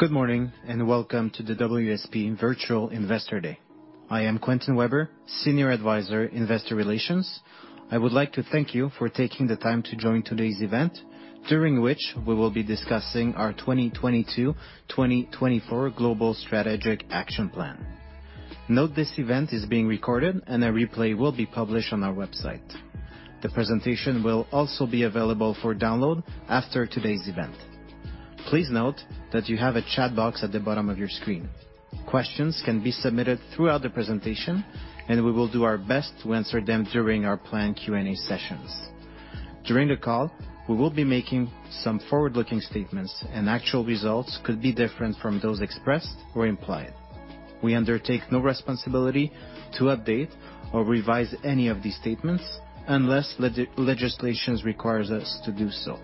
Good morning, and welcome to the WSP Virtual Investor Day. I am Quentin Weber, Senior Advisor, Investor Relations. I would like to thank you for taking the time to join today's event, during which we will be discussing our 2022-2024 global strategic action plan. Note this event is being recorded and a replay will be published on our website. The presentation will also be available for download after today's event. Please note that you have a chat box at the bottom of your screen. Questions can be submitted throughout the presentation, and we will do our best to answer them during our planned Q&A sessions. During the call, we will be making some forward-looking statements and actual results could be different from those expressed or implied. We undertake no responsibility to update or revise any of these statements unless legislation requires us to do so.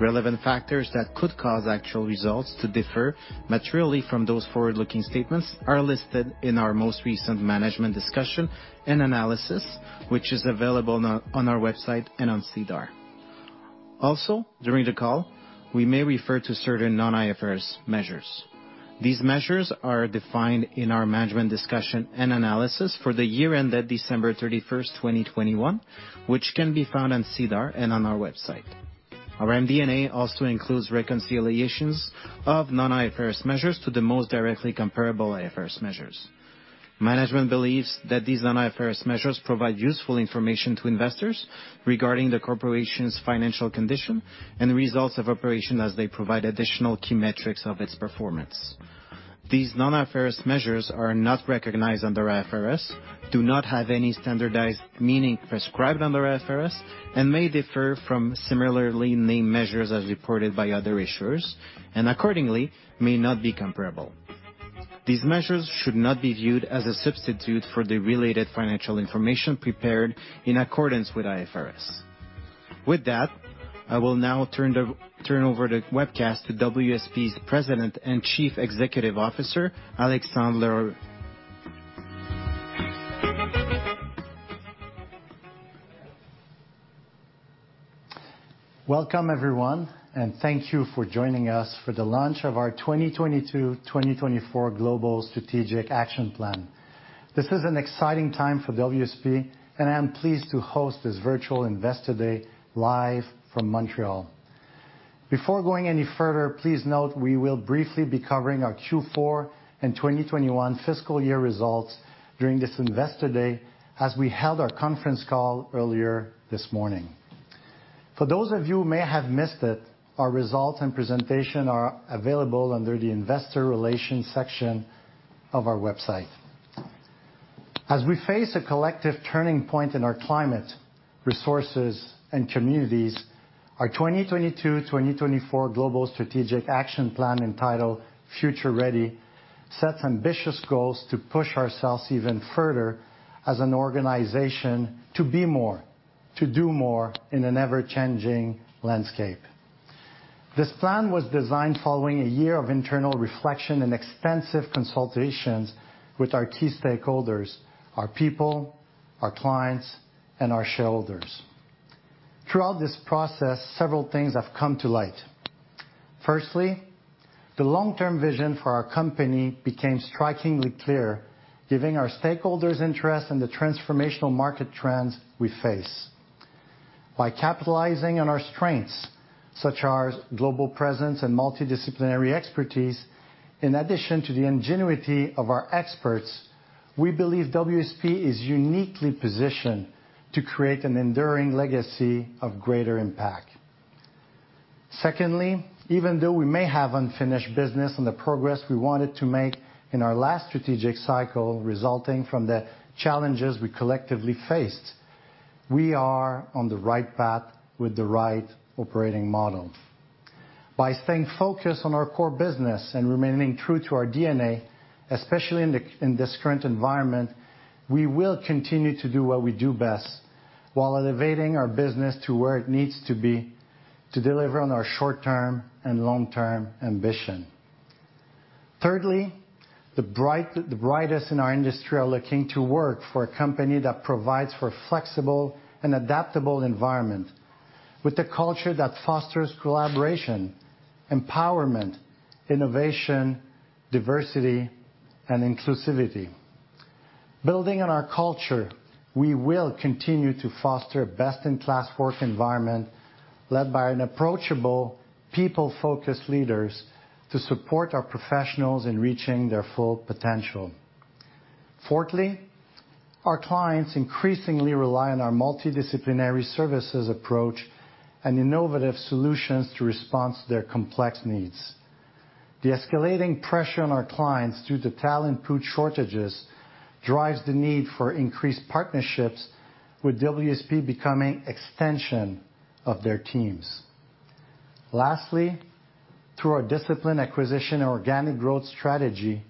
Relevant factors that could cause actual results to differ materially from those forward-looking statements are listed in our most recent management discussion and analysis, which is available on our website and on SEDAR. Also, during the call, we may refer to certain non-IFRS measures. These measures are defined in our management discussion and analysis for the year ended December 31, 2021, which can be found on SEDAR and on our website. Our MD&A also includes reconciliations of non-IFRS measures to the most directly comparable IFRS measures. Management believes that these non-IFRS measures provide useful information to investors regarding the corporation's financial condition and the results of operations as they provide additional key metrics of its performance. These non-IFRS measures are not recognized under IFRS, do not have any standardized meaning prescribed under IFRS, and may differ from similarly named measures as reported by other issuers, and accordingly may not be comparable. These measures should not be viewed as a substitute for the related financial information prepared in accordance with IFRS. With that, I will now turn over the webcast to WSP's President and Chief Executive Officer, Alexandre L'Heureux. Welcome, everyone, and thank you for joining us for the launch of our 2022-2024 global strategic action plan. This is an exciting time for WSP, and I am pleased to host this virtual Investor Day live from Montreal. Before going any further, please note we will briefly be covering our Q4 and 2021 fiscal year results during this Investor Day as we held our conference call earlier this morning. For those of you who may have missed it, our results and presentation are available under the Investor Relations section of our website. As we face a collective turning point in our climate, resources, and communities, our 2022-2024 global strategic action plan entitled Future Ready sets ambitious goals to push ourselves even further as an organization to be more, to do more in an ever-changing landscape. This plan was designed following a year of internal reflection and extensive consultations with our key stakeholders, our people, our clients, and our shareholders. Throughout this process, several things have come to light. Firstly, the long-term vision for our company became strikingly clear, giving our stakeholders interest in the transformational market trends we face. By capitalizing on our strengths, such as our global presence and multidisciplinary expertise, in addition to the ingenuity of our experts, we believe WSP is uniquely positioned to create an enduring legacy of greater impact. Secondly, even though we may have unfinished business on the progress we wanted to make in our last strategic cycle, resulting from the challenges we collectively faced, we are on the right path with the right operating model. By staying focused on our core business and remaining true to our DNA, especially in this current environment, we will continue to do what we do best while elevating our business to where it needs to be to deliver on our short-term and long-term ambition. Thirdly, the brightest in our industry are looking to work for a company that provides for a flexible and adaptable environment with a culture that fosters collaboration, empowerment, innovation, diversity, and inclusivity. Building on our culture, we will continue to foster a best-in-class work environment led by an approachable people-focused leaders to support our professionals in reaching their full potential. Fourthly, our clients increasingly rely on our multidisciplinary services approach and innovative solutions to respond to their complex needs. The escalating pressure on our clients due to talent pool shortages drives the need for increased partnerships with WSP becoming an extension of their teams. Lastly, through our disciplined acquisition and organic growth strategy,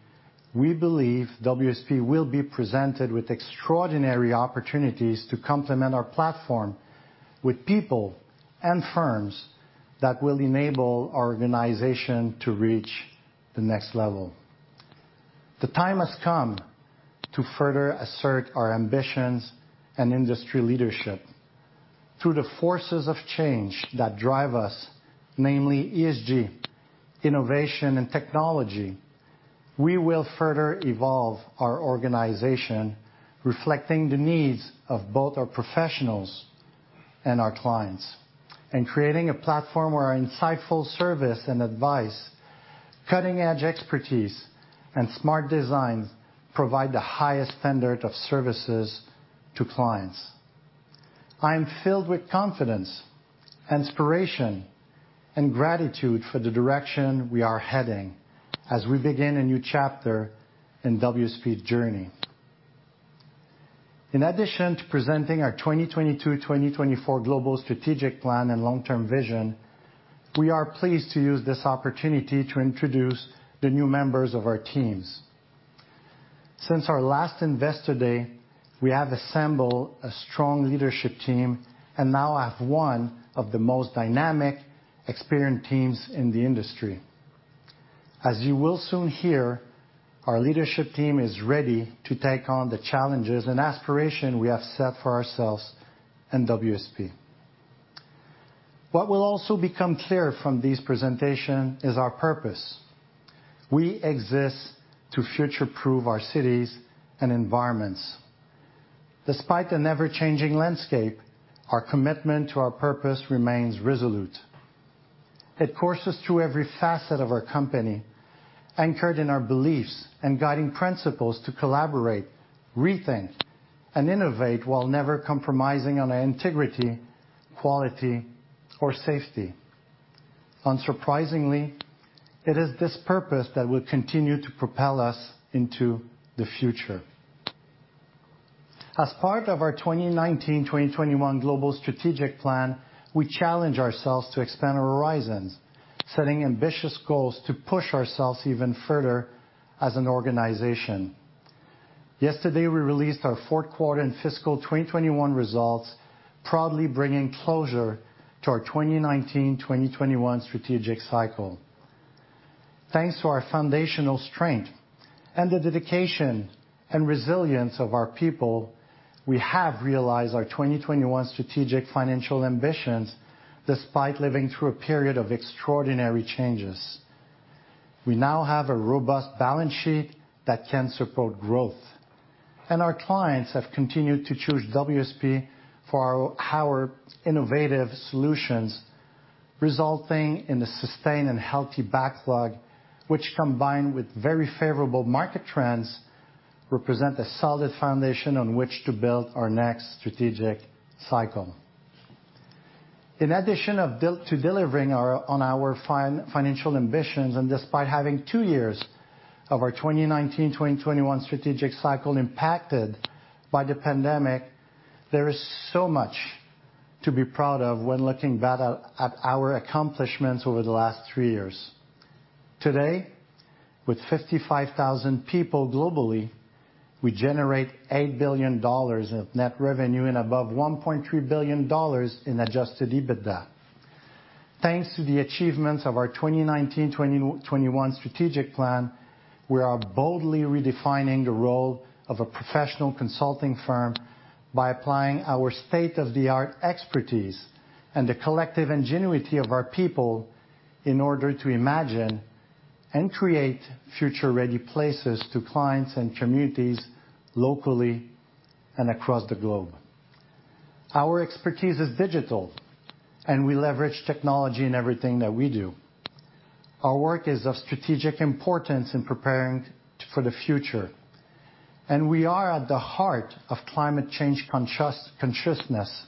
we believe WSP will be presented with extraordinary opportunities to complement our platform with people and firms that will enable our organization to reach the next level. The time has come to further assert our ambitions and industry leadership through the forces of change that drive us, namely ESG, innovation, and technology. We will further evolve our organization, reflecting the needs of both our professionals and our clients, and creating a platform where our insightful service and advice, cutting-edge expertise, and smart designs provide the highest standard of services to clients. I am filled with confidence, inspiration, and gratitude for the direction we are heading as we begin a new chapter in WSP's journey. In addition to presenting our 2022-2024 global strategic plan and long-term vision, we are pleased to use this opportunity to introduce the new members of our teams. Since our last investor day, we have assembled a strong leadership team, and now have one of the most dynamic, experienced teams in the industry. As you will soon hear, our leadership team is ready to take on the challenges and aspiration we have set for ourselves in WSP. What will also become clear from this presentation is our purpose. We exist to future-proof our cities and environments. Despite the ever-changing landscape, our commitment to our purpose remains resolute. It courses through every facet of our company, anchored in our beliefs and guiding principles to collaborate, rethink, and innovate while never compromising on our integrity, quality, or safety. Unsurprisingly, it is this purpose that will continue to propel us into the future. As part of our 2019-2021 global strategic plan, we challenge ourselves to expand our horizons, setting ambitious goals to push ourselves even further as an organization. Yesterday, we released our fourth quarter and fiscal 2021 results, proudly bringing closure to our 2019-2021 strategic cycle. Thanks to our foundational strength and the dedication and resilience of our people, we have realized our 2021 strategic financial ambitions, despite living through a period of extraordinary changes. We now have a robust balance sheet that can support growth, and our clients have continued to choose WSP for our innovative solutions, resulting in a sustained and healthy backlog, which combined with very favorable market trends, represent a solid foundation on which to build our next strategic cycle. In addition to delivering our financial ambitions, despite having two years of our 2019-2021 strategic cycle impacted by the pandemic, there is so much to be proud of when looking back at our accomplishments over the last three years. Today, with 55,000 people globally, we generate 8 billion dollars of net revenue and above 1.3 billion dollars in adjusted EBITDA. Thanks to the achievements of our 2019-2021 strategic plan, we are boldly redefining the role of a professional consulting firm by applying our state-of-the-art expertise and the collective ingenuity of our people in order to imagine and create future-ready places to clients and communities locally and across the globe. Our expertise is digital, and we leverage technology in everything that we do. Our work is of strategic importance in preparing for the future, and we are at the heart of climate change consciousness.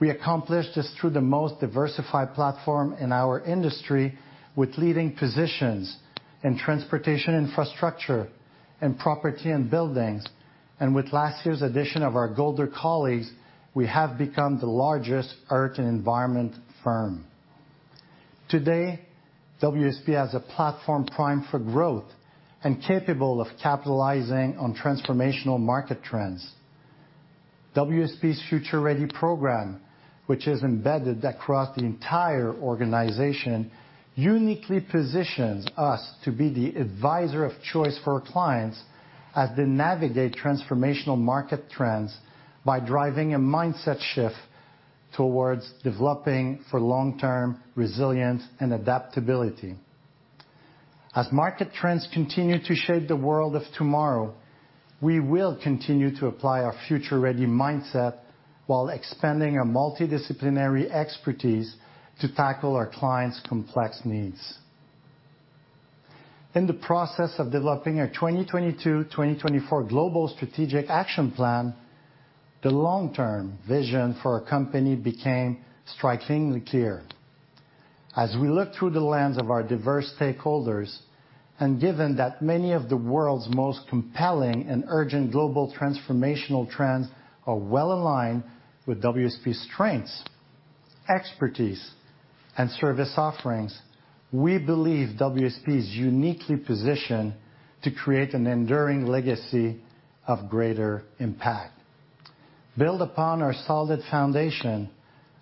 We accomplish this through the most diversified platform in our industry with leading positions in transportation infrastructure, in property and buildings, and with last year's addition of our Golder colleagues, we have become the largest earth and environment firm. Today, WSP has a platform primed for growth and capable of capitalizing on transformational market trends. WSP's Future Ready program, which is embedded across the entire organization, uniquely positions us to be the advisor of choice for our clients as they navigate transformational market trends by driving a mindset shift towards developing for long-term resilience and adaptability. As market trends continue to shape the world of tomorrow, we will continue to apply our Future Ready mindset while expanding our multidisciplinary expertise to tackle our clients' complex needs. In the process of developing our 2022-2024 global strategic action plan, the long-term vision for our company became strikingly clear. As we look through the lens of our diverse stakeholders, and given that many of the world's most compelling and urgent global transformational trends are well aligned with WSP's strengths, expertise, and service offerings, we believe WSP is uniquely positioned to create an enduring legacy of greater impact. Build upon our solid foundation,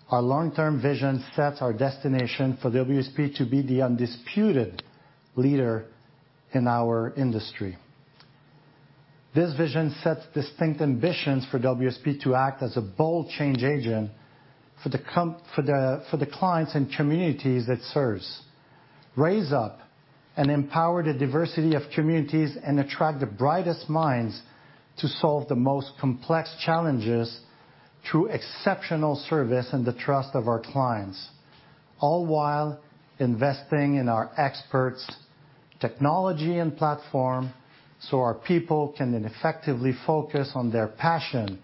our long-term vision sets our destination for WSP to be the undisputed leader in our industry. This vision sets distinct ambitions for WSP to act as a bold change agent for the clients and communities it serves. Raise up and empower the diversity of communities and attract the brightest minds to solve the most complex challenges through exceptional service and the trust of our clients, all while investing in our experts, technology, and platform, so our people can then effectively focus on their passion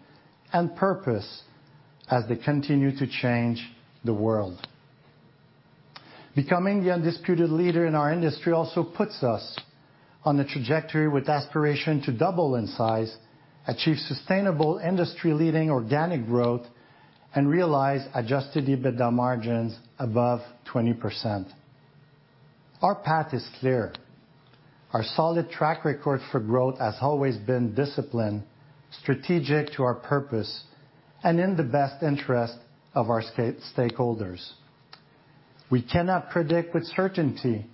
and purpose as they continue to change the world. Becoming the undisputed leader in our industry also puts us on a trajectory with aspiration to double in size, achieve sustainable industry-leading organic growth, and realize adjusted EBITDA margins above 20%. Our path is clear. Our solid track record for growth has always been disciplined, strategic to our purpose, and in the best interest of our stakeholders. We cannot predict with certainty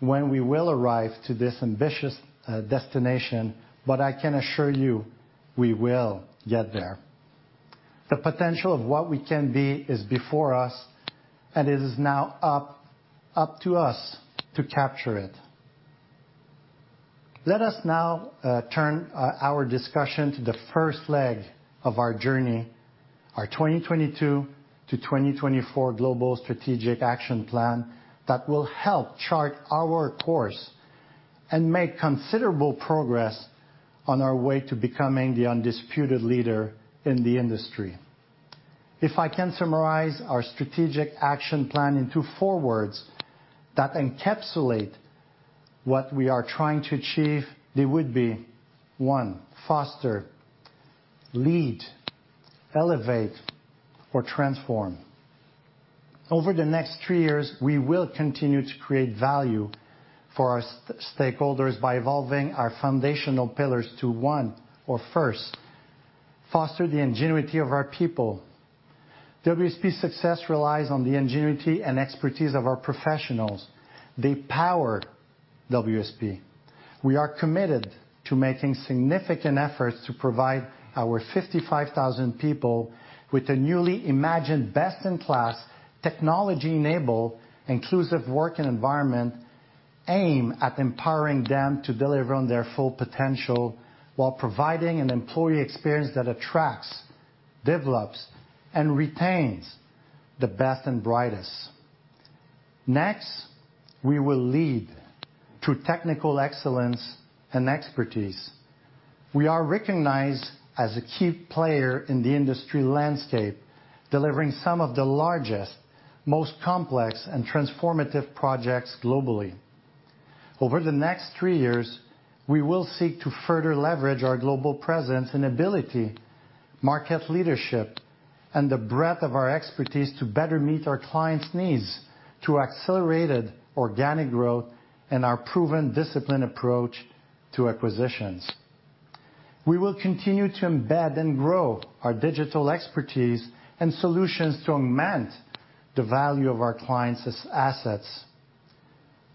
when we will arrive to this ambitious destination, but I can assure you we will get there. The potential of what we can be is before us, and it is now up to us to capture it. Let us now turn our discussion to the first leg of our journey, our 2022 to 2024 global strategic action plan that will help chart our course and make considerable progress on our way to becoming the undisputed leader in the industry. If I can summarize our strategic action plan into four words that encapsulate what we are trying to achieve, they would be, one, foster, lead, elevate or transform. Over the next three years, we will continue to create value for our stakeholders by evolving our foundational pillars to one or first, foster the ingenuity of our people. WSP's success relies on the ingenuity and expertise of our professionals. They power WSP. We are committed to making significant efforts to provide our 55,000 people with a newly imagined best-in-class technology-enabled, inclusive working environment aimed at empowering them to deliver on their full potential while providing an employee experience that attracts, develops, and retains the best and brightest. Next, we will lead through technical excellence and expertise. We are recognized as a key player in the industry landscape, delivering some of the largest, most complex and transformative projects globally. Over the next 3 years, we will seek to further leverage our global presence and ability, market leadership, and the breadth of our expertise to better meet our clients' needs through accelerated organic growth and our proven disciplined approach to acquisitions. We will continue to embed and grow our digital expertise and solutions to augment the value of our clients' assets.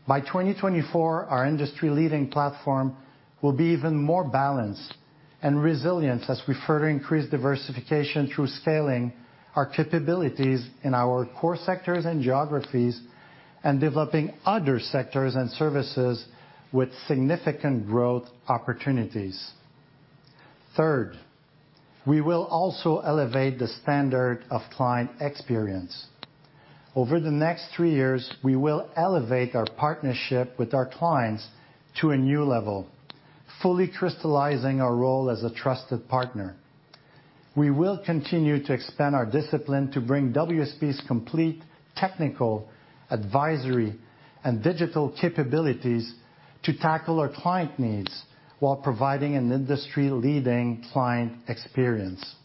By 2024, our industry-leading platform will be even more balanced and resilient as we further increase diversification through scaling our capabilities in our core sectors and geographies and developing other sectors and services with significant growth opportunities. Third, we will also elevate the standard of client experience. Over the next 3 years, we will elevate our partnership with our clients to a new level, fully crystallizing our role as a trusted partner. We will continue to expand our discipline to bring WSP's complete technical, advisory, and digital capabilities to tackle our client needs while providing an industry-leading client experience.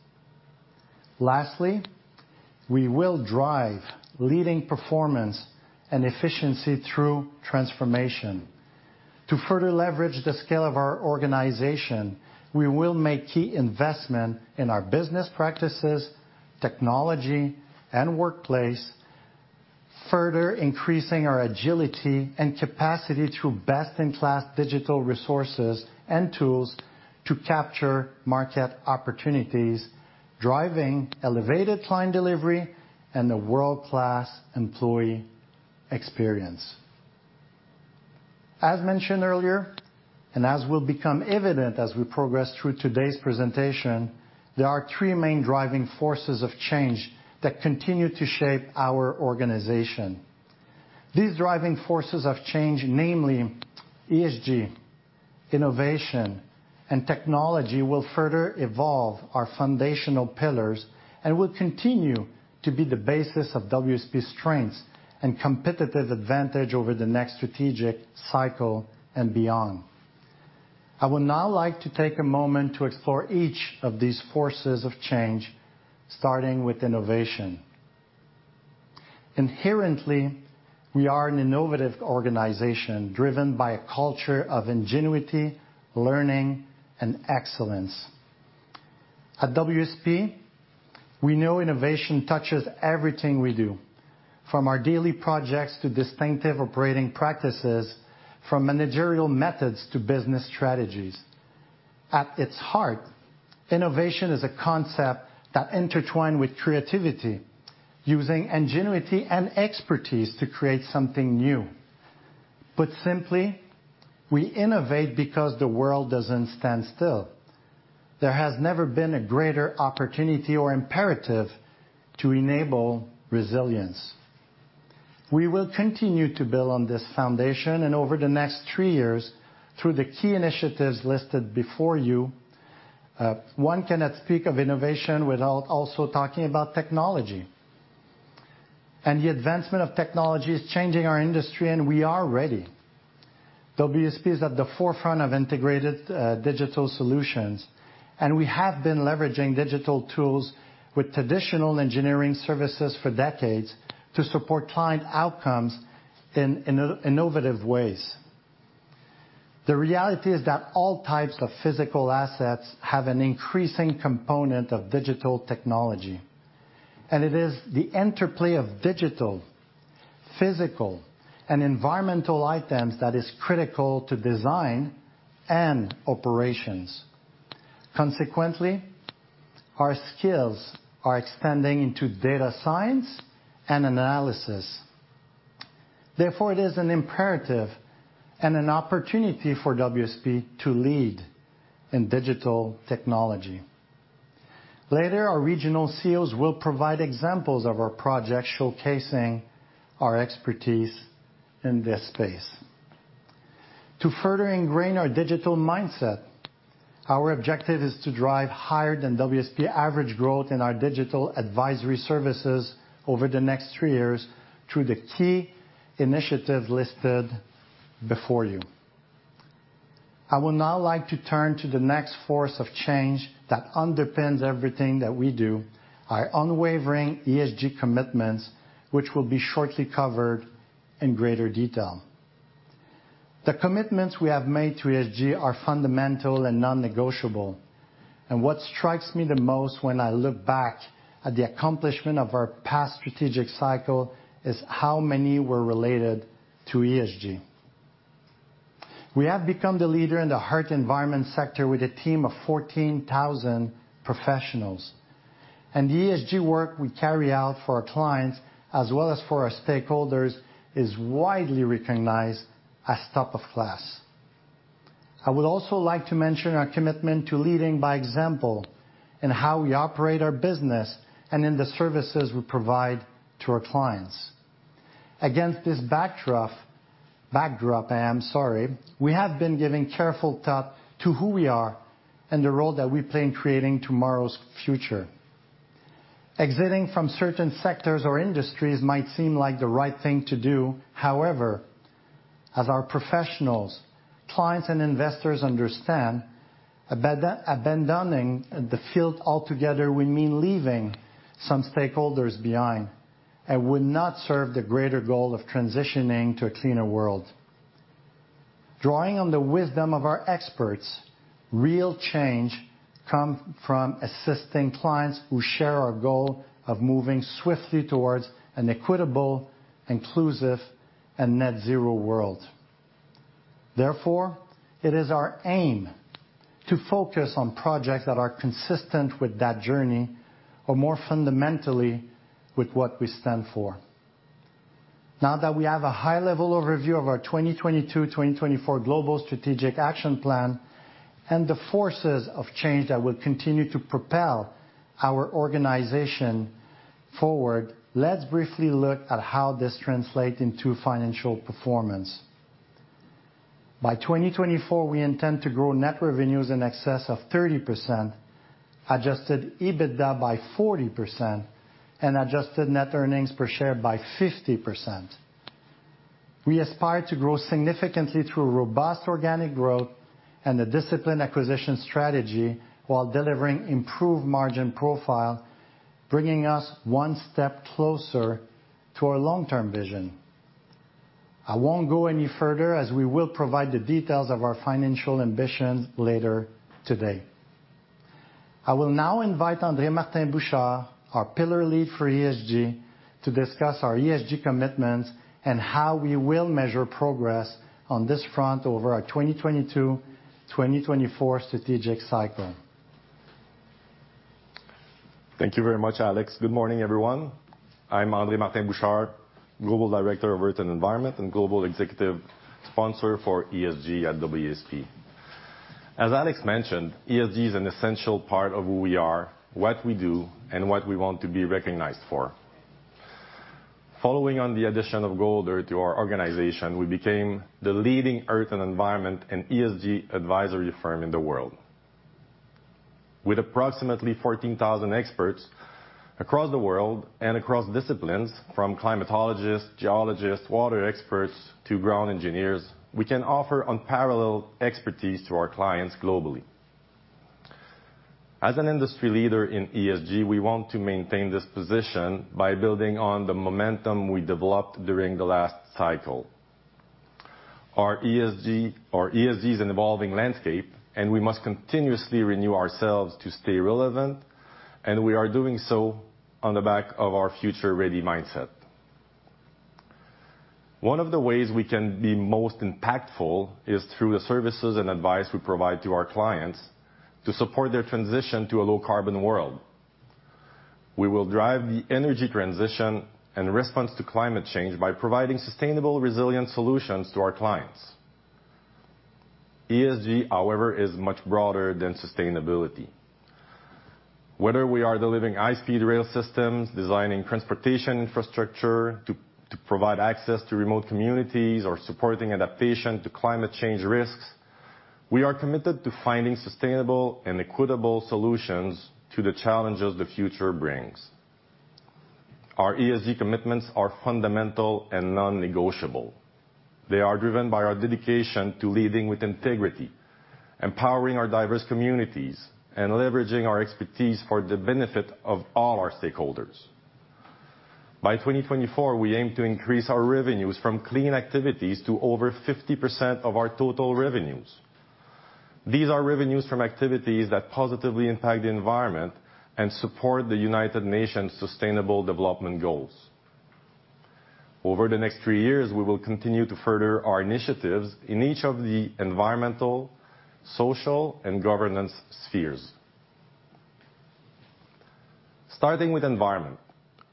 Lastly, we will drive leading performance and efficiency through transformation. To further leverage the scale of our organization, we will make key investment in our business practices, technology, and workplace, further increasing our agility and capacity through best-in-class digital resources and tools to capture market opportunities, driving elevated client delivery and a world-class employee experience. As mentioned earlier, and as will become evident as we progress through today's presentation, there are three main driving forces of change that continue to shape our organization. These driving forces of change, namely ESG, innovation, and technology, will further evolve our foundational pillars and will continue to be the basis of WSP's strengths and competitive advantage over the next strategic cycle and beyond. I would now like to take a moment to explore each of these forces of change, starting with innovation. Inherently, we are an innovative organization driven by a culture of ingenuity, learning, and excellence. At WSP, we know innovation touches everything we do, from our daily projects to distinctive operating practices, from managerial methods to business strategies. At its heart, innovation is a concept that intertwine with creativity, using ingenuity and expertise to create something new. Put simply, we innovate because the world doesn't stand still. There has never been a greater opportunity or imperative to enable resilience. We will continue to build on this foundation, and over the next three years, through the key initiatives listed before you, one cannot speak of innovation without also talking about technology. The advancement of technology is changing our industry, and we are ready. WSP is at the forefront of integrated digital solutions, and we have been leveraging digital tools with traditional engineering services for decades to support client outcomes in innovative ways. The reality is that all types of physical assets have an increasing component of digital technology, and it is the interplay of digital, physical, and environmental items that is critical to design and operations. Consequently, our skills are extending into data science and analysis. Therefore, it is an imperative and an opportunity for WSP to lead in digital technology. Later, our regional CEOs will provide examples of our projects showcasing our expertise in this space. To further ingrain our digital mindset, our objective is to drive higher than WSP average growth in our digital advisory services over the next three years through the key initiatives listed before you. I would now like to turn to the next force of change that underpins everything that we do, our unwavering ESG commitments, which will be shortly covered in greater detail. The commitments we have made to ESG are fundamental and non-negotiable, and what strikes me the most when I look back at the accomplishment of our past strategic cycle is how many were related to ESG. We have become the leader in the Earth and Environment sector with a team of 14,000 professionals, and the ESG work we carry out for our clients as well as for our stakeholders is widely recognized as top of class. I would also like to mention our commitment to leading by example in how we operate our business and in the services we provide to our clients. Against this backdrop, I am sorry, we have been giving careful thought to who we are and the role that we play in creating tomorrow's future. Exiting from certain sectors or industries might seem like the right thing to do. However, as our professionals, clients, and investors understand, abandoning the field altogether would mean leaving some stakeholders behind and would not serve the greater goal of transitioning to a cleaner world. Drawing on the wisdom of our experts, real change come from assisting clients who share our goal of moving swiftly towards an equitable, inclusive, and net-zero world. Therefore, it is our aim to focus on projects that are consistent with that journey or more fundamentally, with what we stand for. Now that we have a high-level overview of our 2022-2024 global strategic action plan and the forces of change that will continue to propel our organization forward, let's briefly look at how this translate into financial performance. By 2024, we intend to grow net revenues in excess of 30%, adjusted EBITDA by 40%, and adjusted net earnings per share by 50%. We aspire to grow significantly through robust organic growth and a disciplined acquisition strategy while delivering improved margin profile, bringing us one step closer to our long-term vision. I won't go any further, as we will provide the details of our financial ambitions later today. I will now invite André-Martin Bouchard, our pillar lead for ESG, to discuss our ESG commitments and how we will measure progress on this front over our 2022-2024 strategic cycle. Thank you very much, Alex. Good morning, everyone. I'm André-Martin Bouchard, Global Director of Earth and Environment, and Global Executive Director for ESG at WSP. As Alex mentioned, ESG is an essential part of who we are, what we do, and what we want to be recognized for. Following on the addition of Golder to our organization, we became the leading earth and environment and ESG advisory firm in the world. With approximately 14,000 experts across the world and across disciplines, from climatologists, geologists, water experts to ground engineers, we can offer unparalleled expertise to our clients globally. As an industry leader in ESG, we want to maintain this position by building on the momentum we developed during the last cycle. ESG is an evolving landscape, and we must continuously renew ourselves to stay relevant, and we are doing so on the back of our Future Ready mindset. One of the ways we can be most impactful is through the services and advice we provide to our clients to support their transition to a low-carbon world. We will drive the energy transition and response to climate change by providing sustainable, resilient solutions to our clients. ESG, however, is much broader than sustainability. Whether we are delivering high-speed rail systems, designing transportation infrastructure to provide access to remote communities, or supporting adaptation to climate change risks, we are committed to finding sustainable and equitable solutions to the challenges the future brings. Our ESG commitments are fundamental and non-negotiable. They are driven by our dedication to leading with integrity, empowering our diverse communities, and leveraging our expertise for the benefit of all our stakeholders. By 2024, we aim to increase our revenues from clean activities to over 50% of our total revenues. These are revenues from activities that positively impact the environment and support the United Nations' sustainable development goals. Over the next three years, we will continue to further our initiatives in each of the environmental, social, and governance spheres. Starting with environment,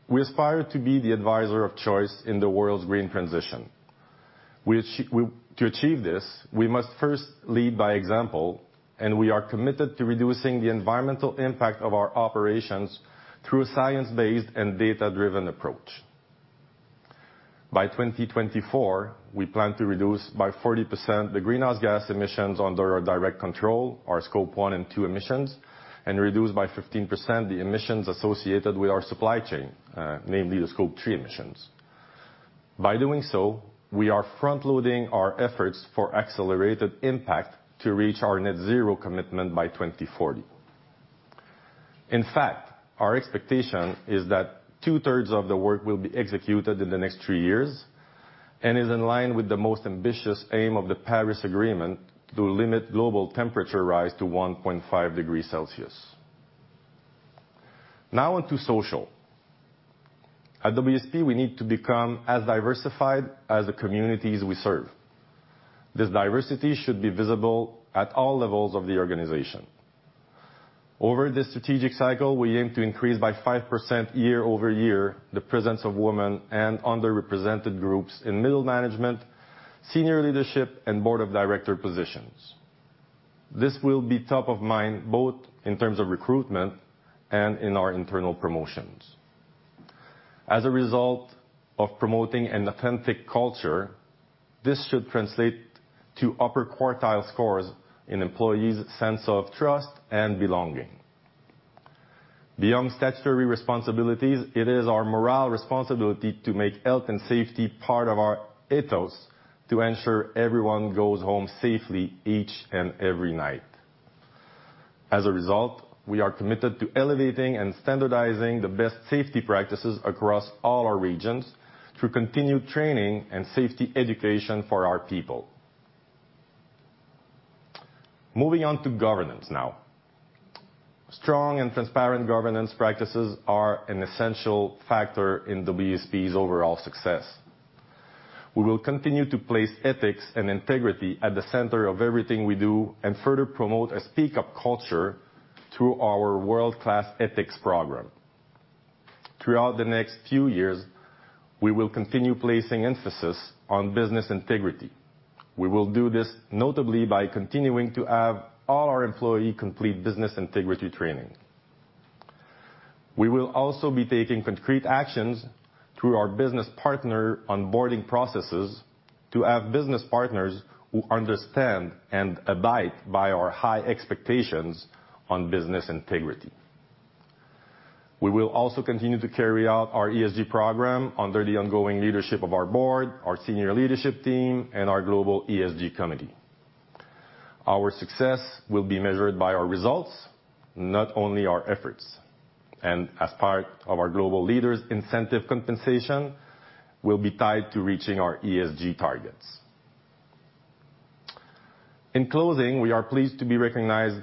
we aspire to be the advisor of choice in the world's green transition. To achieve this, we must first lead by example, and we are committed to reducing the environmental impact of our operations through a science-based and data-driven approach. By 2024, we plan to reduce by 40% the greenhouse gas emissions under our direct control, our scope one and two emissions, and reduce by 15% the emissions associated with our supply chain, namely the scope three emissions. By doing so, we are front-loading our efforts for accelerated impact to reach our net zero commitment by 2040. In fact, our expectation is that two-thirds of the work will be executed in the next three years and is in line with the most ambitious aim of the Paris Agreement to limit global temperature rise to 1.5 degrees Celsius. Now on to social. At WSP, we need to become as diversified as the communities we serve. This diversity should be visible at all levels of the organization. Over this strategic cycle, we aim to increase by 5% year-over-year the presence of women and underrepresented groups in middle management, senior leadership, and board of director positions. This will be top of mind both in terms of recruitment and in our internal promotions. As a result of promoting an authentic culture, this should translate to upper quartile scores in employees' sense of trust and belonging. Beyond statutory responsibilities, it is our moral responsibility to make health and safety part of our ethos to ensure everyone goes home safely each and every night. As a result, we are committed to elevating and standardizing the best safety practices across all our regions through continued training and safety education for our people. Moving on to governance now. Strong and transparent governance practices are an essential factor in WSP's overall success. We will continue to place ethics and integrity at the center of everything we do and further promote a speak-up culture through our world-class ethics program. Throughout the next few years, we will continue placing emphasis on business integrity. We will do this notably by continuing to have all our employees complete business integrity training. We will also be taking concrete actions through our business partner onboarding processes to have business partners who understand and abide by our high expectations on business integrity. We will also continue to carry out our ESG program under the ongoing leadership of our board, our senior leadership team, and our global ESG committee. Our success will be measured by our results, not only our efforts. As part of our global leaders, incentive compensation will be tied to reaching our ESG targets. In closing, we are pleased to be recognized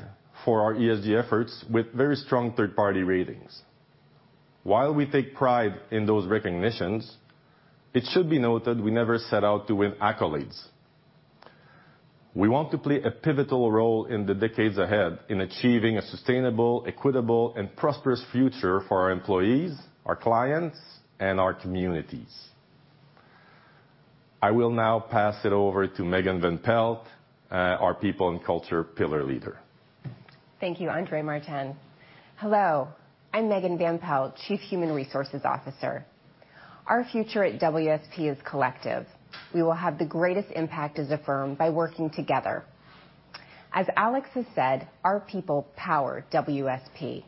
for our ESG efforts with very strong third-party ratings. While we take pride in those recognitions, it should be noted we never set out to win accolades. We want to play a pivotal role in the decades ahead in achieving a sustainable, equitable, and prosperous future for our employees, our clients, and our communities. I will now pass it over to Megan Van Pelt, our people and culture pillar leader. Thank you, André Martin. Hello, I'm Megan Van Pelt, Chief Human Resources Officer. Our future at WSP is collective. We will have the greatest impact as a firm by working together. As Alex has said, our people power WSP.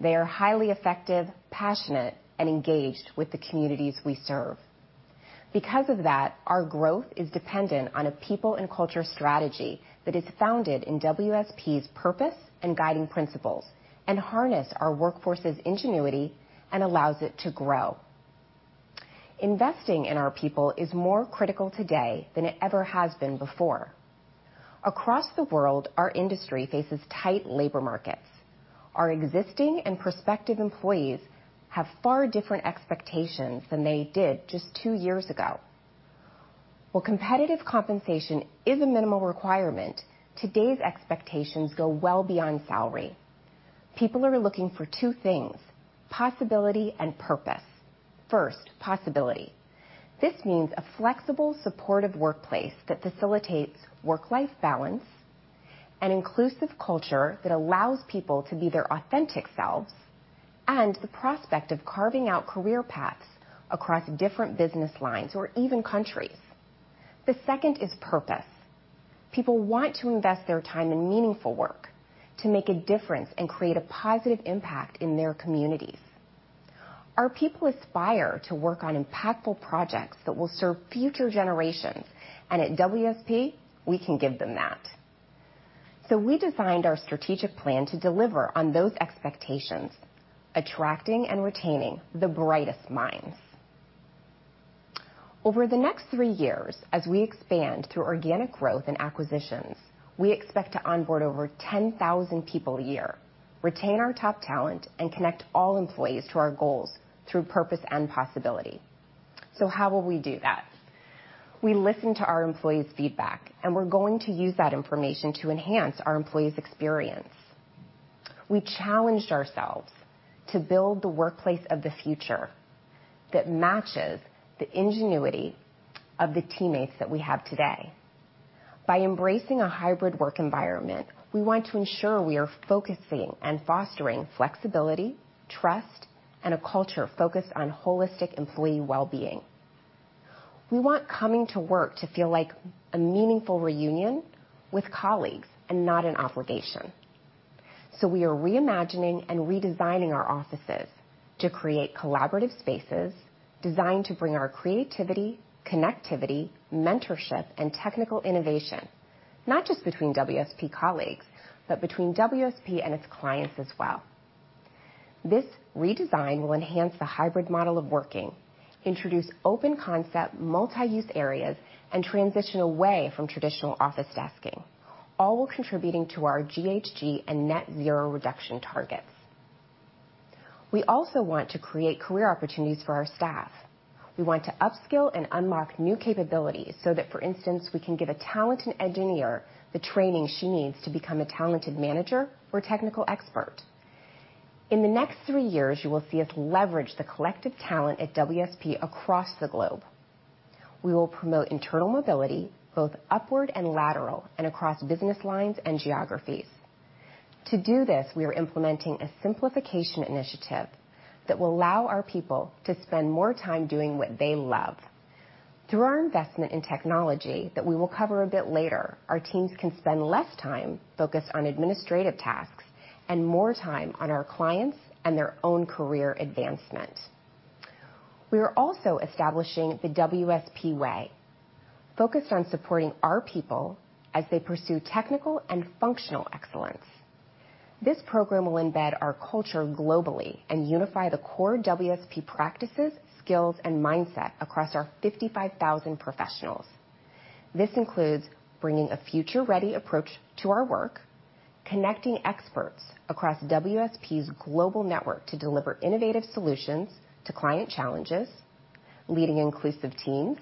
They are highly effective, passionate, and engaged with the communities we serve. Because of that, our growth is dependent on a people and culture strategy that is founded in WSP's purpose and guiding principles and harness our workforce's ingenuity and allows it to grow. Investing in our people is more critical today than it ever has been before. Across the world, our industry faces tight labor markets. Our existing and prospective employees have far different expectations than they did just two years ago. While competitive compensation is a minimal requirement, today's expectations go well beyond salary. People are looking for two things, possibility and purpose. First, possibility. This means a flexible, supportive workplace that facilitates work-life balance, an inclusive culture that allows people to be their authentic selves, and the prospect of carving out career paths across different business lines or even countries. The second is purpose. People want to invest their time in meaningful work, to make a difference, and create a positive impact in their communities. Our people aspire to work on impactful projects that will serve future generations, and at WSP, we can give them that. We designed our strategic plan to deliver on those expectations, attracting and retaining the brightest minds. Over the next three years, as we expand through organic growth and acquisitions, we expect to onboard over 10,000 people a year, retain our top talent, and connect all employees to our goals through purpose and possibility. How will we do that? We listened to our employees' feedback, and we're going to use that information to enhance our employees' experience. We challenged ourselves to build the workplace of the future that matches the ingenuity of the teammates that we have today. By embracing a hybrid work environment, we want to ensure we are focusing and fostering flexibility, trust, and a culture focused on holistic employee well-being. We want coming to work to feel like a meaningful reunion with colleagues and not an obligation. We are reimagining and redesigning our offices to create collaborative spaces designed to bring our creativity, connectivity, mentorship, and technical innovation, not just between WSP colleagues, but between WSP and its clients as well. This redesign will enhance the hybrid model of working, introduce open concept multi-use areas, and transition away from traditional office desking, all while contributing to our GHG and net zero reduction targets. We also want to create career opportunities for our staff. We want to upskill and unlock new capabilities so that, for instance, we can give a talented engineer the training she needs to become a talented manager or technical expert. In the next three years, you will see us leverage the collective talent at WSP across the globe. We will promote internal mobility, both upward and lateral, and across business lines and geographies. To do this, we are implementing a simplification initiative that will allow our people to spend more time doing what they love. Through our investment in technology that we will cover a bit later, our teams can spend less time focused on administrative tasks and more time on our clients and their own career advancement. We are also establishing the WSP Way, focused on supporting our people as they pursue technical and functional excellence. This program will embed our culture globally and unify the core WSP practices, skills, and mindset across our 55,000 professionals. This includes bringing a Future-Ready approach to our work, connecting experts across WSP's global network to deliver innovative solutions to client challenges, leading inclusive teams,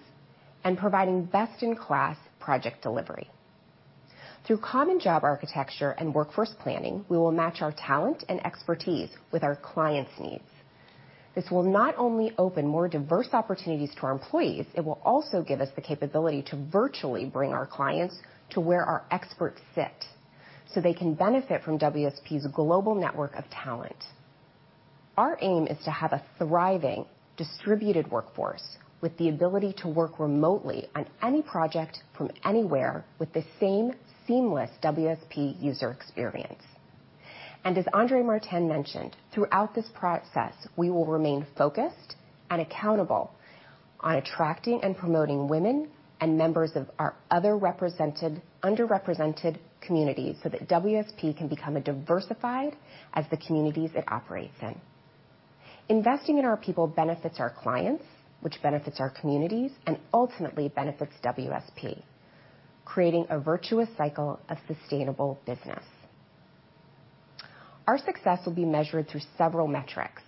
and providing best-in-class project delivery. Through common job architecture and workforce planning, we will match our talent and expertise with our clients' needs. This will not only open more diverse opportunities to our employees, it will also give us the capability to virtually bring our clients to where our experts sit, so they can benefit from WSP's global network of talent. Our aim is to have a thriving, distributed workforce with the ability to work remotely on any project from anywhere with the same seamless WSP user experience. As André Martin mentioned, throughout this process, we will remain focused and accountable on attracting and promoting women and members of our other underrepresented communities so that WSP can become as diversified as the communities it operates in. Investing in our people benefits our clients, which benefits our communities, and ultimately benefits WSP, creating a virtuous cycle of sustainable business. Our success will be measured through several metrics.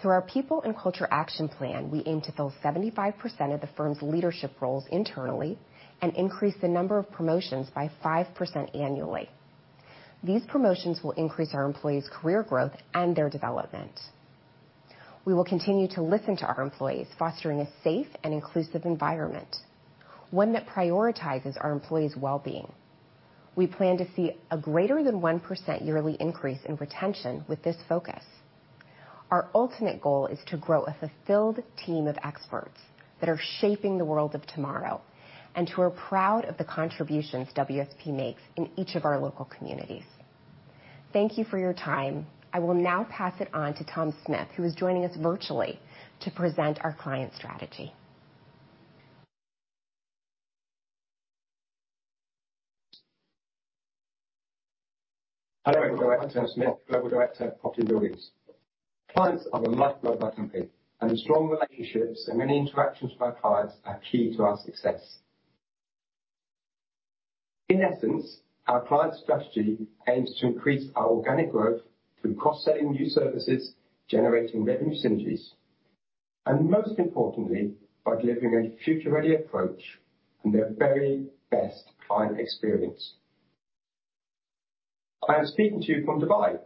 Through our people and culture action plan, we aim to fill 75% of the firm's leadership roles internally and increase the number of promotions by 5% annually. These promotions will increase our employees' career growth and their development. We will continue to listen to our employees, fostering a safe and inclusive environment, one that prioritizes our employees' well-being. We plan to see a greater than 1% yearly increase in retention with this focus. Our ultimate goal is to grow a fulfilled team of experts that are shaping the world of tomorrow and who are proud of the contributions WSP makes in each of our local communities. Thank you for your time. I will now pass it on to Tom Smith, who is joining us virtually to present our client strategy. Hello, I'm Tom Smith, Global Director of Property & Buildings. Clients are the lifeblood of our company, and the strong relationships and many interactions with our clients are key to our success. In essence, our client strategy aims to increase our organic growth through cross-selling new services, generating revenue synergies, and most importantly, by delivering a Future Ready approach and their very best client experience. I am speaking to you from Dubai,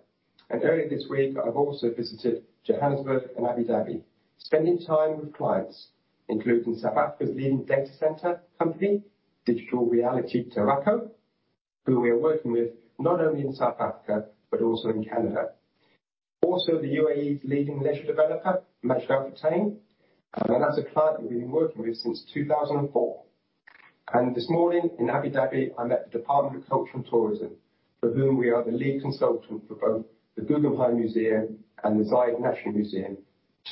and earlier this week, I've also visited Johannesburg and Abu Dhabi, spending time with clients, including South Africa's leading data center company, Digital Realty Teraco, who we are working with not only in South Africa, but also in Canada. Also, the UAE's leading leisure developer, Majid Al Futtaim, and that's a client that we've been working with since 2004. This morning in Abu Dhabi, I met the Department of Culture and Tourism, for whom we are the lead consultant for both the Guggenheim Museum and the Zayed National Museum,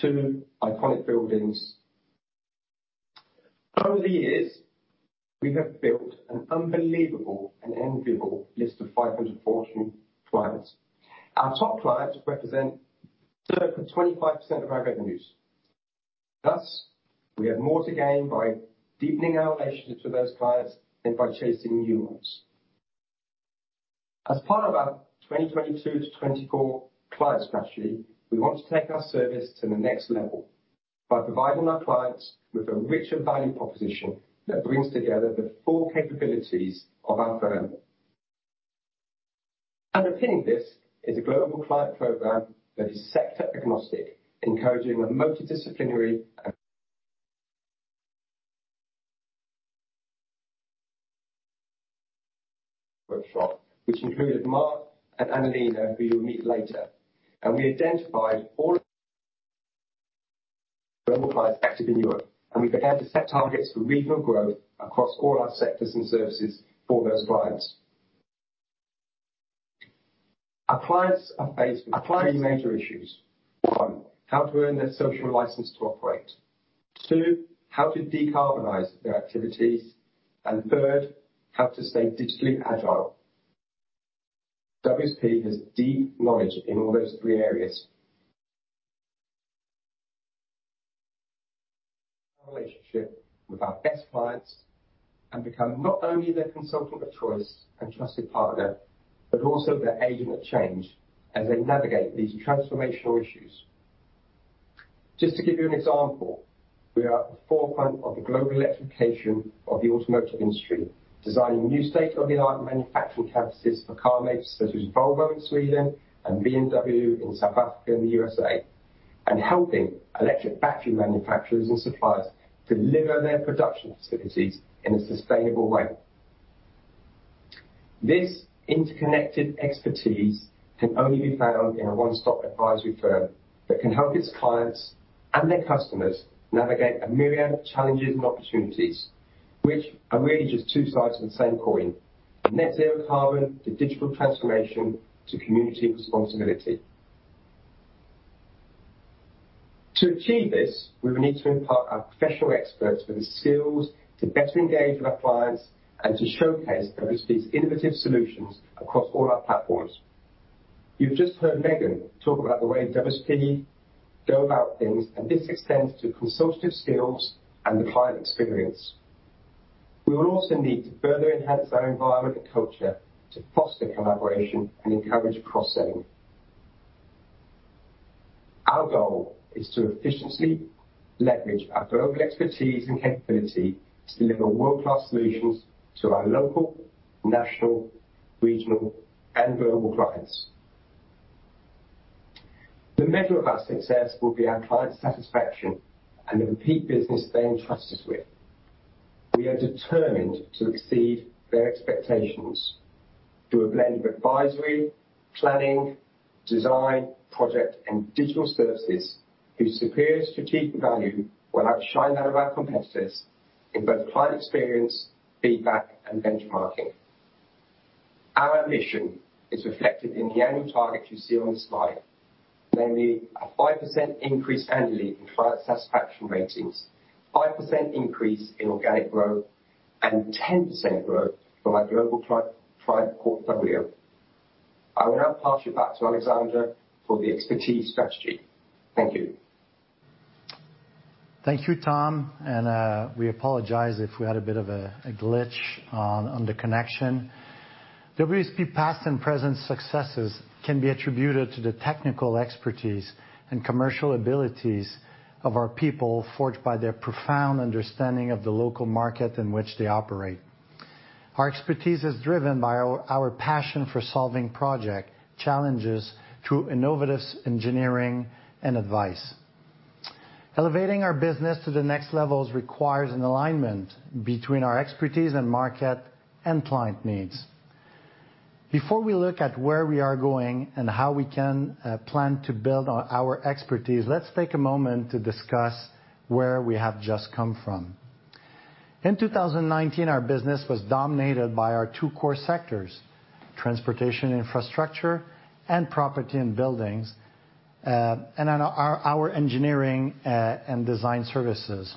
two iconic buildings. Over the years, we have built an unbelievable and enviable list of 500 Fortune clients. Our top clients represent circa 25% of our revenues. Thus, we have more to gain by deepening our relationships with those clients than by chasing new ones. As part of our 2022-2024 client strategy, we want to take our service to the next level by providing our clients with a richer value proposition that brings together the full capabilities of our firm. Underpinning this is a global client program that is sector-agnostic, encouraging a multidisciplinary workshop, which included Mark and Anna-Lena, who you'll meet later. We identified all global clients active in Europe, and we began to set targets for regional growth across all our sectors and services for those clients. Our clients are faced with three major issues. One, how to earn their social license to operate. Two, how to decarbonize their activities. Third, how to stay digitally agile. WSP has deep knowledge in all those three areas. Strengthen our relationship with our best clients and become not only their consultant of choice and trusted partner, but also their agent of change as they navigate these transformational issues. Just to give you an example, we are at the forefront of the global electrification of the automotive industry, designing new state-of-the-art manufacturing campuses for car makers such as Volvo in Sweden and BMW in South Africa and the U.S., and helping electric battery manufacturers and suppliers deliver their production facilities in a sustainable way. This interconnected expertise can only be found in a one-stop advisory firm that can help its clients and their customers navigate a myriad of challenges and opportunities, which are really just two sides of the same coin. Net zero carbon to digital transformation to community responsibility. To achieve this, we will need to impart our professional experts with the skills to better engage with our clients and to showcase WSP's innovative solutions across all our platforms. You've just heard Megan talk about the way WSP go about things, and this extends to consultative skills and the client experience. We will also need to further enhance our environment and culture to foster collaboration and encourage cross-selling. Our goal is to efficiently leverage our global expertise and capability to deliver world-class solutions to our local, national, regional, and global clients. The measure of our success will be our client satisfaction and the repeat business they entrust us with. We are determined to exceed their expectations through a blend of advisory, planning, design, project, and digital services whose superior strategic value will outshine that of our competitors in both client experience, feedback, and benchmarking. Our ambition is reflected in the annual targets you see on this slide. Namely, a 5% increase annually in client satisfaction ratings, 5% increase in organic growth, and 10% growth for our global client portfolio. I will now pass you back to Alexandre for the expertise strategy. Thank you. Thank you, Tom, and we apologize if we had a bit of a glitch on the connection. WSP past and present successes can be attributed to the technical expertise and commercial abilities of our people forged by their profound understanding of the local market in which they operate. Our expertise is driven by our passion for solving project challenges through innovative engineering and advice. Elevating our business to the next levels requires an alignment between our expertise and market and client needs. Before we look at where we are going and how we can plan to build our expertise, let's take a moment to discuss where we have just come from. In 2019, our business was dominated by our two core sectors, transportation infrastructure and property and buildings, and then our engineering and design services.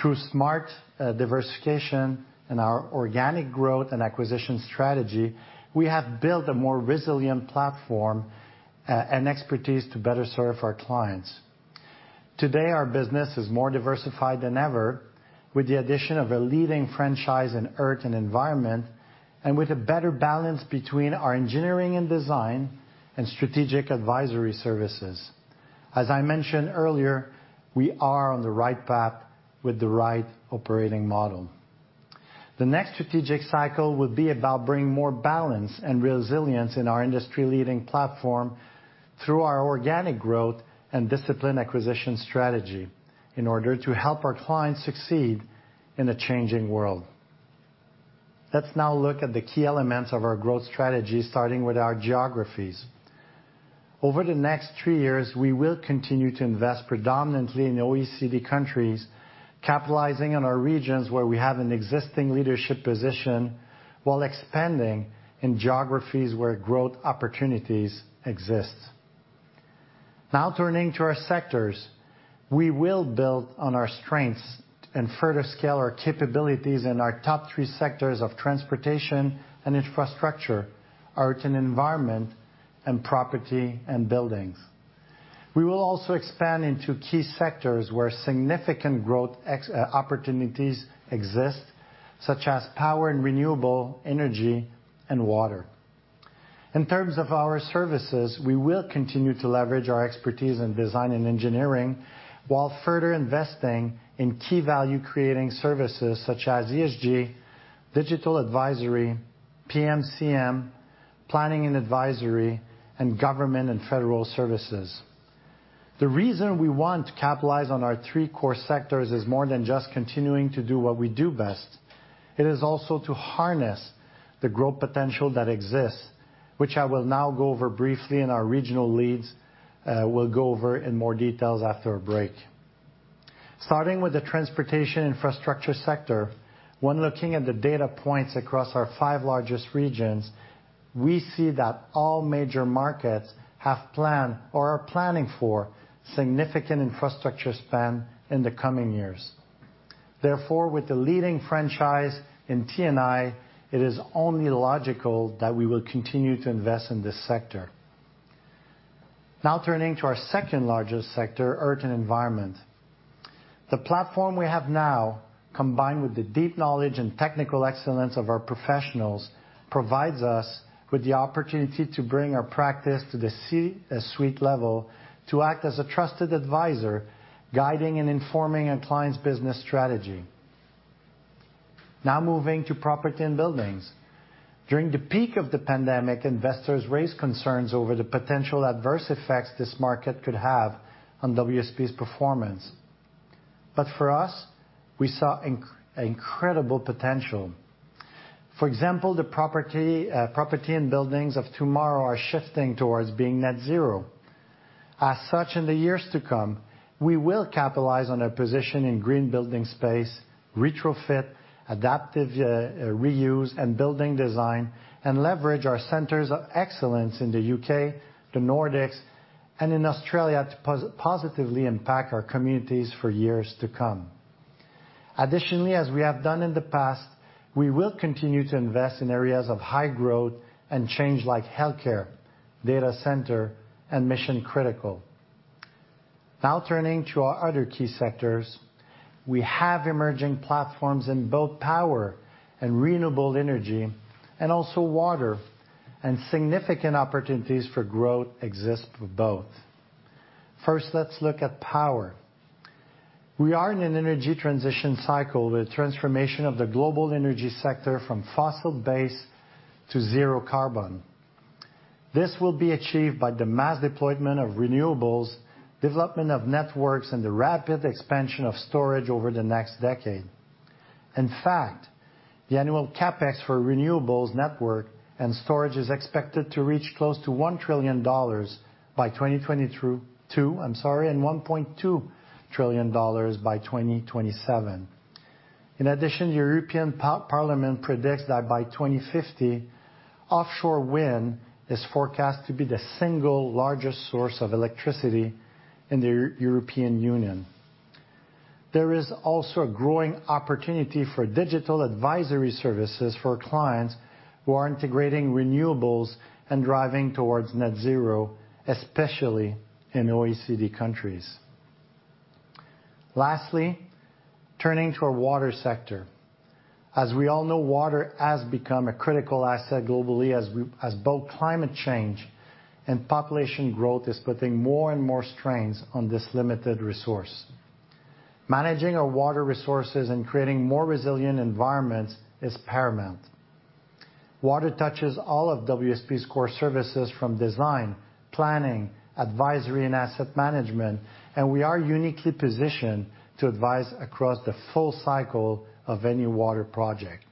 Through smart diversification and our organic growth and acquisition strategy, we have built a more resilient platform and expertise to better serve our clients. Today, our business is more diversified than ever, with the addition of a leading franchise in earth and environment, and with a better balance between our engineering and design and strategic advisory services. As I mentioned earlier, we are on the right path with the right operating model. The next strategic cycle will be about bringing more balance and resilience in our industry-leading platform through our organic growth and disciplined acquisition strategy in order to help our clients succeed in a changing world. Let's now look at the key elements of our growth strategy, starting with our geographies. Over the next three years, we will continue to invest predominantly in OECD countries, capitalizing on our regions where we have an existing leadership position while expanding in geographies where growth opportunities exist. Now turning to our sectors. We will build on our strengths and further scale our capabilities in our top three sectors of transportation and infrastructure, earth and environment, and property and buildings. We will also expand into key sectors where significant growth opportunities exist, such as power and renewable energy and water. In terms of our services, we will continue to leverage our expertise in design and engineering while further investing in key value-creating services such as ESG, digital advisory, PMCM, planning and advisory, and government and federal services. The reason we want to capitalize on our three core sectors is more than just continuing to do what we do best. It is also to harness the growth potential that exists, which I will now go over briefly and our regional leads will go over in more details after a break. Starting with the transportation infrastructure sector, when looking at the data points across our five largest regions, we see that all major markets have planned or are planning for significant infrastructure spend in the coming years. Therefore, with the leading franchise in T&I, it is only logical that we will continue to invest in this sector. Now turning to our second-largest sector, Earth and Environment. The platform we have now, combined with the deep knowledge and technical excellence of our professionals, provides us with the opportunity to bring our practice to the C-suite level to act as a trusted advisor, guiding and informing a client's business strategy. Now moving to Property and Buildings. During the peak of the pandemic, investors raised concerns over the potential adverse effects this market could have on WSP's performance. For us, we saw incredible potential. For example, the property and buildings of tomorrow are shifting towards being net zero. As such, in the years to come, we will capitalize on a position in green building space, retrofit, adaptive, reuse and building design, and leverage our centers of excellence in the U.K., the Nordics, and in Australia to positively impact our communities for years to come. Additionally, as we have done in the past, we will continue to invest in areas of high growth and change like healthcare, data center, and mission critical. Now turning to our other key sectors. We have emerging platforms in both power and renewable energy, and also water, and significant opportunities for growth exist with both. First, let's look at power. We are in an energy transition cycle with transformation of the global energy sector from fossil-based to zero carbon. This will be achieved by the mass deployment of renewables, development of networks, and the rapid expansion of storage over the next decade. In fact, the annual CapEx for renewables network and storage is expected to reach close to $1 trillion by 2022, I'm sorry, and $1.2 trillion by 2027. In addition, European Parliament predicts that by 2050, offshore wind is forecast to be the single largest source of electricity in the European Union. There is also a growing opportunity for digital advisory services for clients who are integrating renewables and driving towards net zero, especially in OECD countries. Lastly, turning to our water sector. As we all know, water has become a critical asset globally as both climate change and population growth is putting more and more strains on this limited resource. Managing our water resources and creating more resilient environments is paramount. Water touches all of WSP's core services from design, planning, advisory, and asset management, and we are uniquely positioned to advise across the full cycle of any water project.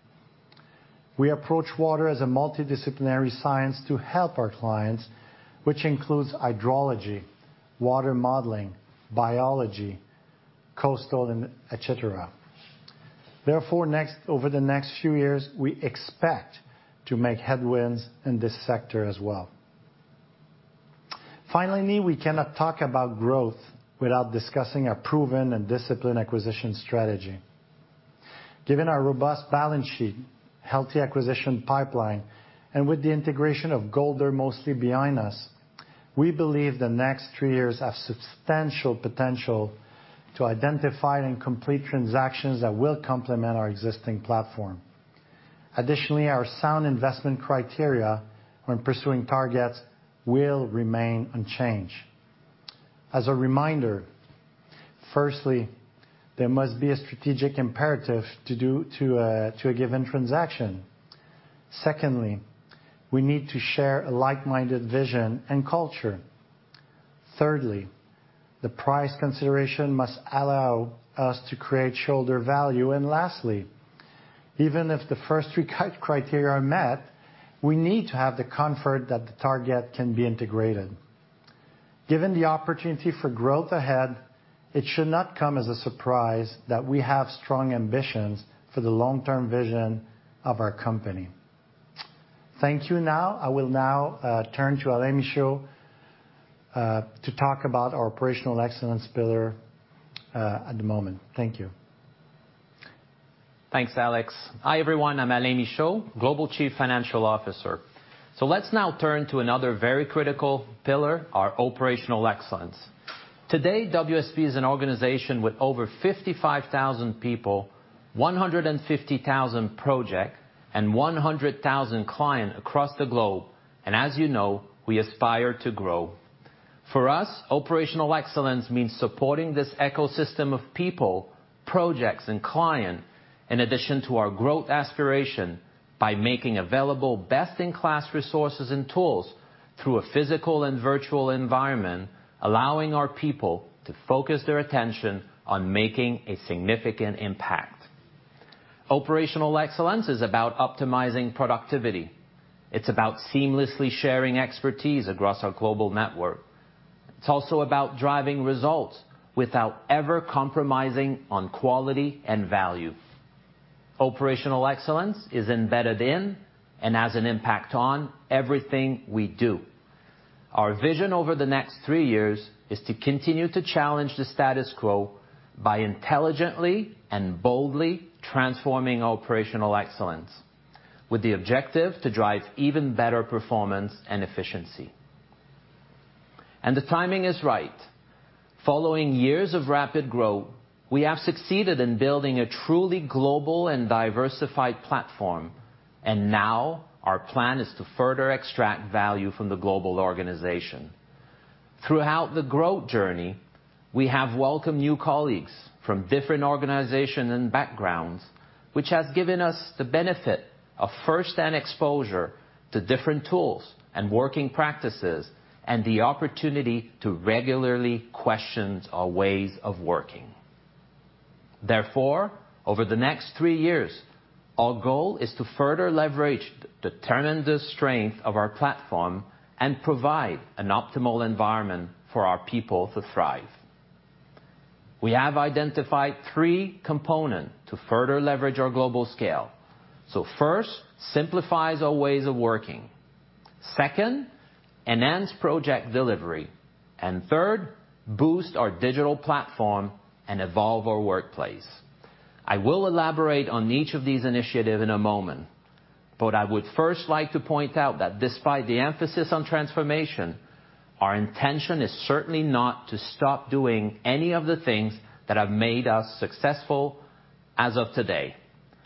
We approach water as a multidisciplinary science to help our clients, which includes hydrology, water modeling, biology, coastal, and et cetera. Therefore, over the next few years, we expect to make headway in this sector as well. Finally, we cannot talk about growth without discussing our proven and disciplined acquisition strategy. Given our robust balance sheet, healthy acquisition pipeline, and with the integration of Golder mostly behind us, we believe the next three years have substantial potential to identify and complete transactions that will complement our existing platform. Additionally, our sound investment criteria when pursuing targets will remain unchanged. As a reminder, firstly, there must be a strategic imperative to do a given transaction. Secondly, we need to share a like-minded vision and culture. Thirdly, the price consideration must allow us to create shareholder value. Lastly, even if the first three criteria are met, we need to have the comfort that the target can be integrated. Given the opportunity for growth ahead, it should not come as a surprise that we have strong ambitions for the long-term vision of our company. Thank you. Now, I will turn to Alain Michaud to talk about our operational excellence pillar at the moment. Thank you. Thanks, Alex. Hi, everyone. I'm Alain Michaud, Global Chief Financial Officer. Let's now turn to another very critical pillar, our operational excellence. Today, WSP is an organization with over 55,000 people, 150,000 projects, and 100,000 clients across the globe. As you know, we aspire to grow. For us, operational excellence means supporting this ecosystem of people, projects, and clients, in addition to our growth aspiration by making available best-in-class resources and tools through a physical and virtual environment, allowing our people to focus their attention on making a significant impact. Operational excellence is about optimizing productivity. It's about seamlessly sharing expertise across our global network. It's also about driving results without ever compromising on quality and value. Operational excellence is embedded in and has an impact on everything we do. Our vision over the next three years is to continue to challenge the status quo by intelligently and boldly transforming operational excellence with the objective to drive even better performance and efficiency. The timing is right. Following years of rapid growth, we have succeeded in building a truly global and diversified platform, and now our plan is to further extract value from the global organization. Throughout the growth journey, we have welcomed new colleagues from different organizations and backgrounds, which has given us the benefit of first-hand exposure to different tools and working practices, and the opportunity to regularly question our ways of working. Therefore, over the next three years, our goal is to further leverage the tremendous strength of our platform and provide an optimal environment for our people to thrive. We have identified three components to further leverage our global scale. First, simplifies our ways of working. Second, enhance project delivery. Third, boost our digital platform and evolve our workplace. I will elaborate on each of these initiative in a moment, but I would first like to point out that despite the emphasis on transformation, our intention is certainly not to stop doing any of the things that have made us successful as of today.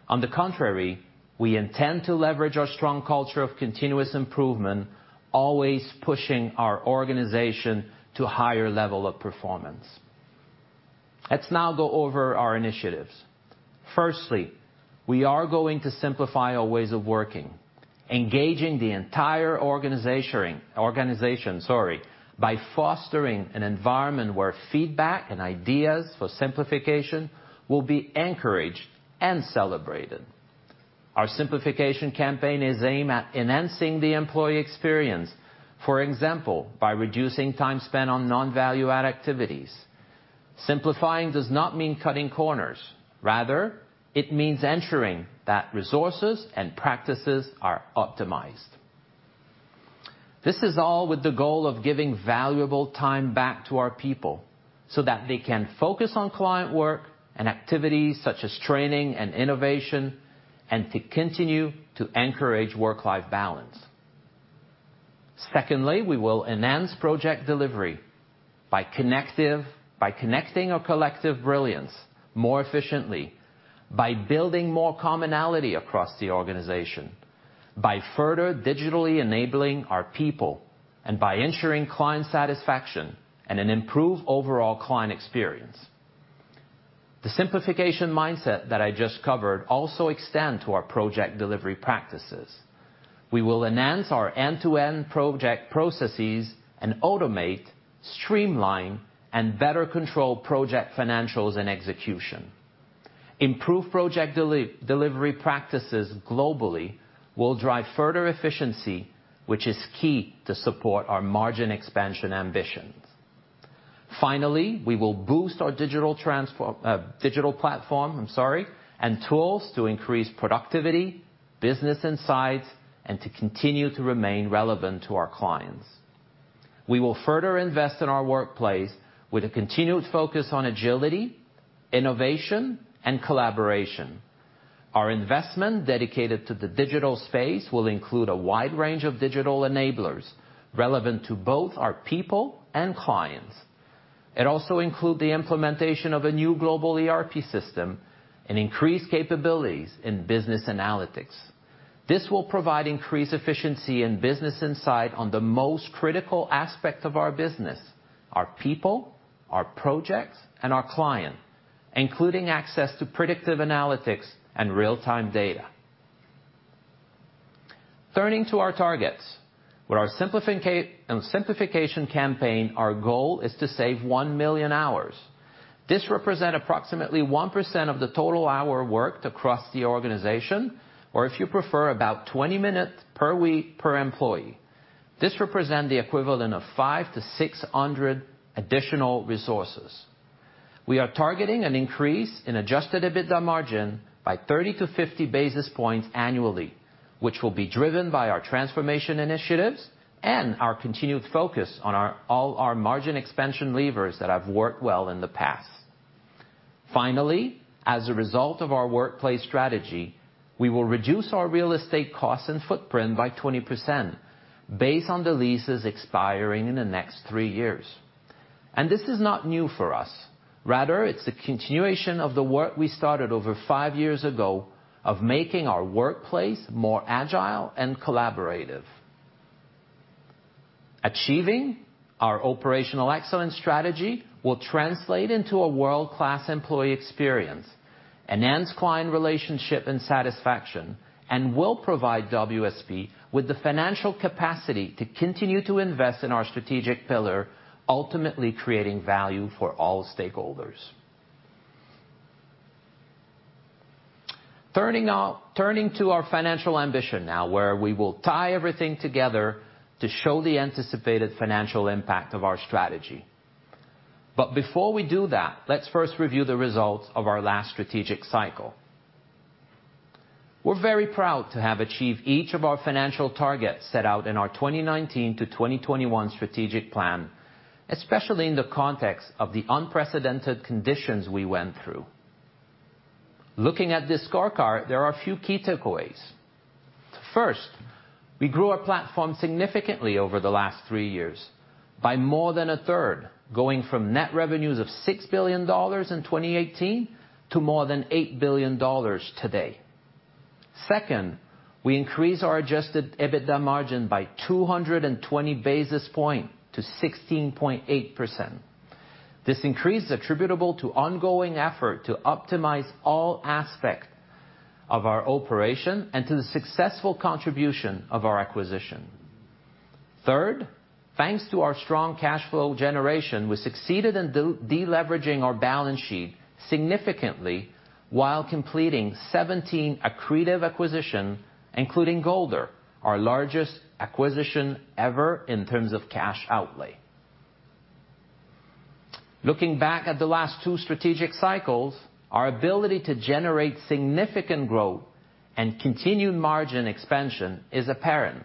On the contrary, we intend to leverage our strong culture of continuous improvement, always pushing our organization to a higher level of performance. Let's now go over our initiatives. Firstly, we are going to simplify our ways of working, engaging the entire organization by fostering an environment where feedback and ideas for simplification will be encouraged and celebrated. Our simplification campaign is aimed at enhancing the employee experience, for example, by reducing time spent on non-value-add activities. Simplifying does not mean cutting corners. Rather, it means ensuring that resources and practices are optimized. This is all with the goal of giving valuable time back to our people so that they can focus on client work and activities such as training and innovation, and to continue to encourage work-life balance. Secondly, we will enhance project delivery by connecting our collective brilliance more efficiently, by building more commonality across the organization, by further digitally enabling our people, and by ensuring client satisfaction and an improved overall client experience. The simplification mindset that I just covered also extend to our project delivery practices. We will enhance our end-to-end project processes and automate, streamline, and better control project financials and execution. Improved project delivery practices globally will drive further efficiency, which is key to support our margin expansion ambitions. Finally, we will boost our digital platform, I'm sorry, and tools to increase productivity, business insights, and to continue to remain relevant to our clients. We will further invest in our workplace with a continued focus on agility, innovation, and collaboration. Our investment dedicated to the digital space will include a wide range of digital enablers relevant to both our people and clients. It also include the implementation of a new global ERP system and increased capabilities in business analytics. This will provide increased efficiency and business insight on the most critical aspect of our business, our people, our projects, and our client, including access to predictive analytics and real-time data. Turning to our targets. With our simplification campaign, our goal is to save 1 million hours. This represents approximately 1% of the total hours worked across the organization, or if you prefer, about 20 minutes per week per employee. This represents the equivalent of 500-600 additional resources. We are targeting an increase in adjusted EBITDA margin by 30-50 basis points annually, which will be driven by our transformation initiatives and our continued focus on all our margin expansion levers that have worked well in the past. Finally, as a result of our workplace strategy, we will reduce our real estate costs and footprint by 20% based on the leases expiring in the next 3 years. This is not new for us. Rather, it's a continuation of the work we started over 5 years ago of making our workplace more agile and collaborative. Achieving our operational excellence strategy will translate into a world-class employee experience, enhanced client relationship and satisfaction, and will provide WSP with the financial capacity to continue to invest in our strategic pillar, ultimately creating value for all stakeholders. Turning to our financial ambition now, where we will tie everything together to show the anticipated financial impact of our strategy. Before we do that, let's first review the results of our last strategic cycle. We're very proud to have achieved each of our financial targets set out in our 2019 to 2021 strategic plan, especially in the context of the unprecedented conditions we went through. Looking at this scorecard, there are a few key takeaways. First, we grew our platform significantly over the last 3 years by more than a third, going from net revenues of 6 billion dollars in 2018 to more than 8 billion dollars today. Second, we increased our adjusted EBITDA margin by 220 basis points to 16.8%. This increase is attributable to ongoing efforts to optimize all aspects of our operations and to the successful contributions of our acquisitions. Third, thanks to our strong cash flow generation, we succeeded in deleveraging our balance sheet significantly while completing 17 accretive acquisitions, including Golder, our largest acquisition ever in terms of cash outlay. Looking back at the last two strategic cycles, our ability to generate significant growth and continued margin expansion is apparent.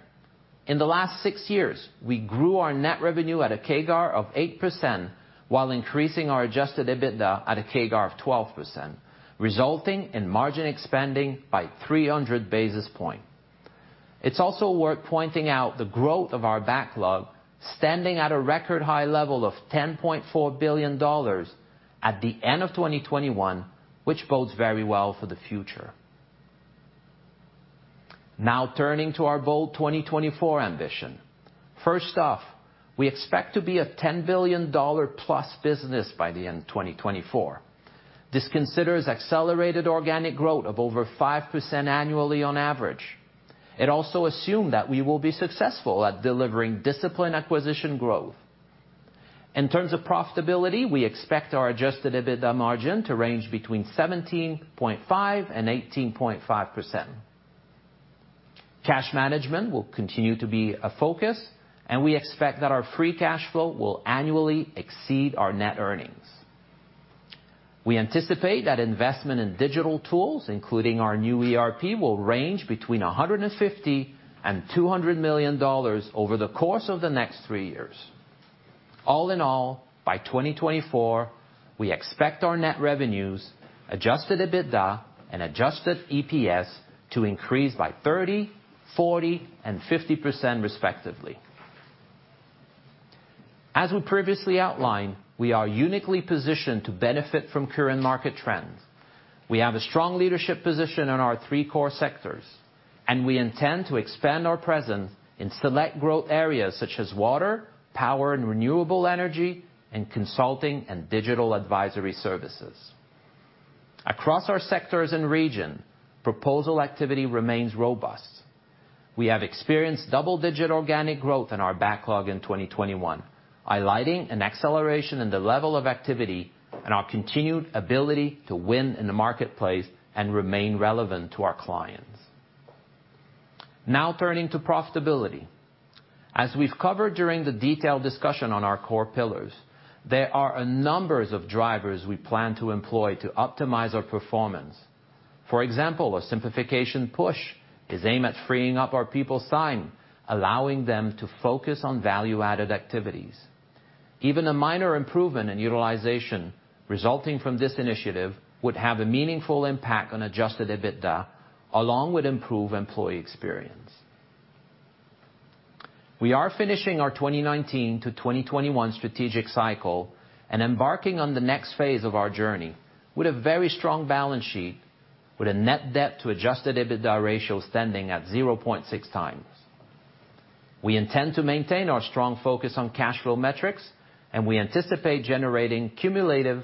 In the last 6 years, we grew our net revenue at a CAGR of 8% while increasing our adjusted EBITDA at a CAGR of 12%, resulting in margin expanding by 300 basis points. It's also worth pointing out the growth of our backlog, standing at a record high level of 10.4 billion dollars at the end of 2021, which bodes very well for the future. Now turning to our bold 2024 ambition. First off, we expect to be a CAD 10 billion+ business by the end of 2024. This considers accelerated organic growth of over 5% annually on average. It also assumes that we will be successful at delivering disciplined acquisition growth. In terms of profitability, we expect our adjusted EBITDA margin to range between 17.5% and 18.5%. Cash management will continue to be a focus, and we expect that our free cash flow will annually exceed our net earnings. We anticipate that investment in digital tools, including our new ERP, will range between 150 million and 200 million dollars over the course of the next three years. All in all, by 2024, we expect our net revenues, adjusted EBITDA, and adjusted EPS to increase by 30%, 40%, and 50% respectively. As we previously outlined, we are uniquely positioned to benefit from current market trends. We have a strong leadership position in our three core sectors, and we intend to expand our presence in select growth areas such as water, power and renewable energy, and consulting and digital advisory services. Across our sectors and region, proposal activity remains robust. We have experienced double-digit organic growth in our backlog in 2021, highlighting an acceleration in the level of activity and our continued ability to win in the marketplace and remain relevant to our clients. Now turning to profitability. As we've covered during the detailed discussion on our core pillars, there are a number of drivers we plan to employ to optimize our performance. For example, a simplification push is aimed at freeing up our people's time, allowing them to focus on value-added activities. Even a minor improvement in utilization resulting from this initiative would have a meaningful impact on adjusted EBITDA along with improved employee experience. We are finishing our 2019 to 2021 strategic cycle and embarking on the next phase of our journey with a very strong balance sheet, with a net debt to adjusted EBITDA ratio standing at 0.6x. We intend to maintain our strong focus on cash flow metrics, and we anticipate generating cumulative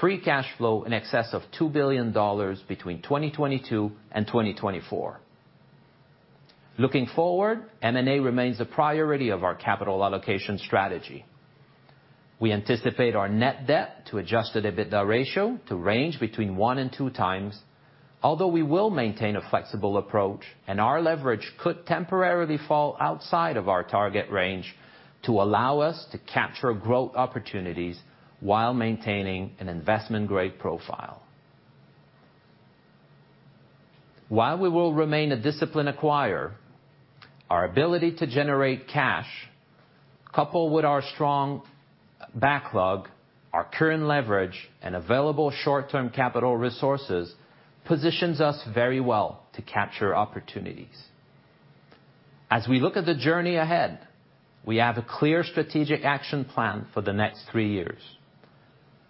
free cash flow in excess of 2 billion dollars between 2022 and 2024. Looking forward, M&A remains a priority of our capital allocation strategy. We anticipate our net debt to adjusted EBITDA ratio to range between 1 and 2 times, although we will maintain a flexible approach, and our leverage could temporarily fall outside of our target range to allow us to capture growth opportunities while maintaining an investment-grade profile. While we will remain a disciplined acquirer, our ability to generate cash, coupled with our strong backlog, our current leverage, and available short-term capital resources, positions us very well to capture opportunities. As we look at the journey ahead, we have a clear strategic action plan for the next three years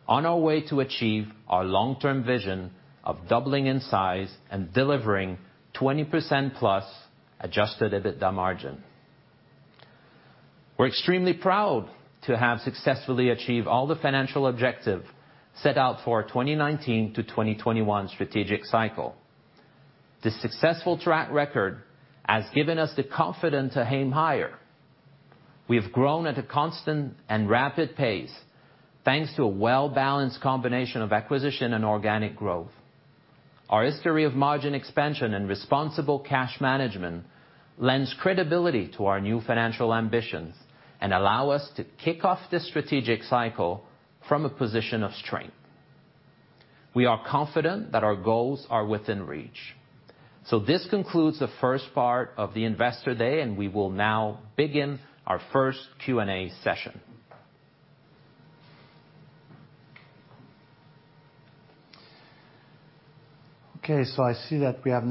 on our way to achieve our long-term vision of doubling in size and delivering 20%+ adjusted EBITDA margin. We're extremely proud to have successfully achieved all the financial objective set out for our 2019 to 2021 strategic cycle. This successful track record has given us the confidence to aim higher. We have grown at a constant and rapid pace, thanks to a well-balanced combination of acquisition and organic growth. Our history of margin expansion and responsible cash management lends credibility to our new financial ambitions and allow us to kick off this strategic cycle from a position of strength. We are confident that our goals are within reach. This concludes the first part of the Investor Day, and we will now begin our first Q&A session. We have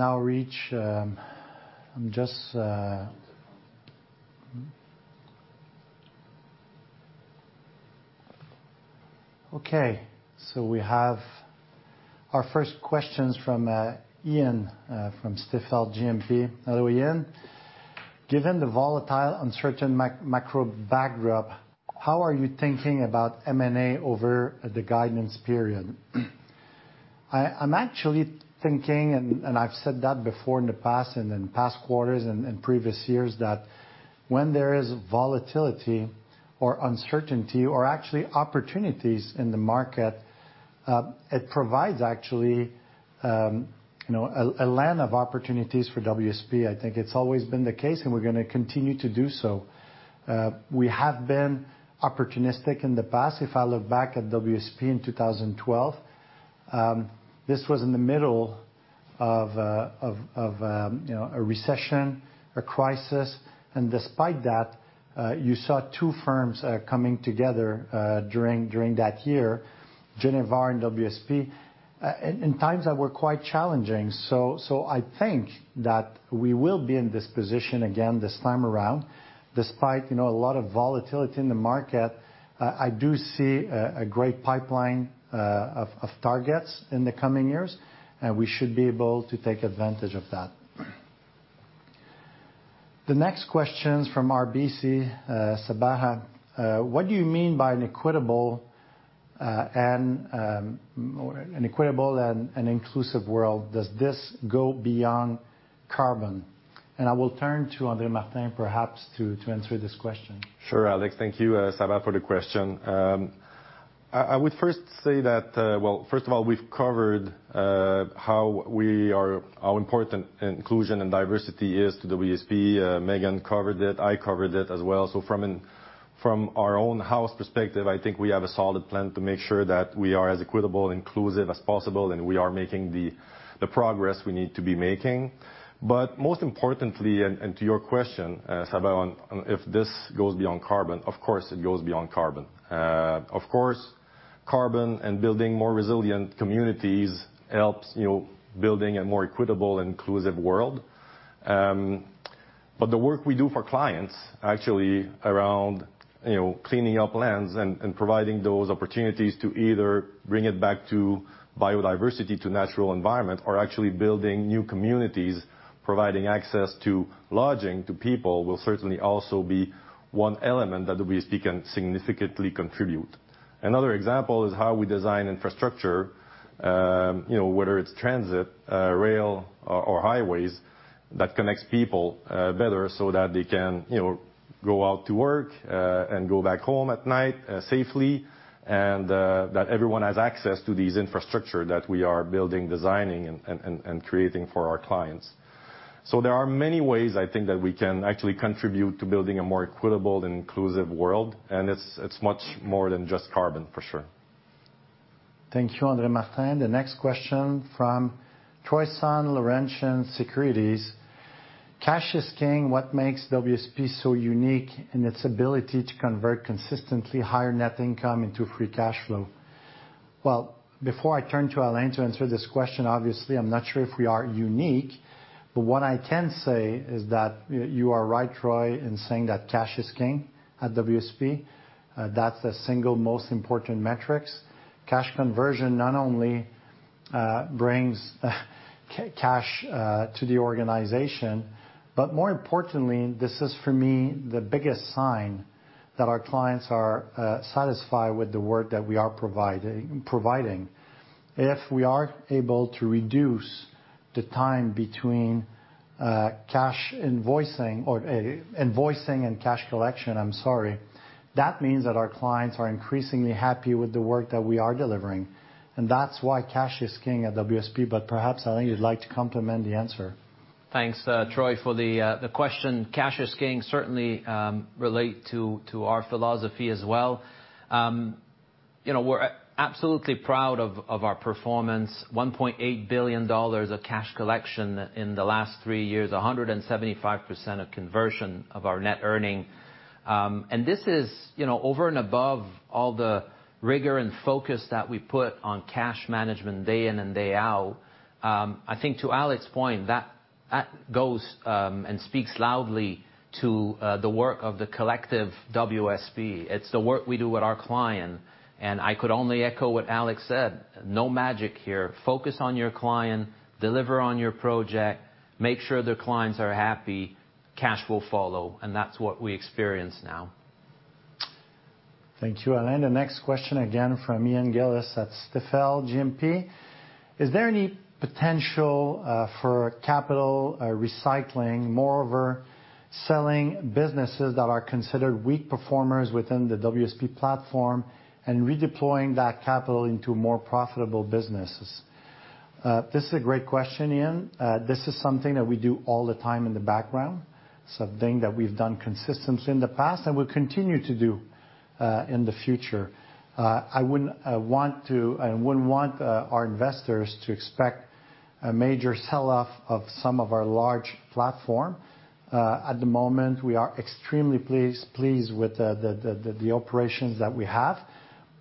our first questions from Ian from Stifel GMP. Hello, Ian. Given the volatile, uncertain macro backdrop, how are you thinking about M&A over the guidance period? I'm actually thinking, and I've said that before in the past and in past quarters and previous years, that when there is volatility or uncertainty or actually opportunities in the market, it provides actually, you know, a land of opportunities for WSP. I think it's always been the case, and we're gonna continue to do so. We have been opportunistic in the past. If I look back at WSP in 2012, this was in the middle of you know, a recession, a crisis, and despite that, you saw two firms coming together during that year, Genivar and WSP, in times that were quite challenging. I think that we will be in this position again this time around. Despite you know, a lot of volatility in the market, I do see a great pipeline of targets in the coming years, and we should be able to take advantage of that. The next question's from RBC, Sabahat. What do you mean by an equitable and an inclusive world? Does this go beyond carbon? I will turn to André Martin perhaps to answer this question. Sure, Alex. Thank you, Sabahat, for the question. I would first say that, well, first of all, we've covered how important inclusion and diversity is to WSP. Megan covered it. I covered it as well. From our own house perspective, I think we have a solid plan to make sure that we are as equitable and inclusive as possible, and we are making the progress we need to be making. Most importantly, and to your question, Sabahat, on if this goes beyond carbon, of course, it goes beyond carbon. Of course, carbon and building more resilient communities helps, you know, building a more equitable and inclusive world. The work we do for clients actually around, you know, cleaning up lands and providing those opportunities to either bring it back to biodiversity, to natural environment, or actually building new communities, providing access to lodging to people will certainly also be one element that WSP can significantly contribute. Another example is how we design infrastructure, you know, whether it's transit, rail or highways that connects people better so that they can, you know, go out to work and go back home at night safely. That everyone has access to these infrastructure that we are building, designing and creating for our clients. There are many ways I think that we can actually contribute to building a more equitable and inclusive world, and it's much more than just carbon, for sure. Thank you, André-Martin Bouchard. The next question from Troy Sun, Laurentian Bank Securities. Cash is king. What makes WSP so unique in its ability to convert consistently higher net income into free cash flow? Well, before I turn to Alain Michaud to answer this question, obviously, I'm not sure if we are unique. What I can say is that you are right, Troy, in saying that cash is king at WSP. That's the single most important metrics. Cash conversion not only brings cash to the organization, but more importantly, this is, for me, the biggest sign that our clients are satisfied with the work that we are providing. If we are able to reduce the time between cash invoicing or invoicing and cash collection, I'm sorry, that means that our clients are increasingly happy with the work that we are delivering, and that's why cash is king at WSP. Perhaps, Alain, you'd like to complement the answer. Thanks, Troy, for the question. Cash is king, certainly relates to our philosophy as well. You know, we're absolutely proud of our performance. 1.8 billion dollars of cash collection in the last three years, 175% conversion of our net earnings. This is, you know, over and above all the rigor and focus that we put on cash management day in and day out. I think to Alex's point, that goes and speaks loudly to the work of the collective WSP. It's the work we do with our client, and I could only echo what Alex said. No magic here. Focus on your client, deliver on your project, make sure the clients are happy, cash will follow, and that's what we experience now. Thank you, Alain. The next question again from Ian Gillies at Stifel GMP. Is there any potential for capital recycling, moreover selling businesses that are considered weak performers within the WSP platform and redeploying that capital into more profitable businesses? This is a great question, Ian. This is something that we do all the time in the background. Something that we've done consistently in the past and will continue to do in the future. I wouldn't want to and wouldn't want our investors to expect a major sell-off of some of our large platform. At the moment, we are extremely pleased with the operations that we have,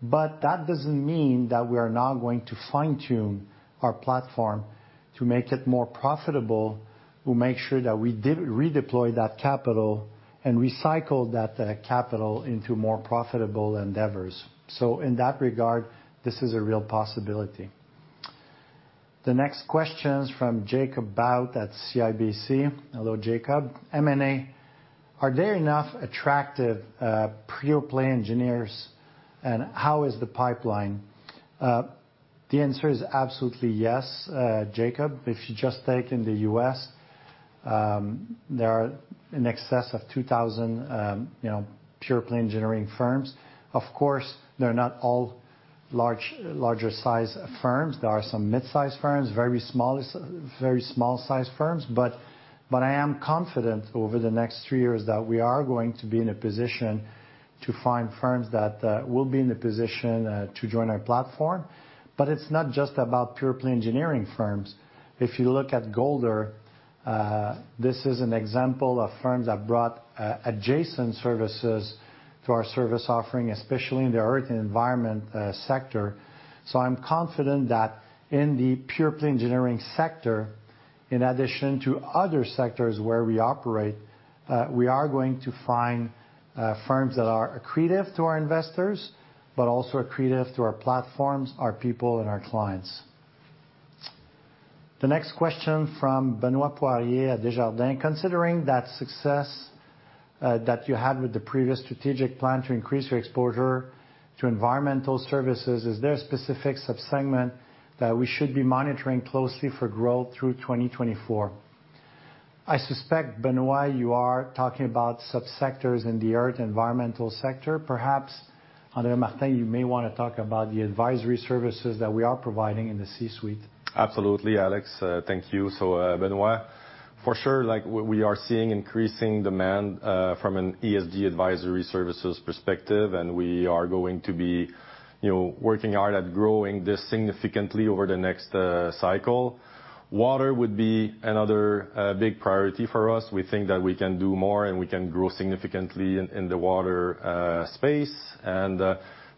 but that doesn't mean that we are not going to fine-tune our platform to make it more profitable. We'll make sure that we redeploy that capital and recycle that capital into more profitable endeavors. In that regard, this is a real possibility. The next question's from Jacob Bout at CIBC. Hello, Jacob. M&A, are there enough attractive pure-play engineers, and how is the pipeline? The answer is absolutely yes, Jacob. If you just take in the U.S., there are in excess of 2,000 you know, pure-play engineering firms. Of course, they're not all large, larger size firms. There are some mid-size firms, very small size firms. But I am confident over the next three years that we are going to be in a position to find firms that will be in a position to join our platform. But it's not just about pure-play engineering firms. If you look at Golder, this is an example of firms that brought adjacent services to our service offering, especially in the Earth & Environment sector. I'm confident that in the pure-play engineering sector, in addition to other sectors where we operate, we are going to find firms that are accretive to our investors, but also accretive to our platforms, our people, and our clients. The next question from Benoit Poirier at Desjardins. Considering that success that you had with the previous strategic plan to increase your exposure to environmental services, is there a specific sub-segment that we should be monitoring closely for growth through 2024? I suspect, Benoit, you are talking about sub-sectors in the Earth & Environment sector. Perhaps, André Martin, you may wanna talk about the advisory services that we are providing in the C-suite. Absolutely, Alex. Thank you. So, Benoit, for sure, we are seeing increasing demand from an ESG advisory services perspective, and we are going to be working hard at growing this significantly over the next cycle. Water would be another big priority for us. We think that we can do more, and we can grow significantly in the water space.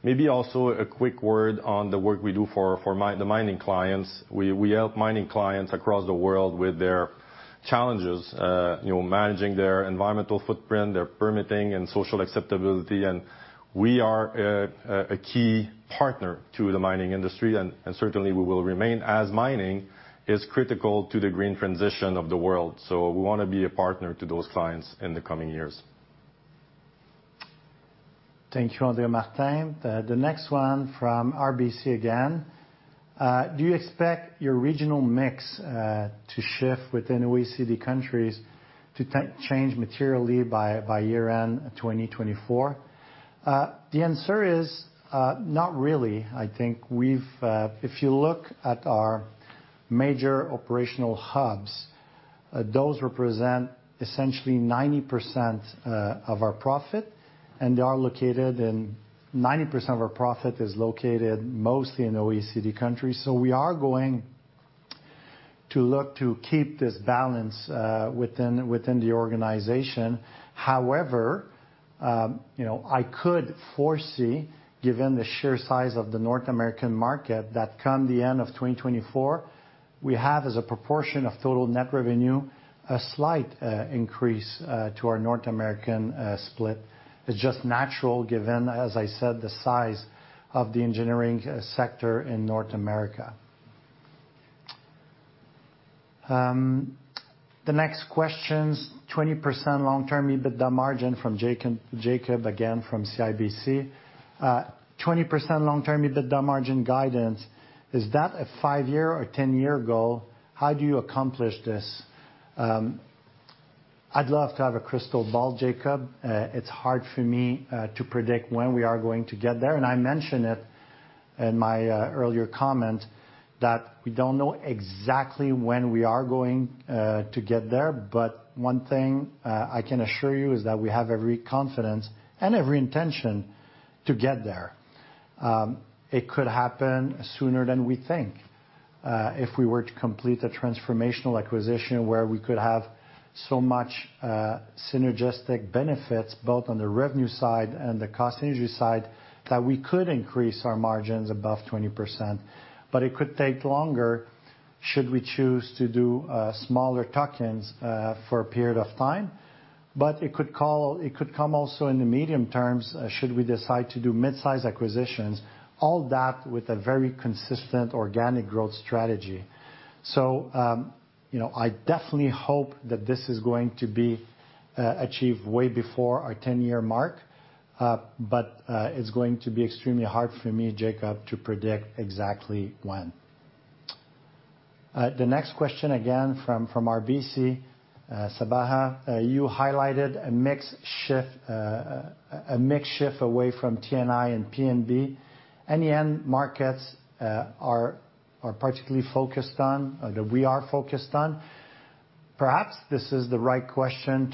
Maybe also a quick word on the work we do for the mining clients. We help mining clients across the world with their challenges, managing their environmental footprint, their permitting and social acceptability. We are a key partner to the mining industry, and certainly we will remain as mining is critical to the green transition of the world. We wanna be a partner to those clients in the coming years. Thank you, André-Martin Bouchard. The next one from RBC again. Do you expect your regional mix to shift within OECD countries to change materially by year-end 2024? The answer is not really. I think if you look at our major operational hubs, those represent essentially 90% of our profit, and they are located in. 90% of our profit is located mostly in OECD countries. We are going to look to keep this balance within the organization. However, you know, I could foresee, given the sheer size of the North American market, that come the end of 2024, we have, as a proportion of total net revenue, a slight increase to our North American split. It's just natural given, as I said, the size of the engineering sector in North America. The next question's 20% long-term EBITDA margin from Jacob from CIBC. 20% long-term EBITDA margin guidance, is that a five-year or ten-year goal? How do you accomplish this? I'd love to have a crystal ball, Jacob. It's hard for me to predict when we are going to get there. I mentioned it in my earlier comment that we don't know exactly when we are going to get there. One thing I can assure you is that we have every confidence and every intention to get there. It could happen sooner than we think, if we were to complete a transformational acquisition where we could have so much synergistic benefits, both on the revenue side and the cost synergy side, that we could increase our margins above 20%. It could take longer should we choose to do smaller tuck-ins for a period of time. It could come also in the medium term, should we decide to do mid-size acquisitions, all that with a very consistent organic growth strategy. You know, I definitely hope that this is going to be achieved way before our 10-year mark, but it's going to be extremely hard for me, Jacob, to predict exactly when. The next question, again from RBC, Sabahat. You highlighted a mix shift away from T&I and P&B. Any end markets that we are particularly focused on? Perhaps this is the right question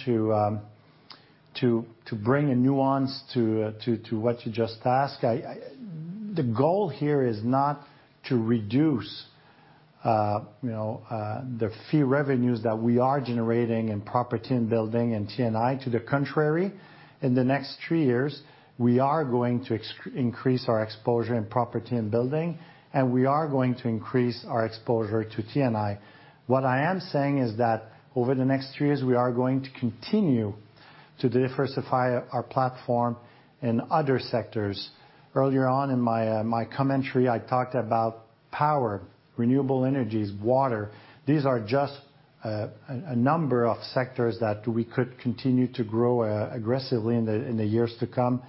to bring a nuance to what you just asked. The goal here is not to reduce, you know, the fee revenues that we are generating in Property and Buildings and T&I. To the contrary, in the next three years, we are going to increase our exposure in Property and Buildings, and we are going to increase our exposure to T&I. What I am saying is that over the next three years, we are going to continue to diversify our platform in other sectors. Earlier on in my commentary, I talked about power, renewable energies, water. These are just a number of sectors that we could continue to grow aggressively in the years to come.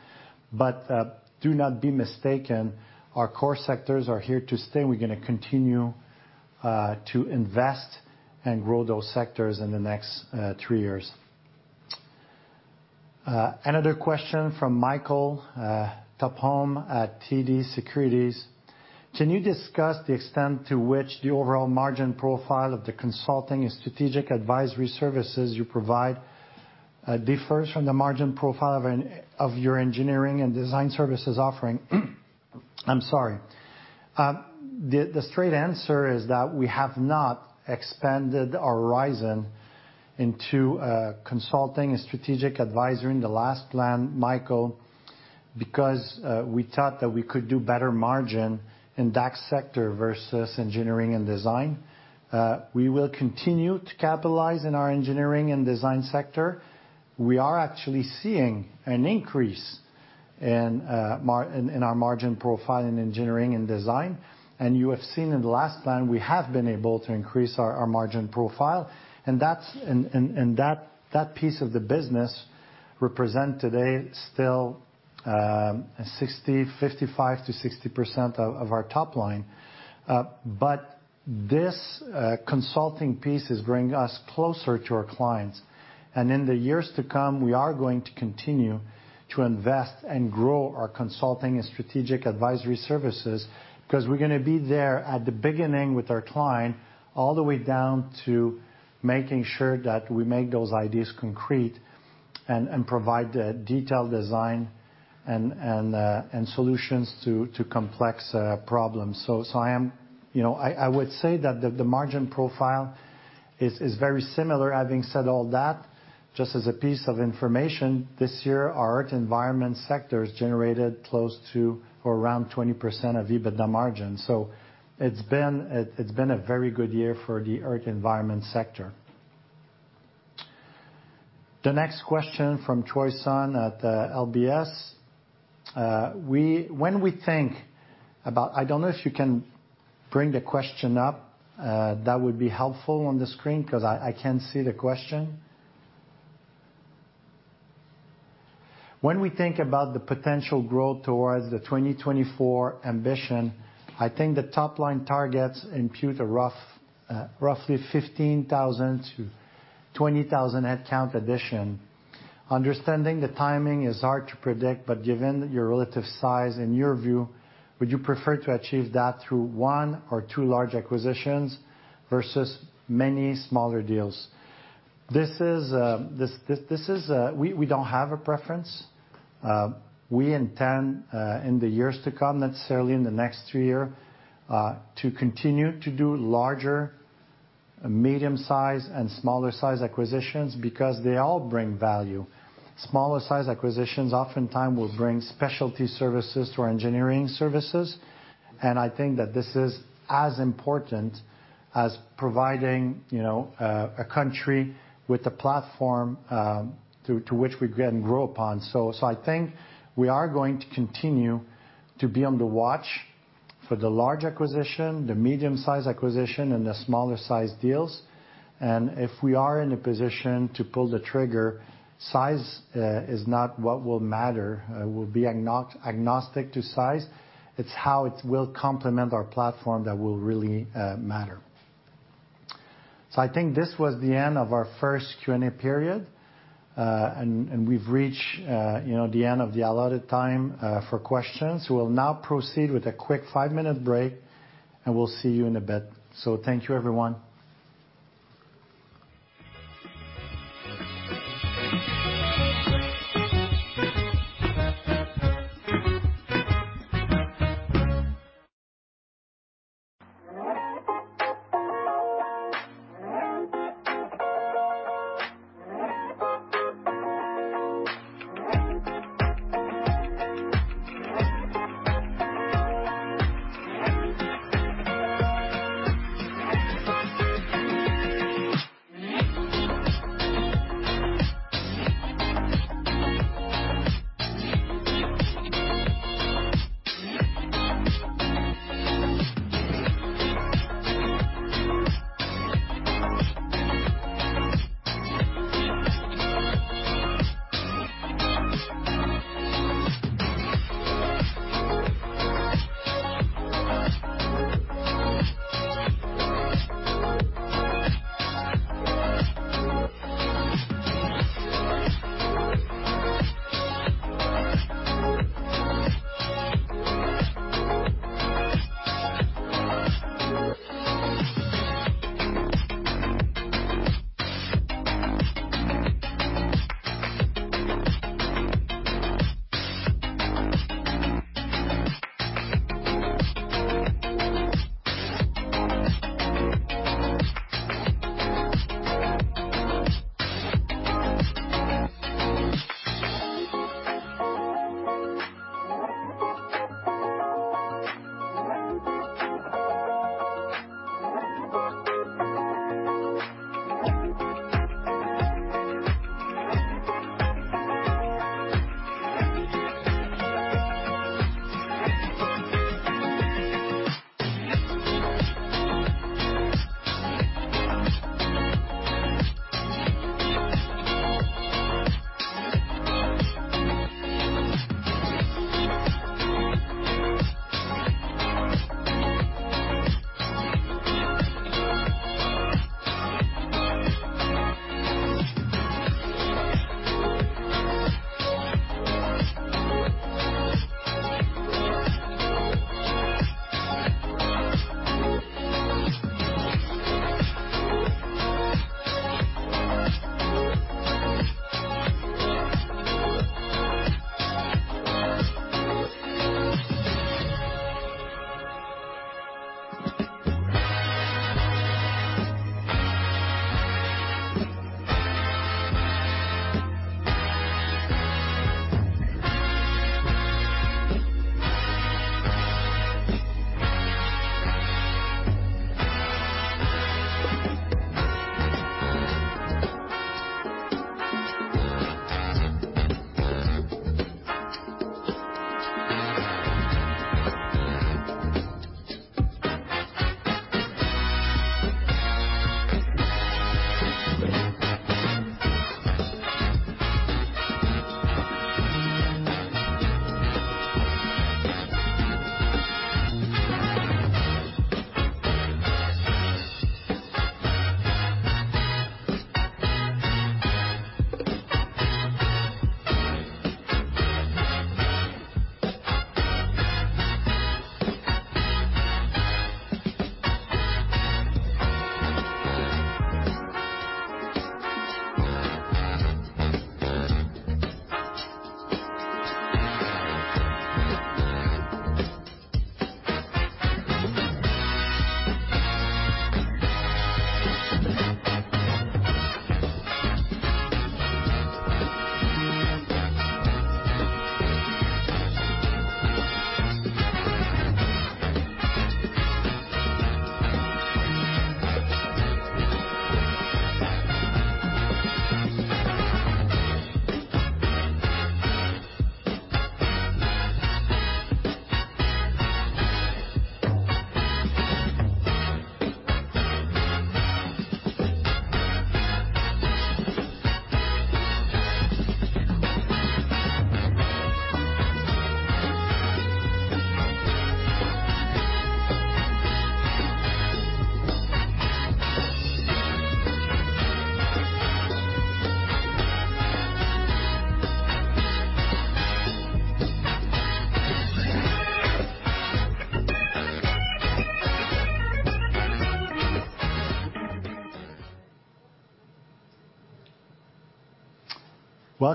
Do not be mistaken, our core sectors are here to stay. We're gonna continue to invest and grow those sectors in the next three years. Another question from Michael Tupholme at TD Securities. Can you discuss the extent to which the overall margin profile of the consulting and strategic advisory services you provide differs from the margin profile of your engineering and design services offering? I'm sorry. The straight answer is that we have not expanded our horizon into consulting and strategic advisory in the last plan, Michael, because we thought that we could do better margin in that sector versus engineering and design. We will continue to capitalize in our engineering and design sector. We are actually seeing an increase in our margin profile in engineering and design. You have seen in the last plan, we have been able to increase our margin profile. That's piece of the business represent today still 55%-60% of our top line. But this consulting piece is bringing us closer to our clients. In the years to come, we are going to continue to invest and grow our consulting and strategic advisory services because we're gonna be there at the beginning with our client all the way down to making sure that we make those ideas concrete and provide the detailed design and solutions to complex problems. I would say that the margin profile is very similar. Having said all that, just as a piece of information, this year, our Earth and Environment sector has generated close to or around 20% EBITDA margin. It's been a very good year for the Earth and Environment sector. The next question from Troy Sun at LBS. When we think about, I don't know if you can bring the question up, that would be helpful on the screen 'cause I can't see the question. When we think about the potential growth towards the 2024 ambition, I think the top line targets imply a rough, roughly 15,000-20,000 head count addition. Understanding the timing is hard to predict, but given your relative size in your view, would you prefer to achieve that through one or two large acquisitions versus many smaller deals? This is, we don't have a preference. We intend, in the years to come, necessarily in the next three year, to continue to do larger, medium-sized and smaller sized acquisitions because they all bring value. Smaller sized acquisitions oftentimes will bring specialty services to our engineering services, and I think that this is as important as providing, you know, a country with a platform, through to which we can grow upon. I think we are going to continue to be on the watch for the large acquisition, the medium-sized acquisition, and the smaller sized deals. If we are in a position to pull the trigger, size is not what will matter. We'll be agnostic to size. It's how it will complement our platform that will really matter. I think this was the end of our first Q&A period. We've reached, you know, the end of the allotted time for questions. We'll now proceed with a quick five-minute break, and we'll see you in a bit. Thank you everyone.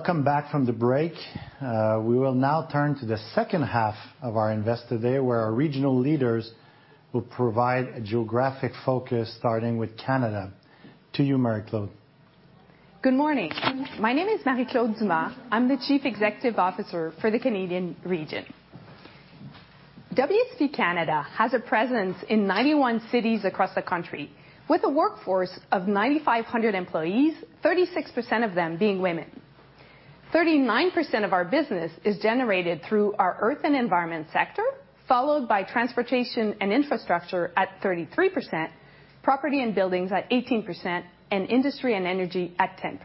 Welcome back from the break. We will now turn to the second half of our Investor Day, where our regional leaders will provide a geographic focus, starting with Canada. To you, Marie-Claude. Good morning. My name is Marie-Claude Dumas. I'm the Chief Executive Officer for the Canadian region. WSP Canada has a presence in 91 cities across the country with a workforce of 9,500 employees, 36% of them being women. 39% of our business is generated through our earth and environment sector, followed by transportation and infrastructure at 33%, property and buildings at 18%, and industry and energy at 10%.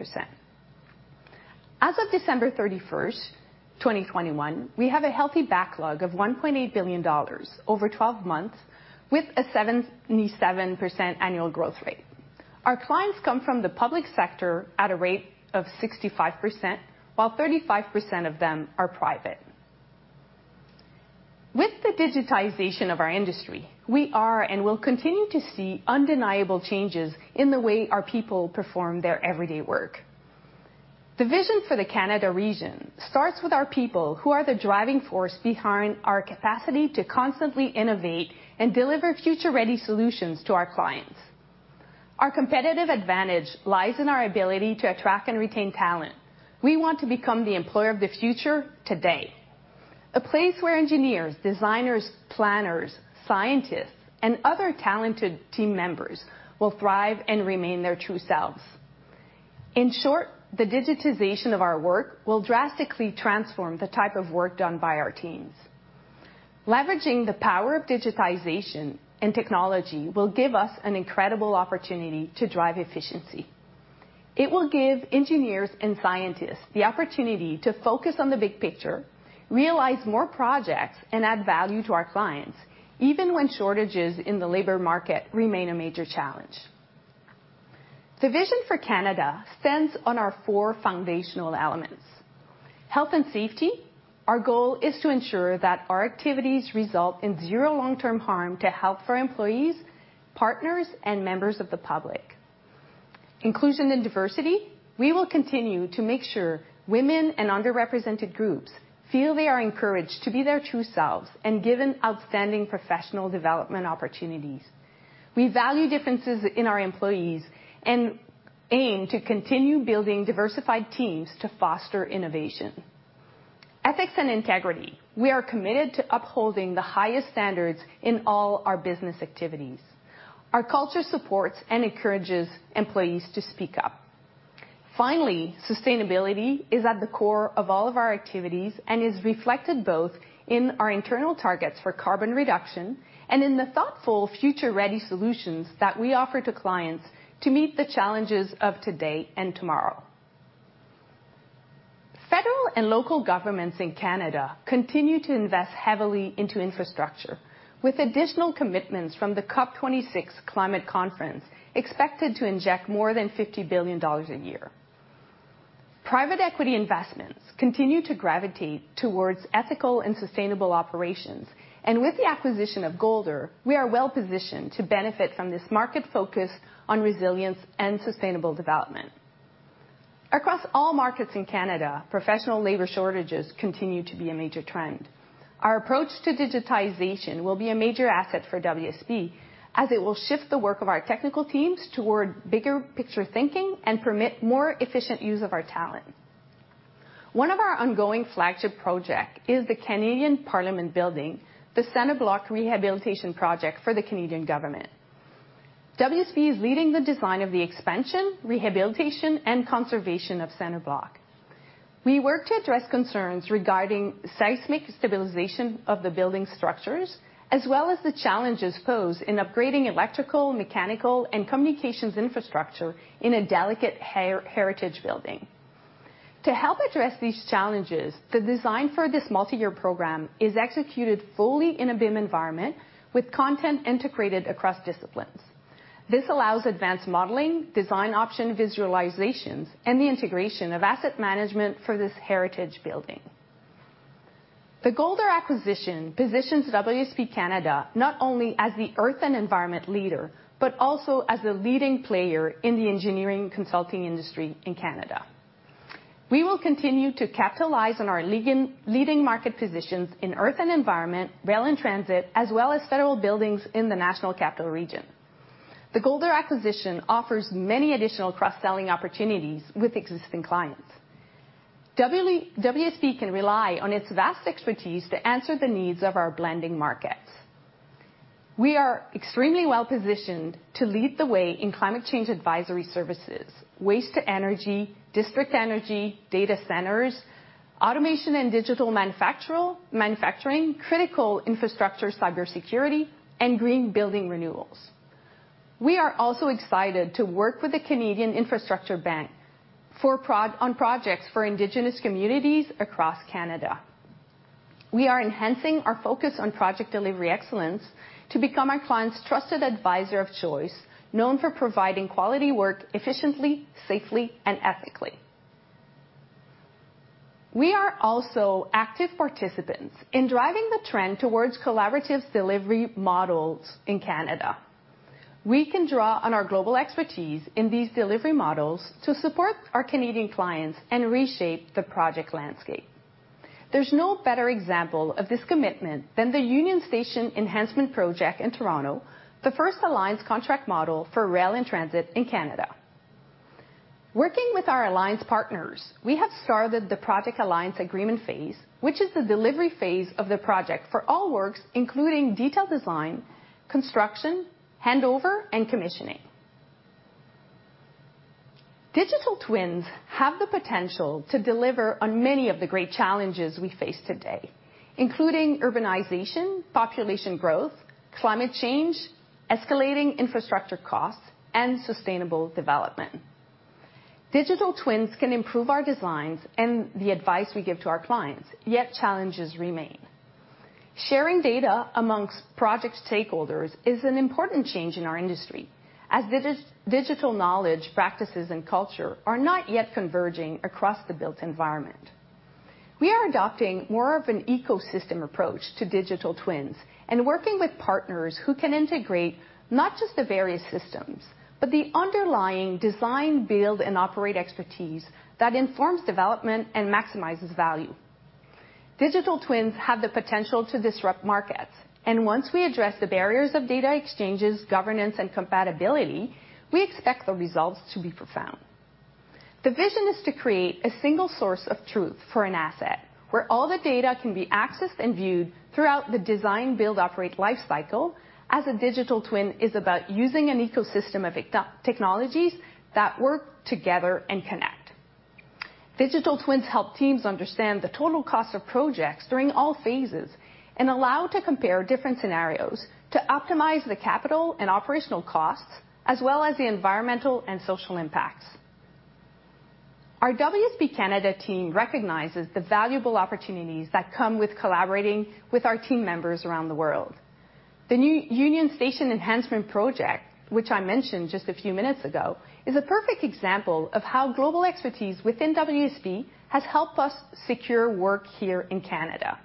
As of December 31, 2021, we have a healthy backlog of 1.8 billion dollars over twelve months with a 77% annual growth rate. Our clients come from the public sector at a rate of 65%, while 35% of them are private. With the digitization of our industry, we are and will continue to see undeniable changes in the way our people perform their everyday work. The vision for the Canada region starts with our people, who are the driving force behind our capacity to constantly innovate and deliver future-ready solutions to our clients. Our competitive advantage lies in our ability to attract and retain talent. We want to become the employer of the future today. A place where engineers, designers, planners, scientists, and other talented team members will thrive and remain their true selves. In short, the digitization of our work will drastically transform the type of work done by our teams. Leveraging the power of digitization and technology will give us an incredible opportunity to drive efficiency. It will give engineers and scientists the opportunity to focus on the big picture, realize more projects, and add value to our clients, even when shortages in the labor market remain a major challenge. The vision for Canada stands on our four foundational elements. Health and safety. Our goal is to ensure that our activities result in zero long-term harm to health for employees, partners, and members of the public. Inclusion and diversity. We will continue to make sure women and underrepresented groups feel they are encouraged to be their true selves and given outstanding professional development opportunities. We value differences in our employees and aim to continue building diversified teams to foster innovation. Ethics and integrity. We are committed to upholding the highest standards in all our business activities. Our culture supports and encourages employees to speak up. Finally, sustainability is at the core of all of our activities and is reflected both in our internal targets for carbon reduction and in the thoughtful Future Ready solutions that we offer to clients to meet the challenges of today and tomorrow. Federal and local governments in Canada continue to invest heavily into infrastructure, with additional commitments from the COP26 Climate Conference expected to inject more than 50 billion dollars a year. Private equity investments continue to gravitate towards ethical and sustainable operations. With the acquisition of Golder, we are well-positioned to benefit from this market focus on resilience and sustainable development. Across all markets in Canada, professional labor shortages continue to be a major trend. Our approach to digitization will be a major asset for WSP, as it will shift the work of our technical teams toward bigger picture thinking and permit more efficient use of our talent. One of our ongoing flagship project is the Canadian Parliament building, the Centre Block Rehabilitation Project for the Canadian government. WSP is leading the design of the expansion, rehabilitation, and conservation of Centre Block. We work to address concerns regarding seismic stabilization of the building structures, as well as the challenges posed in upgrading electrical, mechanical, and communications infrastructure in a delicate heritage building. To help address these challenges, the design for this multi-year program is executed fully in a BIM environment with content integrated across disciplines. This allows advanced modeling, design option visualizations, and the integration of asset management for this heritage building. The Golder acquisition positions WSP Canada not only as the earth and environment leader, but also as a leading player in the engineering consulting industry in Canada. We will continue to capitalize on our leading market positions in earth and environment, rail and transit, as well as federal buildings in the national capital region. The Golder acquisition offers many additional cross-selling opportunities with existing clients. WSP can rely on its vast expertise to answer the needs of our blending markets. We are extremely well-positioned to lead the way in climate change advisory services, waste-to-energy, district energy, data centers, automation and digital manufactural-manufacturing, critical infrastructure cybersecurity, and green building renewals. We are also excited to work with the Canada Infrastructure Bank on projects for indigenous communities across Canada. We are enhancing our focus on project delivery excellence to become our clients' trusted advisor of choice, known for providing quality work efficiently, safely, and ethically. We are also active participants in driving the trend towards collaborative delivery models in Canada. We can draw on our global expertise in these delivery models to support our Canadian clients and reshape the project landscape. There's no better example of this commitment than the Union Station Enhancement Project in Toronto, the first alliance contract model for rail and transit in Canada. Working with our alliance partners, we have started the project alliance agreement phase, which is the delivery phase of the project for all works, including detailed design, construction, handover, and commissioning. Digital twins have the potential to deliver on many of the great challenges we face today, including urbanization, population growth, climate change, escalating infrastructure costs, and sustainable development. Digital twins can improve our designs and the advice we give to our clients, yet challenges remain. Sharing data among project stakeholders is an important change in our industry, as digital knowledge, practices, and culture are not yet converging across the built environment. We are adopting more of an ecosystem approach to digital twins and working with partners who can integrate not just the various systems, but the underlying design, build, and operate expertise that informs development and maximizes value. Digital twins have the potential to disrupt markets, and once we address the barriers of data exchanges, governance, and compatibility, we expect the results to be profound. The vision is to create a single source of truth for an asset where all the data can be accessed and viewed throughout the design-build-operate life cycle, as a digital twin is about using an ecosystem of technologies that work together and connect. Digital twins help teams understand the total cost of projects during all phases and allow to compare different scenarios to optimize the capital and operational costs as well as the environmental and social impacts. Our WSP Canada team recognizes the valuable opportunities that come with collaborating with our team members around the world. The new Union Station Enhancement Project, which I mentioned just a few minutes ago, is a perfect example of how global expertise within WSP has helped us secure work here in Canada.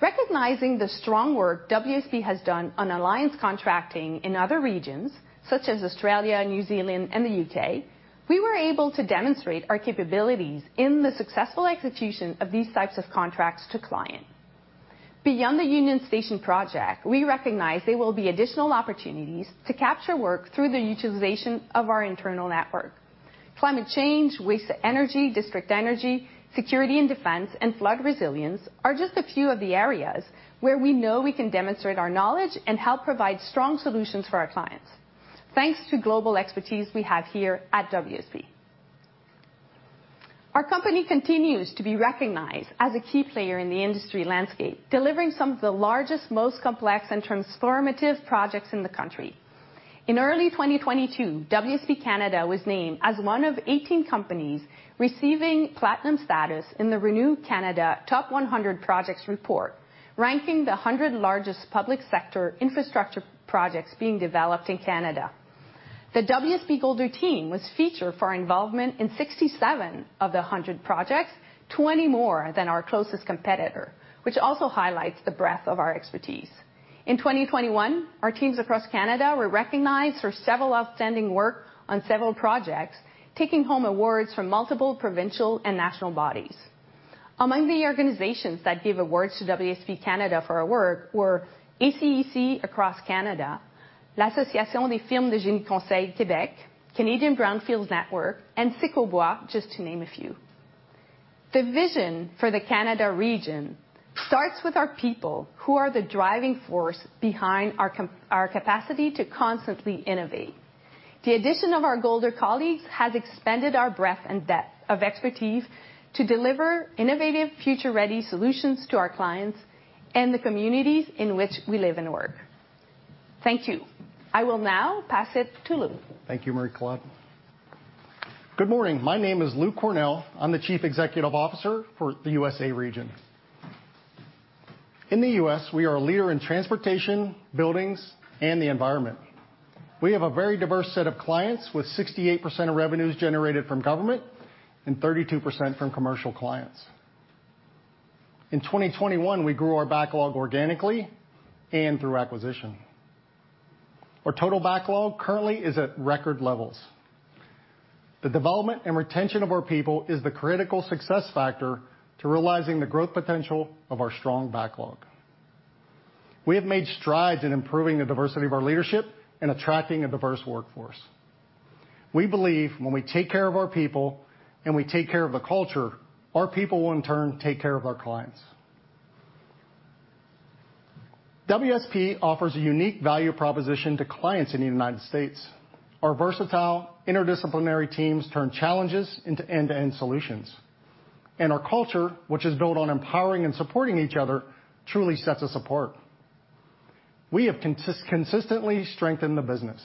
Recognizing the strong work WSP has done on alliance contracting in other regions such as Australia, New Zealand, and the U.K., we were able to demonstrate our capabilities in the successful execution of these types of contracts to client. Beyond the Union Station project, we recognize there will be additional opportunities to capture work through the utilization of our internal network. Climate change, waste-to-energy, district energy, security and defense, and flood resilience are just a few of the areas where we know we can demonstrate our knowledge and help provide strong solutions for our clients, thanks to global expertise we have here at WSP. Our company continues to be recognized as a key player in the industry landscape, delivering some of the largest, most complex and transformative projects in the country. In early 2022, WSP Canada was named as one of 18 companies receiving platinum status in the ReNew Canada Top 100 Projects report, ranking the 100 largest public sector infrastructure projects being developed in Canada. The WSP Golder team was featured for our involvement in 67 of the 100 projects, 20 more than our closest competitor, which also highlights the breadth of our expertise. In 2021, our teams across Canada were recognized for several outstanding work on several projects, taking home awards from multiple provincial and national bodies. Among the organizations that gave awards to WSP Canada for our work were ACEC across Canada, L'Association des firmes de génie-conseil du Québec, Canadian Brownfields Network, and Cecobois, just to name a few. The vision for the Canada region starts with our people, who are the driving force behind our capacity to constantly innovate. The addition of our Golder colleagues has expanded our breadth and depth of expertise to deliver innovative, future-ready solutions to our clients and the communities in which we live and work. Thank you. I will now pass it to Lou. Thank you, Marie-Claude. Good morning. My name is Lou Cornell. I'm the Chief Executive Officer for the U.S. region. In the U.S., we are a leader in transportation, buildings, and the environment. We have a very diverse set of clients with 68% of revenues generated from government and 32% from commercial clients. In 2021, we grew our backlog organically and through acquisition. Our total backlog currently is at record levels. The development and retention of our people is the critical success factor to realizing the growth potential of our strong backlog. We have made strides in improving the diversity of our leadership and attracting a diverse workforce. We believe when we take care of our people and we take care of the culture, our people will in turn take care of our clients. WSP offers a unique value proposition to clients in the United States. Our versatile interdisciplinary teams turn challenges into end-to-end solutions. Our culture, which is built on empowering and supporting each other, truly sets us apart. We have consistently strengthened the business.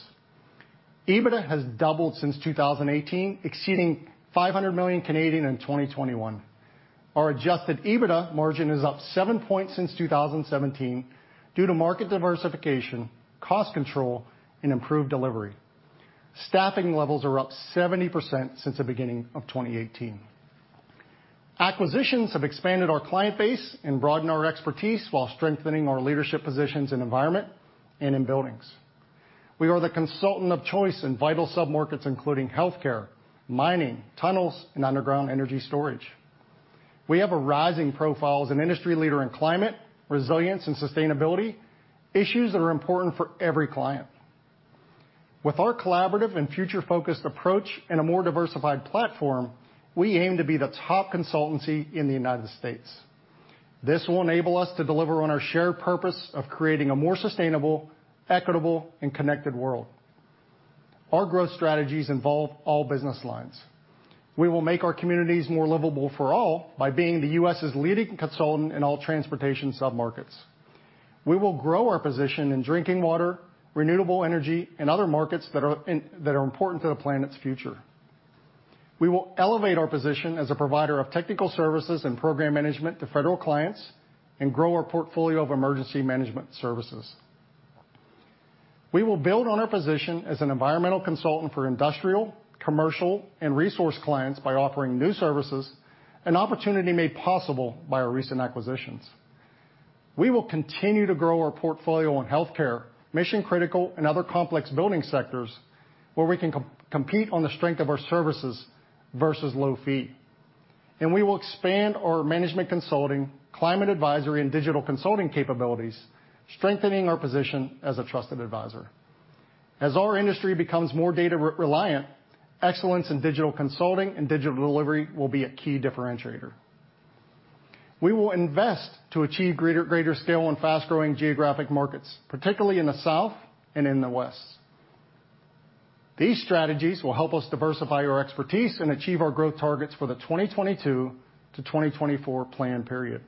EBITDA has doubled since 2018, exceeding 500 million in 2021. Our adjusted EBITDA margin is up 7 points since 2017 due to market diversification, cost control, and improved delivery. Staffing levels are up 70% since the beginning of 2018. Acquisitions have expanded our client base and broadened our expertise while strengthening our leadership positions in environment and in buildings. We are the consultant of choice in vital submarkets, including healthcare, mining, tunnels, and underground energy storage. We have a rising profile as an industry leader in climate, resilience, and sustainability, issues that are important for every client. With our collaborative and future-focused approach and a more diversified platform, we aim to be the top consultancy in the United States. This will enable us to deliver on our shared purpose of creating a more sustainable, equitable, and connected world. Our growth strategies involve all business lines. We will make our communities more livable for all by being the U.S.'s leading consultant in all transportation submarkets. We will grow our position in drinking water, renewable energy, and other markets that are important to the planet's future. We will elevate our position as a provider of technical services and program management to federal clients and grow our portfolio of emergency management services. We will build on our position as an environmental consultant for industrial, commercial, and resource clients by offering new services, an opportunity made possible by our recent acquisitions. We will continue to grow our portfolio in healthcare, mission-critical, and other complex building sectors where we can compete on the strength of our services versus low fee. We will expand our management consulting, climate advisory, and digital consulting capabilities, strengthening our position as a trusted advisor. As our industry becomes more data reliant, excellence in digital consulting and digital delivery will be a key differentiator. We will invest to achieve greater scale in fast-growing geographic markets, particularly in the South and in the West. These strategies will help us diversify our expertise and achieve our growth targets for the 2022 to 2024 plan period.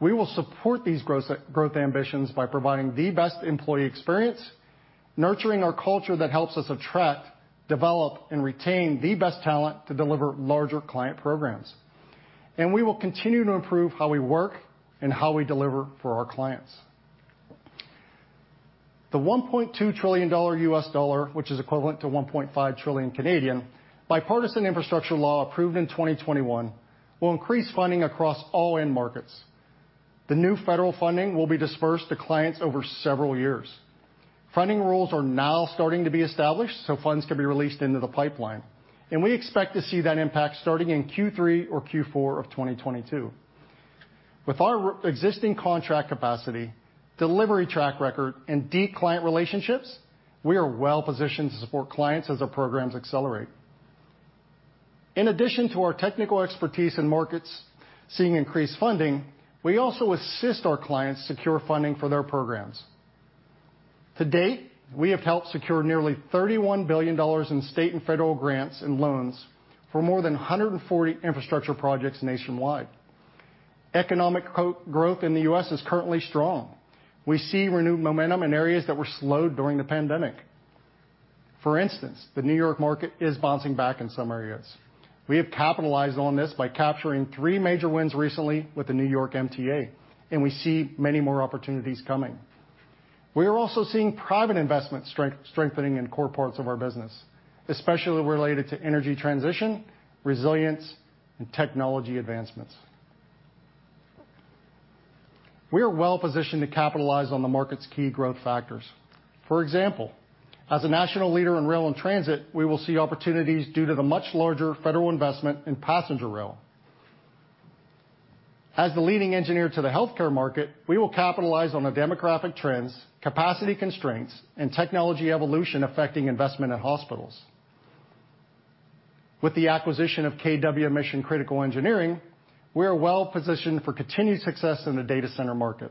We will support these growth ambitions by providing the best employee experience, nurturing our culture that helps us attract, develop, and retain the best talent to deliver larger client programs. We will continue to improve how we work and how we deliver for our clients. The $1.2 trillion US dollar, which is equivalent to 1.5 trillion, Bipartisan Infrastructure Law approved in 2021 will increase funding across all end markets. The new federal funding will be dispersed to clients over several years. Funding rules are now starting to be established, so funds can be released into the pipeline. We expect to see that impact starting in Q3 or Q4 of 2022. With our pre-existing contract capacity, delivery track record, and deep client relationships, we are well-positioned to support clients as our programs accelerate. In addition to our technical expertise in markets seeing increased funding, we also assist our clients secure funding for their programs. To date, we have helped secure nearly $31 billion in state and federal grants and loans for more than 140 infrastructure projects nationwide. Economic growth in the U.S. is currently strong. We see renewed momentum in areas that were slowed during the pandemic. For instance, the New York market is bouncing back in some areas. We have capitalized on this by capturing three major wins recently with the New York MTA, and we see many more opportunities coming. We are also seeing private investment strengthening in core parts of our business, especially related to energy transition, resilience, and technology advancements. We are well-positioned to capitalize on the market's key growth factors. For example, as a national leader in rail and transit, we will see opportunities due to the much larger federal investment in passenger rail. As the leading engineer to the healthcare market, we will capitalize on the demographic trends, capacity constraints, and technology evolution affecting investment at hospitals. With the acquisition of kW Mission Critical Engineering, we are well-positioned for continued success in the data center market.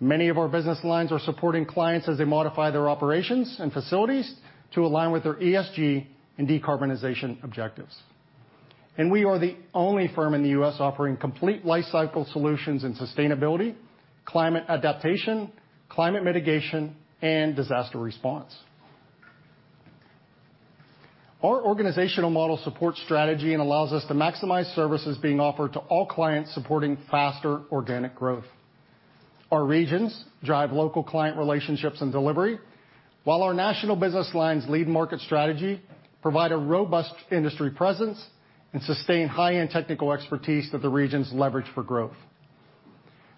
Many of our business lines are supporting clients as they modify their operations and facilities to align with their ESG and decarbonization objectives. We are the only firm in the U.S. offering complete lifecycle solutions in sustainability, climate adaptation, climate mitigation, and disaster response. Our organizational model supports strategy and allows us to maximize services being offered to all clients supporting faster organic growth. Our regions drive local client relationships and delivery, while our national business lines lead market strategy, provide a robust industry presence, and sustain high-end technical expertise that the regions leverage for growth.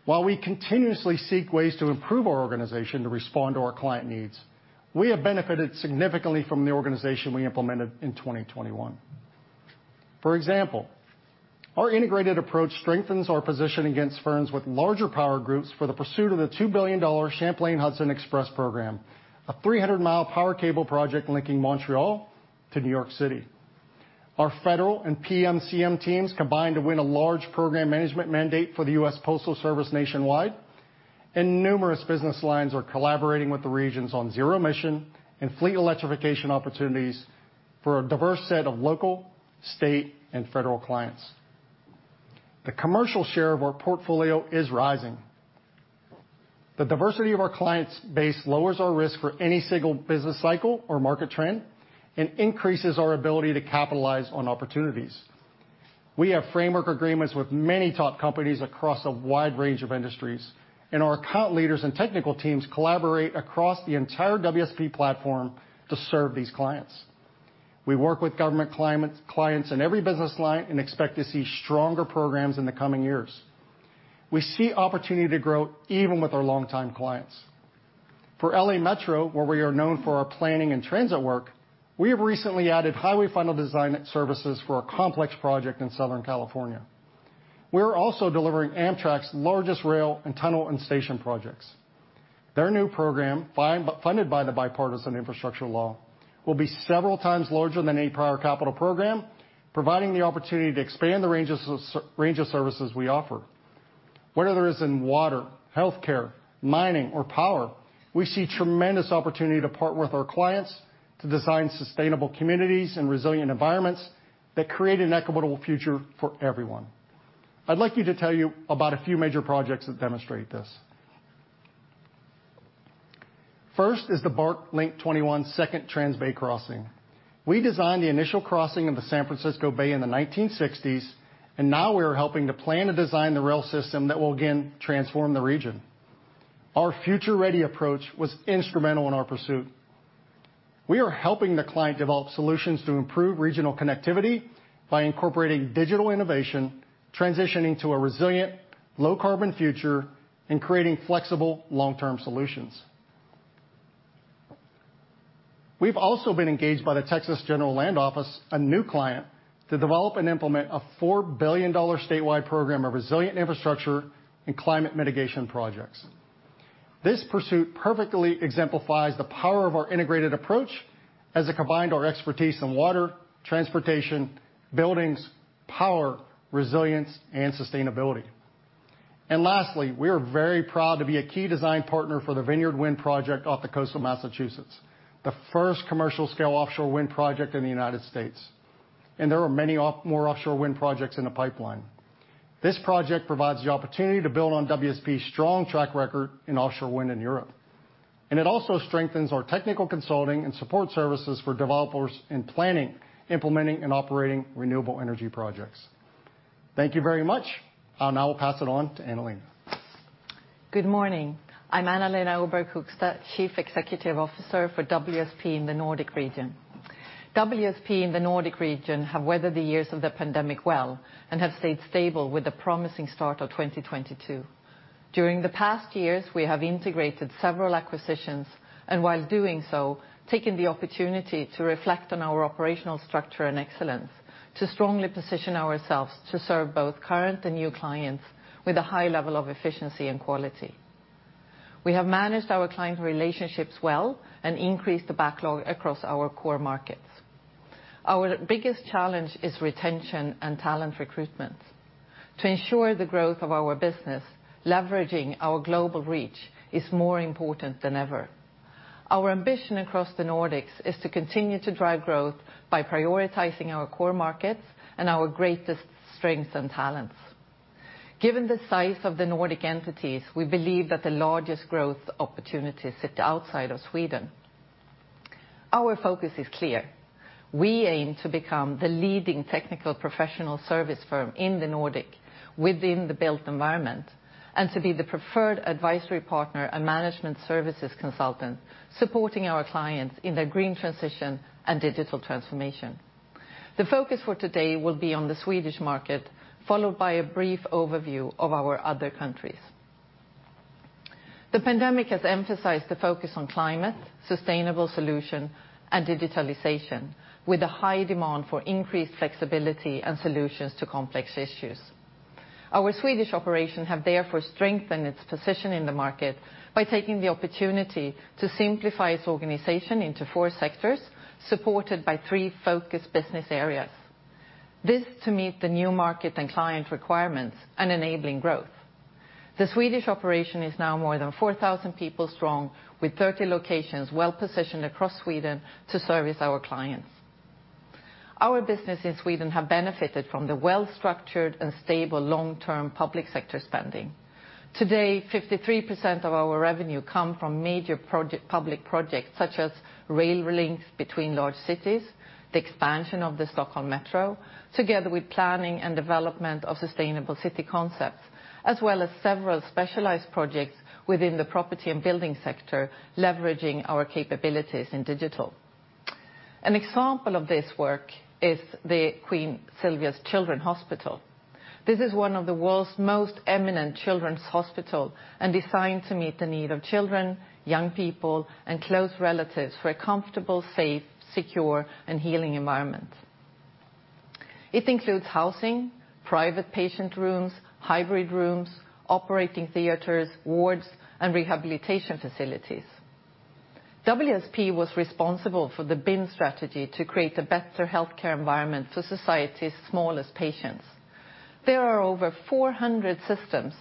While we continuously seek ways to improve our organization to respond to our client needs, we have benefited significantly from the organization we implemented in 2021. For example, our integrated approach strengthens our position against firms with larger power groups for the pursuit of the $2 billion Champlain Hudson Power Express program, a 300-mile power cable project linking Montreal to New York City. Our federal and PMCM teams combined to win a large program management mandate for the U.S. Postal Service nationwide, and numerous business lines are collaborating with the regions on zero-emission and fleet electrification opportunities for a diverse set of local, state, and federal clients. The commercial share of our portfolio is rising. The diversity of our client base lowers our risk for any single business cycle or market trend and increases our ability to capitalize on opportunities. We have framework agreements with many top companies across a wide range of industries, and our account leaders and technical teams collaborate across the entire WSP platform to serve these clients. We work with government clients in every business line and expect to see stronger programs in the coming years. We see opportunity to grow even with our longtime clients. For L.A. Metro, where we are known for our planning and transit work, we have recently added highway final design services for a complex project in Southern California. We're also delivering Amtrak's largest rail and tunnel and station projects. Their new program, funded by the Bipartisan Infrastructure Law, will be several times larger than any prior capital program, providing the opportunity to expand the range of services we offer. Whether it is in water, healthcare, mining or power, we see tremendous opportunity to partner with our clients to design sustainable communities and resilient environments that create an equitable future for everyone. I'd like to tell you about a few major projects that demonstrate this. First is the BART Link21 Second Transbay Crossing. We designed the initial crossing of the San Francisco Bay in the 1960s, and now we are helping to plan and design the rail system that will again transform the region. Our Future Ready approach was instrumental in our pursuit. We are helping the client develop solutions to improve regional connectivity by incorporating digital innovation, transitioning to a resilient low carbon future, and creating flexible long-term solutions. We've also been engaged by the Texas General Land Office, a new client, to develop and implement a $4 billion statewide program of resilient infrastructure and climate mitigation projects. This pursuit perfectly exemplifies the power of our integrated approach as it combined our expertise in water, transportation, buildings, power, resilience, and sustainability. Lastly, we are very proud to be a key design partner for the Vineyard Wind Project off the coast of Massachusetts, the first commercial scale offshore wind project in the United States. There are many more offshore wind projects in the pipeline. This project provides the opportunity to build on WSP's strong track record in offshore wind in Europe. It also strengthens our technical consulting and support services for developers in planning, implementing, and operating renewable energy projects. Thank you very much. I'll now pass it on to Anna-Lena. Good morning. I'm Anna-Lena Öberg-Högsta, Chief Executive Officer for WSP in the Nordic region. WSP in the Nordic region have weathered the years of the pandemic well and have stayed stable with the promising start of 2022. During the past years, we have integrated several acquisitions, and while doing so, taking the opportunity to reflect on our operational structure and excellence to strongly position ourselves to serve both current and new clients with a high level of efficiency and quality. We have managed our client relationships well and increased the backlog across our core markets. Our biggest challenge is retention and talent recruitment. To ensure the growth of our business, leveraging our global reach is more important than ever. Our ambition across the Nordics is to continue to drive growth by prioritizing our core markets and our greatest strengths and talents. Given the size of the Nordic entities, we believe that the largest growth opportunities sit outside of Sweden. Our focus is clear. We aim to become the leading technical professional service firm in the Nordic within the built environment and to be the preferred advisory partner and management services consultant, supporting our clients in their green transition and digital transformation. The focus for today will be on the Swedish market, followed by a brief overview of our other countries. The pandemic has emphasized the focus on climate, sustainable solution, and digitalization, with a high demand for increased flexibility and solutions to complex issues. Our Swedish operation have therefore strengthened its position in the market by taking the opportunity to simplify its organization into four sectors supported by three focused business areas. This is to meet the new market and client requirements and enabling growth. The Swedish operation is now more than 4,000 people strong with 30 locations well-positioned across Sweden to service our clients. Our business in Sweden has benefited from the well-structured and stable long-term public sector spending. Today, 53% of our revenue comes from major projects, public projects such as rail links between large cities, the expansion of the Stockholm Metro, together with planning and development of sustainable city concepts, as well as several specialized projects within the property and building sector, leveraging our capabilities in digital. An example of this work is the Queen Silvia Children's Hospital. This is one of the world's most eminent children's hospitals and is designed to meet the needs of children, young people, and close relatives for a comfortable, safe, secure, and healing environment. It includes housing, private patient rooms, hybrid rooms, operating theaters, wards, and rehabilitation facilities. WSP was responsible for the BIM strategy to create a better healthcare environment for society's smallest patients. There are over 400 systems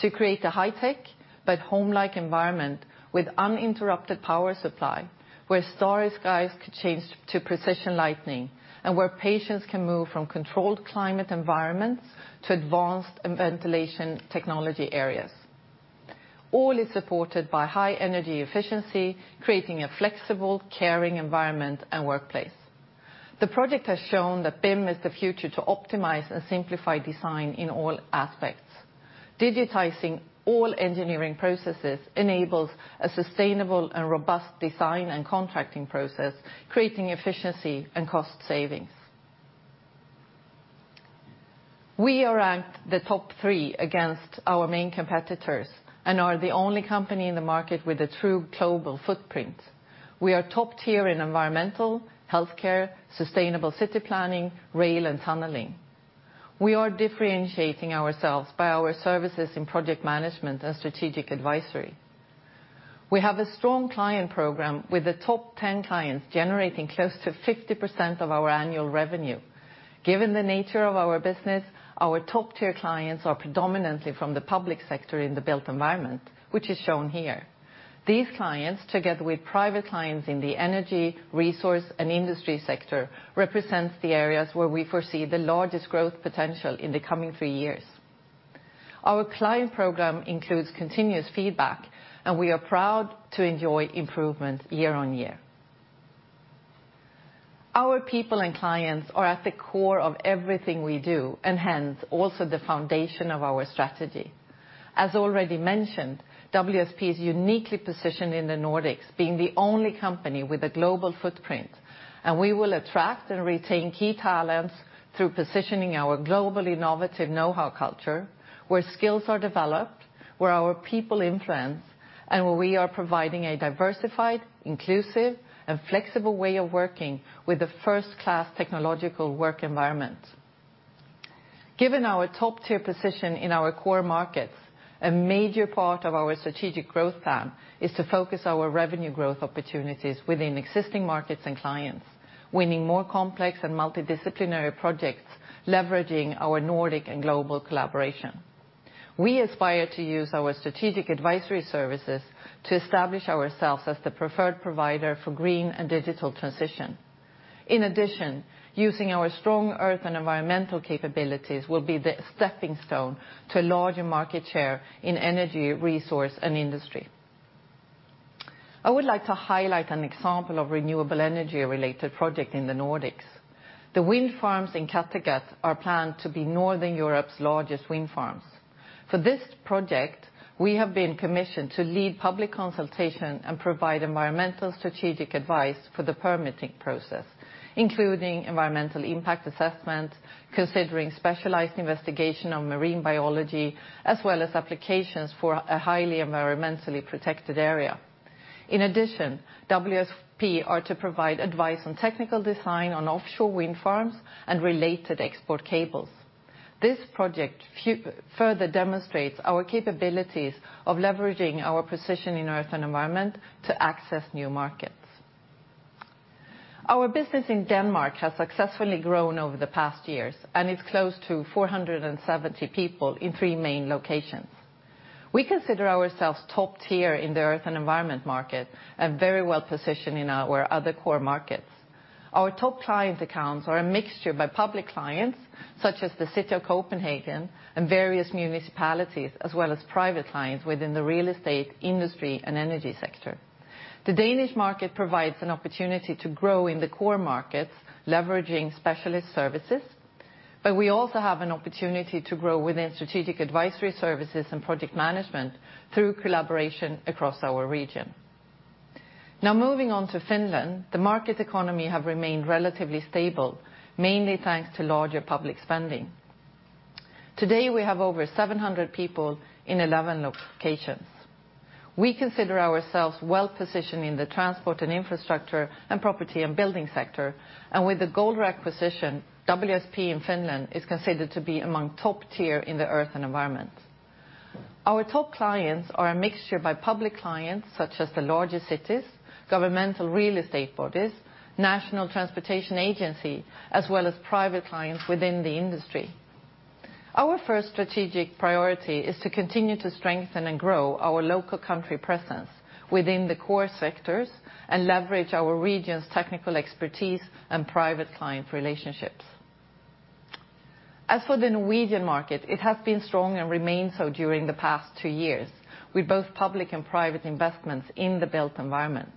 to create a high-tech but home-like environment with uninterrupted power supply, where starry skies could change to precision lighting, and where patients can move from controlled climate environments to advanced ventilation technology areas. All is supported by high energy efficiency, creating a flexible, caring environment and workplace. The project has shown that BIM is the future to optimize and simplify design in all aspects. Digitizing all engineering processes enables a sustainable and robust design and contracting process, creating efficiency and cost savings. We are ranked the top three against our main competitors and are the only company in the market with a true global footprint. We are top tier in environmental, healthcare, sustainable city planning, rail, and tunneling. We are differentiating ourselves by our services in project management and strategic advisory. We have a strong client program with the top 10 clients generating close to 50% of our annual revenue. Given the nature of our business, our top-tier clients are predominantly from the public sector in the built environment, which is shown here. These clients, together with private clients in the energy, resource, and industry sector, represents the areas where we foresee the largest growth potential in the coming 3 years. Our client program includes continuous feedback, and we are proud to enjoy improvement year-over-year. Our people and clients are at the core of everything we do, and hence, also the foundation of our strategy. As already mentioned, WSP is uniquely positioned in the Nordics, being the only company with a global footprint. We will attract and retain key talents through positioning our global innovative knowhow culture, where skills are developed, where our people influence, and where we are providing a diversified, inclusive, and flexible way of working with a first-class technological work environment. Given our top-tier position in our core markets, a major part of our strategic growth plan is to focus our revenue growth opportunities within existing markets and clients, winning more complex and multidisciplinary projects, leveraging our Nordic and global collaboration. We aspire to use our strategic advisory services to establish ourselves as the preferred provider for green and digital transition. In addition, using our strong earth and environmental capabilities will be the stepping stone to larger market share in energy, resource, and industry. I would like to highlight an example of renewable energy-related project in the Nordics. The wind farms in Kattegat are planned to be Northern Europe's largest wind farms. For this project, we have been commissioned to lead public consultation and provide environmental strategic advice for the permitting process, including environmental impact assessment, considering specialized investigation on marine biology, as well as applications for a highly environmentally protected area. In addition, WSP are to provide advice on technical design on offshore wind farms and related export cables. This project further demonstrates our capabilities of leveraging our position in Earth & Environment to access new markets. Our business in Denmark has successfully grown over the past years and is close to 470 people in three main locations. We consider ourselves top tier in the Earth & Environment market and very well positioned in our other core markets. Our top client accounts are a mixture of public clients such as the City of Copenhagen and various municipalities, as well as private clients within the real estate, industry, and energy sector. The Danish market provides an opportunity to grow in the core markets, leveraging specialist services. We also have an opportunity to grow within strategic advisory services and project management through collaboration across our region. Now moving on to Finland, the market economy has remained relatively stable, mainly thanks to larger public spending. Today, we have over 700 people in 11 locations. We consider ourselves well-positioned in the transport and infrastructure and property and building sector. With the Golder acquisition, WSP in Finland is considered to be among top tier in the earth and environment. Our top clients are a mixture of public clients such as the largest cities, governmental real estate bodies, national transportation agency, as well as private clients within the industry. Our first strategic priority is to continue to strengthen and grow our local country presence within the core sectors and leverage our region's technical expertise and private client relationships. As for the Norwegian market, it has been strong and remains so during the past two years with both public and private investments in the built environment.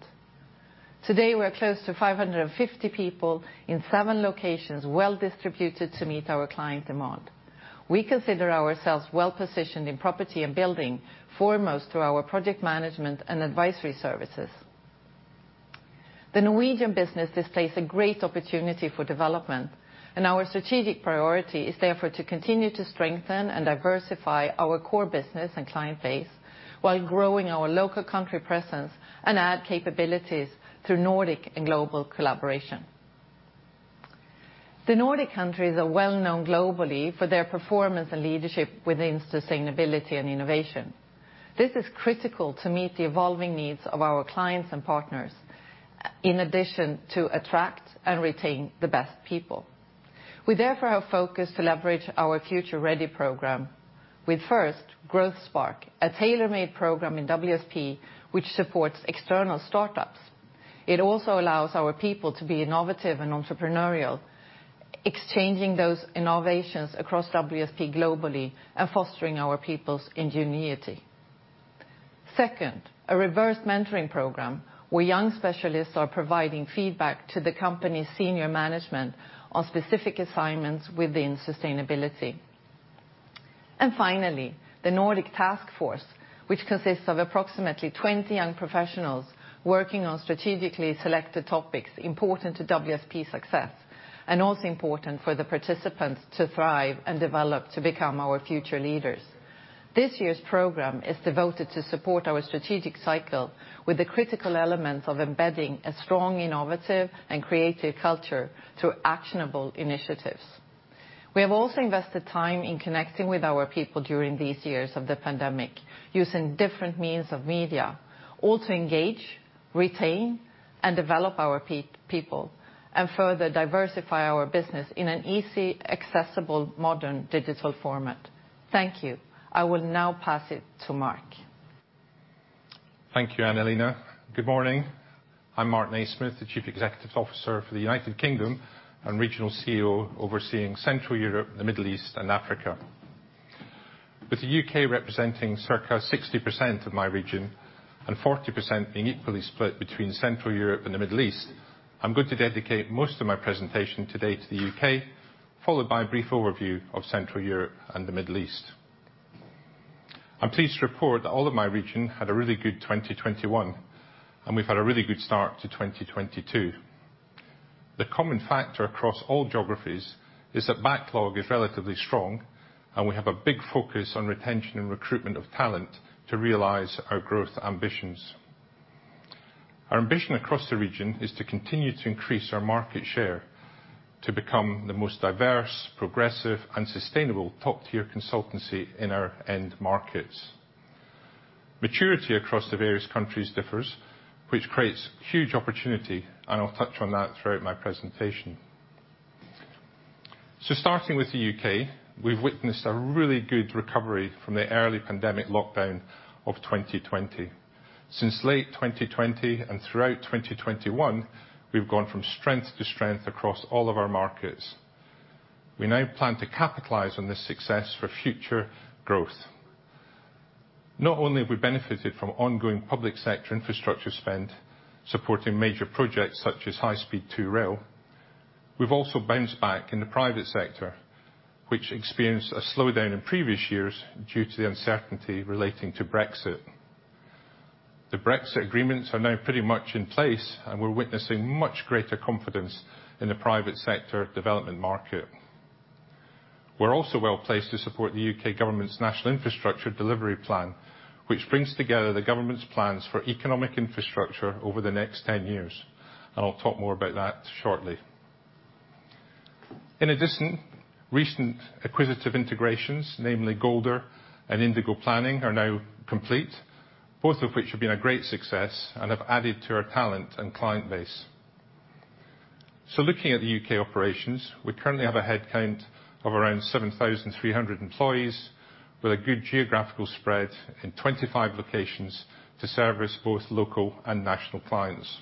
Today, we're close to 550 people in seven locations, well-distributed to meet our client demand. We consider ourselves well-positioned in Property and Buildings, foremost through our project management and advisory services. The Norwegian business displays a great opportunity for development, and our strategic priority is therefore to continue to strengthen and diversify our core business and client base while growing our local country presence and add capabilities through Nordic and global collaboration. The Nordic countries are well-known globally for their performance and leadership within sustainability and innovation. This is critical to meet the evolving needs of our clients and partners, in addition to attract and retain the best people. We therefore have focused to leverage our Future Ready program with, first, Growth Spark, a tailor-made program in WSP which supports external startups. It also allows our people to be innovative and entrepreneurial, exchanging those innovations across WSP globally and fostering our people's ingenuity. Second, a reverse mentoring program where young specialists are providing feedback to the company's senior management on specific assignments within sustainability. Finally, the Nordic Task Force, which consists of approximately 20 young professionals working on strategically selected topics important to WSP's success, and also important for the participants to thrive and develop to become our future leaders. This year's program is devoted to support our strategic cycle with the critical elements of embedding a strong, innovative, and creative culture through actionable initiatives. We have also invested time in connecting with our people during these years of the pandemic, using different means of media, all to engage, retain, and develop our people, and further diversify our business in an easy, accessible, modern digital format. Thank you. I will now pass it to Mark. Thank you, Anna-Lena. Good morning. I'm Mark Naysmith, the Chief Executive Officer for the United Kingdom and Regional CEO overseeing Central Europe, the Middle East, and Africa. With the UK representing circa 60% of my region and 40% being equally split between Central Europe and the Middle East, I'm going to dedicate most of my presentation today to the UK, followed by a brief overview of Central Europe and the Middle East. I'm pleased to report that all of my region had a really good 2021, and we've had a really good start to 2022. The common factor across all geographies is that backlog is relatively strong, and we have a big focus on retention and recruitment of talent to realize our growth ambitions. Our ambition across the region is to continue to increase our market share to become the most diverse, progressive, and sustainable top-tier consultancy in our end markets. Maturity across the various countries differs, which creates huge opportunity, and I'll touch on that throughout my presentation. Starting with the U.K., we've witnessed a really good recovery from the early pandemic lockdown of 2020. Since late 2020 and throughout 2021, we've gone from strength to strength across all of our markets. We now plan to capitalize on this success for future growth. Not only have we benefited from ongoing public sector infrastructure spend, supporting major projects such as High Speed 2 rail, we've also bounced back in the private sector, which experienced a slowdown in previous years due to the uncertainty relating to Brexit. The Brexit agreements are now pretty much in place, and we're witnessing much greater confidence in the private sector development market. We're also well-placed to support the U.K. government's national infrastructure delivery plan, which brings together the government's plans for economic infrastructure over the next 10 years, and I'll talk more about that shortly. In addition, recent acquisitive integrations, namely Golder and Indigo Planning, are now complete, both of which have been a great success and have added to our talent and client base. Looking at the U.K. operations, we currently have a head count of around 7,300 employees with a good geographical spread in 25 locations to service both local and national clients.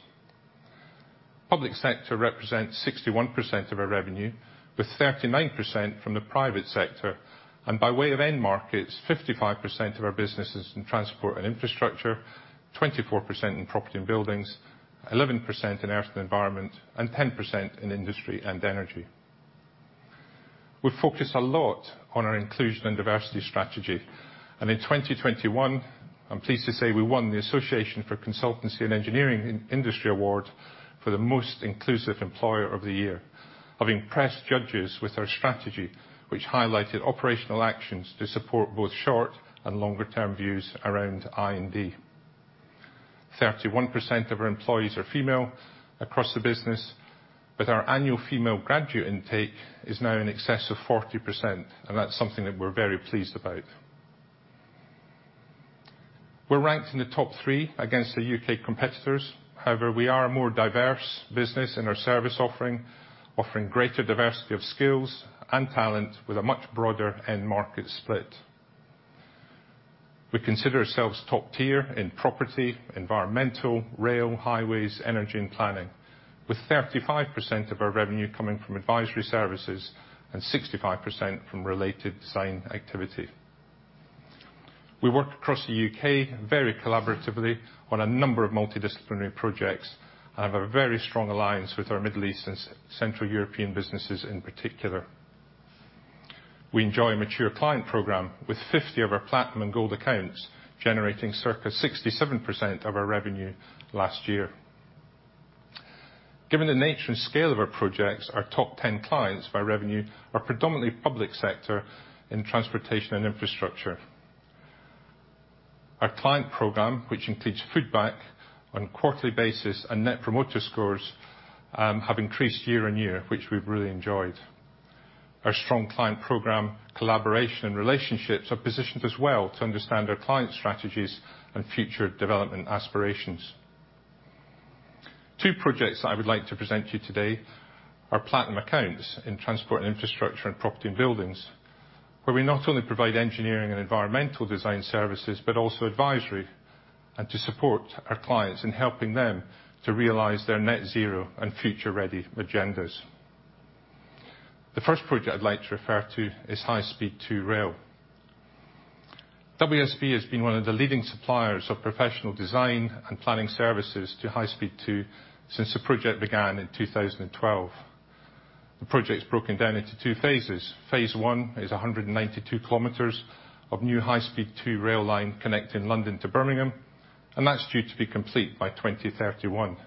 Public sector represents 61% of our revenue, with 39% from the private sector. By way of end markets, 55% of our business is in transport and infrastructure, 24% in property and buildings, 11% in earth and environment, and 10% in industry and energy. We focus a lot on our inclusion and diversity strategy, and in 2021, I'm pleased to say we won the Association for Consultancy and Engineering Industry Award for the most inclusive employer of the year, having impressed judges with our strategy, which highlighted operational actions to support both short and longer term views around I&D. 31% of our employees are female across the business, with our annual female graduate intake is now in excess of 40%, and that's something that we're very pleased about. We're ranked in the top three against the U.K. competitors. However, we are a more diverse business in our service offering greater diversity of skills and talent with a much broader end market split. We consider ourselves top tier in property, environmental, rail, highways, energy, and planning, with 35% of our revenue coming from advisory services and 65% from related design activity. We work across the U.K. very collaboratively on a number of multidisciplinary projects and have a very strong alliance with our Middle East and Central European businesses in particular. We enjoy a mature client program with 50 of our platinum and gold accounts generating circa 67% of our revenue last year. Given the nature and scale of our projects, our top 10 clients by revenue are predominantly public sector in transportation and infrastructure. Our client program, which includes feedback on a quarterly basis and Net Promoter Scores, have increased year-over-year, which we've really enjoyed. Our strong client program collaboration and relationships are positioned as well to understand our clients' strategies and future development aspirations. Two projects that I would like to present to you today are platinum accounts in transport and infrastructure and property and buildings, where we not only provide engineering and environmental design services, but also advisory and to support our clients in helping them to realize their net-zero and Future Ready agendas. The first project I'd like to refer to is High Speed 2 Rail. WSP has been one of the leading suppliers of professional design and planning services to High Speed 2 since the project began in 2012. The project is broken down into two phases. Phase 1 is 192 km of new High Speed 2 rail line connecting London to Birmingham, and that's due to be complete by 2031.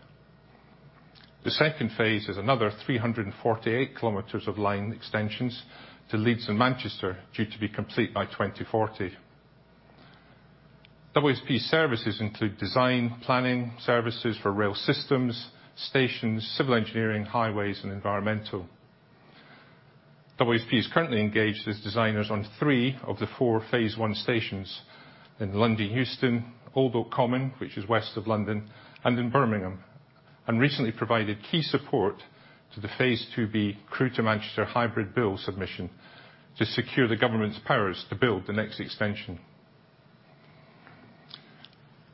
Phase 2 is another 348 km of line extensions to Leeds and Manchester, due to be complete by 2040. WSP services include design, planning, services for rail systems, stations, civil engineering, highways, and environmental. WSP is currently engaged as designers on 3 of the 4 Phase 1 stations in London Euston, Old Oak Common, which is west of London, and in Birmingham, and recently provided key support to the Phase 2b Crewe to Manchester hybrid bill submission to secure the government's powers to build the next extension.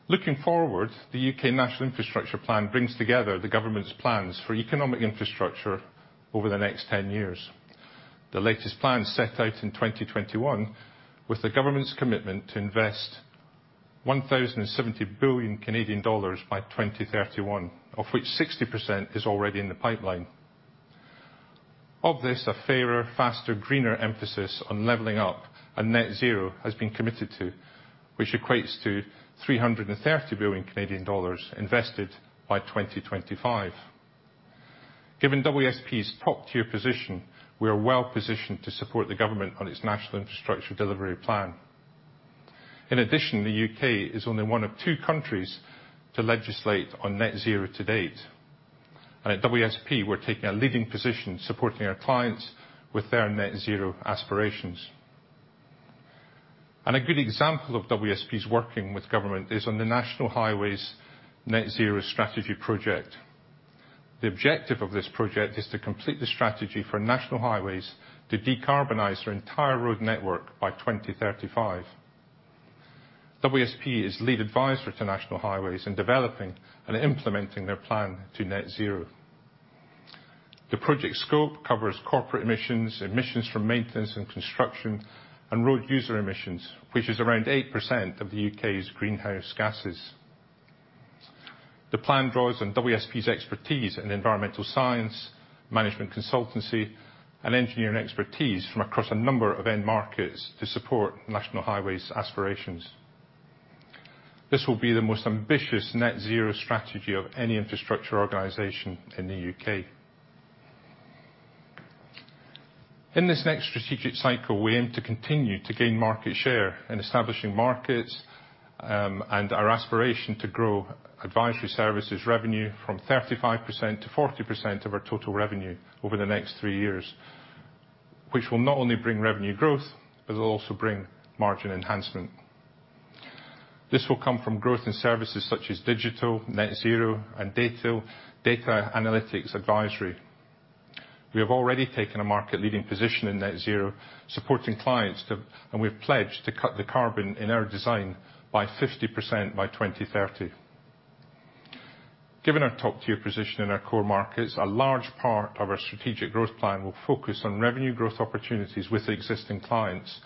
Looking forward, the U.K. National Infrastructure Plan brings together the government's plans for economic infrastructure over the next 10 years. The latest plan set out in 2021 was the government's commitment to invest 1,070 billion Canadian dollars by 2031, of which 60% is already in the pipeline. Of this, a fairer, faster, greener emphasis on leveling up and net zero has been committed to, which equates to 330 billion Canadian dollars invested by 2025. Given WSP's top-tier position, we are well-positioned to support the government on its national infrastructure delivery plan. In addition, the U.K. is only one of two countries to legislate on net zero to date. At WSP, we're taking a leading position supporting our clients with their net zero aspirations. A good example of WSP's working with government is on the National Highways Net Zero strategy project. The objective of this project is to complete the strategy for National Highways to decarbonize their entire road network by 2035. WSP is lead advisor to National Highways in developing and implementing their plan to net zero. The project scope covers corporate emissions from maintenance and construction, and road user emissions, which is around 8% of the U.K.'s greenhouse gases. The plan draws on WSP's expertise in environmental science, management consultancy, and engineering expertise from across a number of end markets to support National Highways aspirations. This will be the most ambitious net zero strategy of any infrastructure organization in the U.K. In this next strategic cycle, we aim to continue to gain market share in establishing markets, and our aspiration to grow advisory services revenue from 35% to 40% of our total revenue over the next three years, which will not only bring revenue growth, but it'll also bring margin enhancement. This will come from growth in services such as digital, net zero, and data analytics advisory. We have already taken a market-leading position in net zero supporting clients and we've pledged to cut the carbon in our design by 50% by 2030. Given our top-tier position in our core markets, a large part of our strategic growth plan will focus on revenue growth opportunities with existing clients,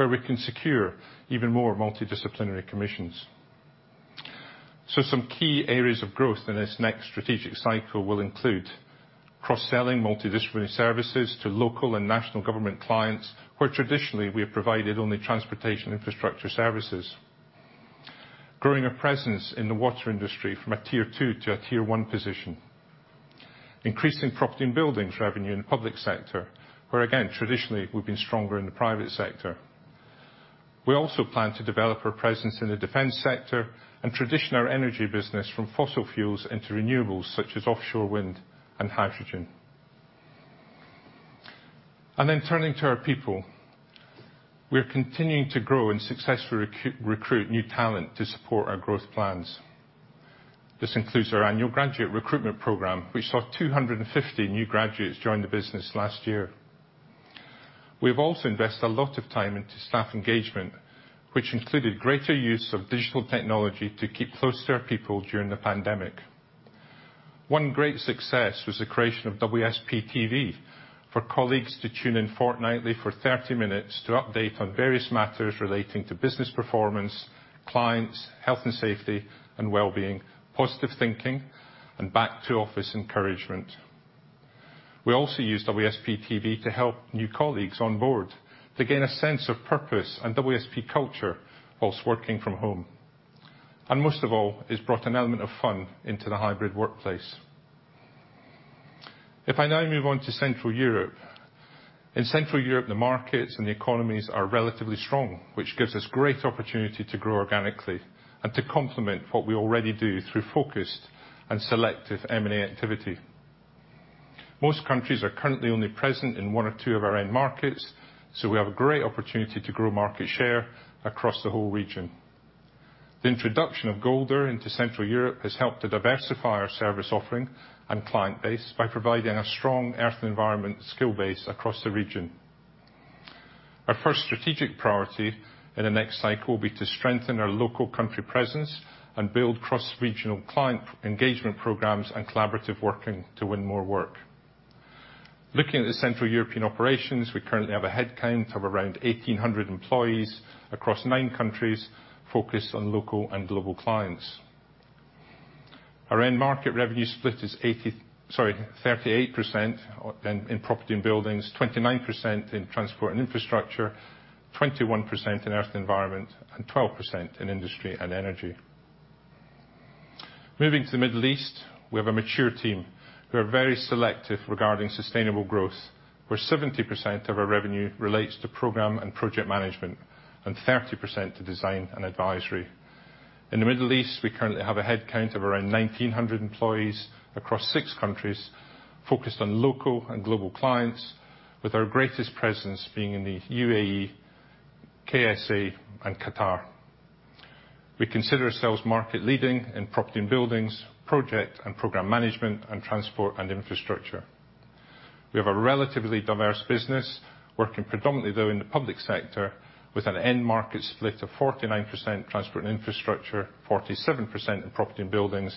where we can secure even more multidisciplinary commissions. Some key areas of growth in this next strategic cycle will include cross-selling multidisciplinary services to local and national government clients, where traditionally we have provided only transportation infrastructure services, growing a presence in the water industry from a tier two to a tier one position, increasing property and buildings revenue in the public sector, where again, traditionally, we've been stronger in the private sector. We also plan to develop our presence in the defense sector and transition our energy business from fossil fuels into renewables such as offshore wind and hydrogen. Turning to our people, we are continuing to grow and successfully recruit new talent to support our growth plans. This includes our annual graduate recruitment program, which saw 250 new graduates join the business last year. We've also invested a lot of time into staff engagement, which included greater use of digital technology to keep close to our people during the pandemic. One great success was the creation of WSP TV for colleagues to tune in fortnightly for 30 minutes to update on various matters relating to business performance, clients, health and safety and well-being, positive thinking, and back to office encouragement. We also use WSP TV to help new colleagues on board to gain a sense of purpose and WSP culture while working from home. Most of all, it's brought an element of fun into the hybrid workplace. If I now move on to Central Europe. In Central Europe, the markets and the economies are relatively strong, which gives us great opportunity to grow organically and to complement what we already do through focused and selective M&A activity. Most countries are currently only present in one or two of our end markets, so we have a great opportunity to grow market share across the whole region. The introduction of Golder into Central Europe has helped to diversify our service offering and client base by providing a strong earth environment skill base across the region. Our first strategic priority in the next cycle will be to strengthen our local country presence and build cross-regional client engagement programs and collaborative working to win more work. Looking at the Central European operations, we currently have a headcount of around 1,800 employees across nine countries focused on local and global clients. Our end market revenue split is 38% in property and buildings, 29% in transport and infrastructure, 21% in earth environment, and 12% in industry and energy. Moving to the Middle East, we have a mature team who are very selective regarding sustainable growth, where 70% of our revenue relates to program and project management and 30% to design and advisory. In the Middle East, we currently have a headcount of around 1,900 employees across 6 countries focused on local and global clients, with our greatest presence being in the UAE, KSA, and Qatar. We consider ourselves market leading in property and buildings, project and program management, and transport and infrastructure. We have a relatively diverse business, working predominantly though in the public sector with an end market split of 49% transport and infrastructure, 47% in property and buildings,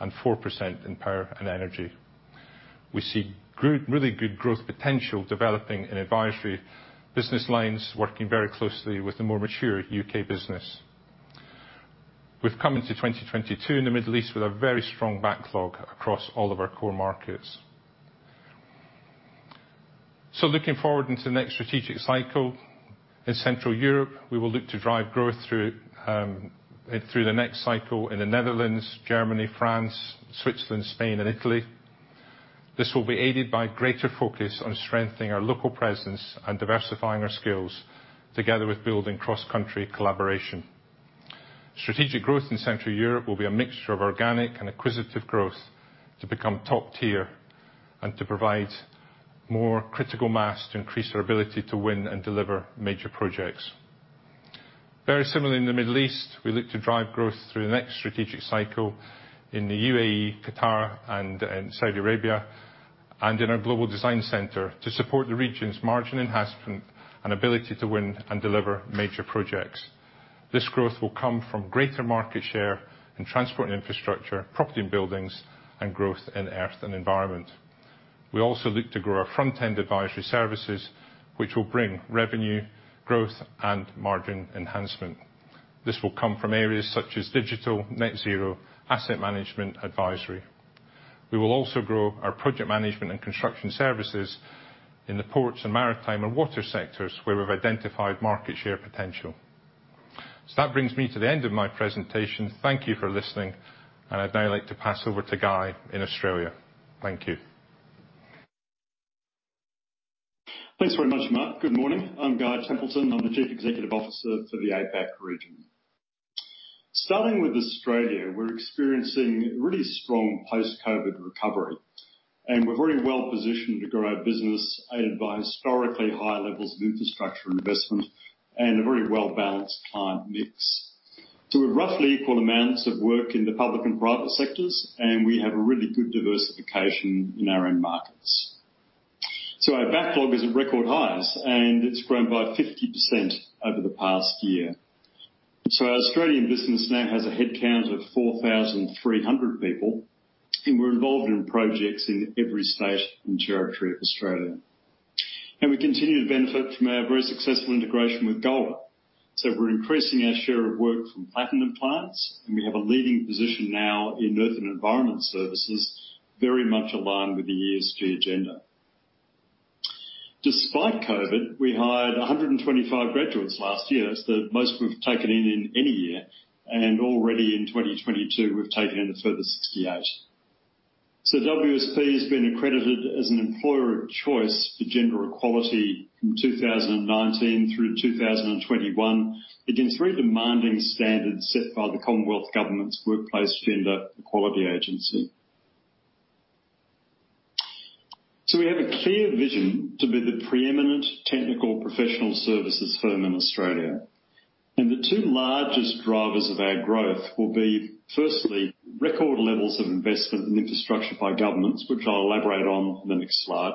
and 4% in power and energy. We see good, really good growth potential developing in advisory business lines, working very closely with the more mature U.K. business. We've come into 2022 in the Middle East with a very strong backlog across all of our core markets. Looking forward into the next strategic cycle. In Central Europe, we will look to drive growth through the next cycle in the Netherlands, Germany, France, Switzerland, Spain, and Italy. This will be aided by greater focus on strengthening our local presence and diversifying our skills together with building cross-country collaboration. Strategic growth in Central Europe will be a mixture of organic and acquisitive growth to become top tier and to provide more critical mass to increase our ability to win and deliver major projects. Very similarly in the Middle East, we look to drive growth through the next strategic cycle in the UAE, Qatar, and in Saudi Arabia, and in our global design center to support the region's margin enhancement and ability to win and deliver major projects. This growth will come from greater market share in transport and infrastructure, property and buildings, and growth in earth and environment. We also look to grow our front-end advisory services, which will bring revenue, growth, and margin enhancement. This will come from areas such as digital, net zero, asset management, advisory. We will also grow our project management and construction services in the ports and maritime and water sectors where we've identified market share potential. That brings me to the end of my presentation. Thank you for listening, and I'd now like to pass over to Guy in Australia. Thank you. Thanks very much, Mark. Good morning. I'm Guy Templeton. I'm the Chief Executive Officer for the APAC region. Starting with Australia, we're experiencing really strong post-COVID recovery, and we're very well positioned to grow our business aided by historically high levels of infrastructure investment and a very well-balanced client mix. We have roughly equal amounts of work in the public and private sectors, and we have a really good diversification in our end markets. Our backlog is at record highs, and it's grown by 50% over the past year. Our Australian business now has a headcount of 4,300 people, and we're involved in projects in every state and territory of Australia. We continue to benefit from our very successful integration with Golder. We're increasing our share of work from platinum clients, and we have a leading position now in earth and environment services, very much aligned with the ESG agenda. Despite COVID, we hired 125 graduates last year. That's the most we've taken in in any year, and already in 2022, we've taken a further 68. WSP has been accredited as an employer of choice for gender equality from 2019 through 2021 against very demanding standards set by the Commonwealth Government's Workplace Gender Equality Agency. We have a clear vision to be the preeminent technical professional services firm in Australia. The two largest drivers of our growth will be, firstly, record levels of investment in infrastructure by governments, which I'll elaborate on in the next slide.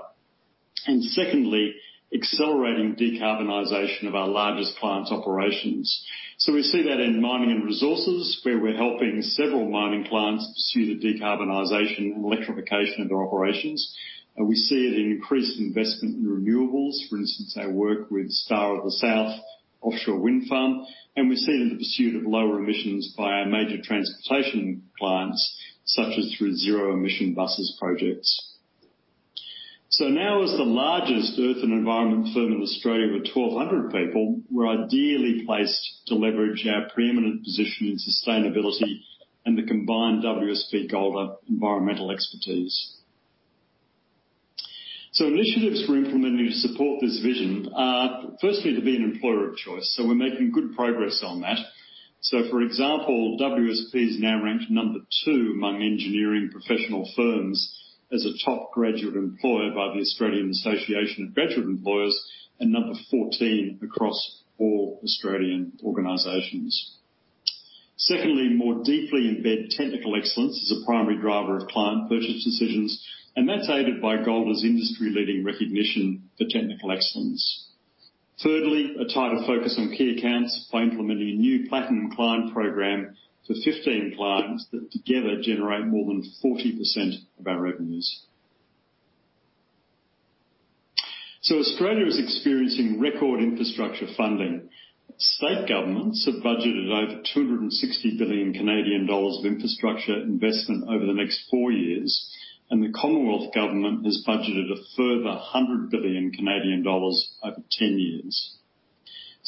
Secondly, accelerating decarbonization of our largest clients' operations. We see that in mining and resources, where we're helping several mining clients pursue the decarbonization and electrification of their operations. We see it in increased investment in renewables. For instance, our work with Star of the South offshore wind farm, we see it in the pursuit of lower emissions by our major transportation clients, such as through zero-emission buses projects. Now as the largest Earth and Environment firm in Australia with 1,200 people, we're ideally placed to leverage our preeminent position in sustainability and the combined WSP Golder environmental expertise. Initiatives we're implementing to support this vision are firstly to be an employer of choice, so we're making good progress on that. For example, WSP is now ranked number 2 among engineering professional firms as a top graduate employer by the Australian Association of Graduate Employers and number 14 across all Australian organizations. Secondly, more deeply embed technical excellence as a primary driver of client purchase decisions, and that's aided by Golder's industry-leading recognition for technical excellence. Thirdly, a tighter focus on key accounts by implementing a new platinum client program for 15 clients that together generate more than 40% of our revenues. Australia is experiencing record infrastructure funding. State governments have budgeted over 260 billion Canadian dollars of infrastructure investment over the next four years, and the Commonwealth Government has budgeted a further 100 billion Canadian dollars over 10 years.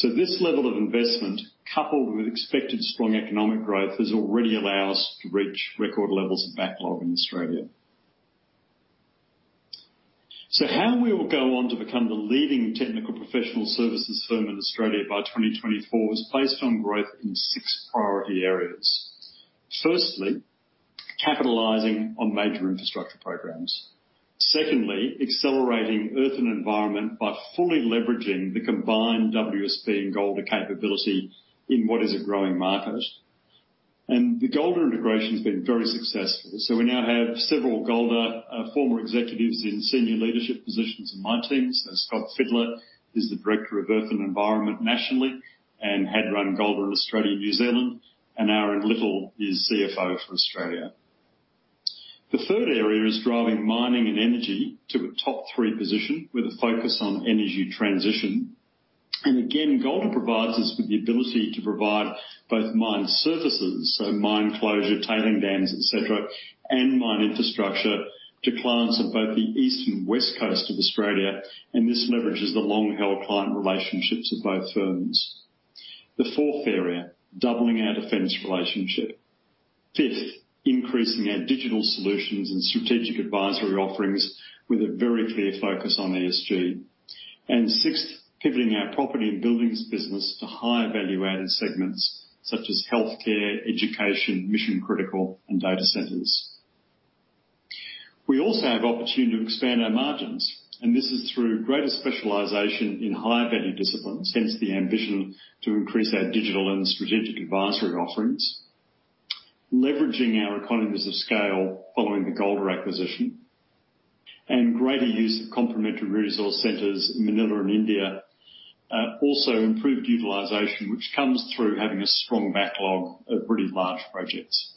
This level of investment, coupled with expected strong economic growth, has already allowed us to reach record levels of backlog in Australia. How we will go on to become the leading technical professional services firm in Australia by 2024 is based on growth in six priority areas. Firstly, capitalizing on major infrastructure programs. Secondly, accelerating Earth and Environment by fully leveraging the combined WSP and Golder capability in what is a growing market. The Golder integration has been very successful. We now have several Golder former executives in senior leadership positions in my team. Scott Fidler is the Director of Earth and Environment nationally and had run Golder in Australia and New Zealand, and Aaron Little is CFO for Australia. The third area is driving mining and energy to a top three position with a focus on energy transition. Again, Golder provides us with the ability to provide both mine services, so mine closure, tailings dams, et cetera, and mine infrastructure to clients at both the east and west coast of Australia, and this leverages the long-held client relationships of both firms. The fourth area, doubling our defense relationship. Fifth, increasing our digital solutions and strategic advisory offerings with a very clear focus on ESG. Sixth, pivoting our property and buildings business to higher value-added segments such as healthcare, education, mission-critical, and data centers. We also have opportunity to expand our margins, and this is through greater specialization in higher value disciplines, hence the ambition to increase our digital and strategic advisory offerings. Leveraging our economies of scale following the Golder acquisition and greater use of complementary resource centers in Manila and India. Also improved utilization, which comes through having a strong backlog of really large projects.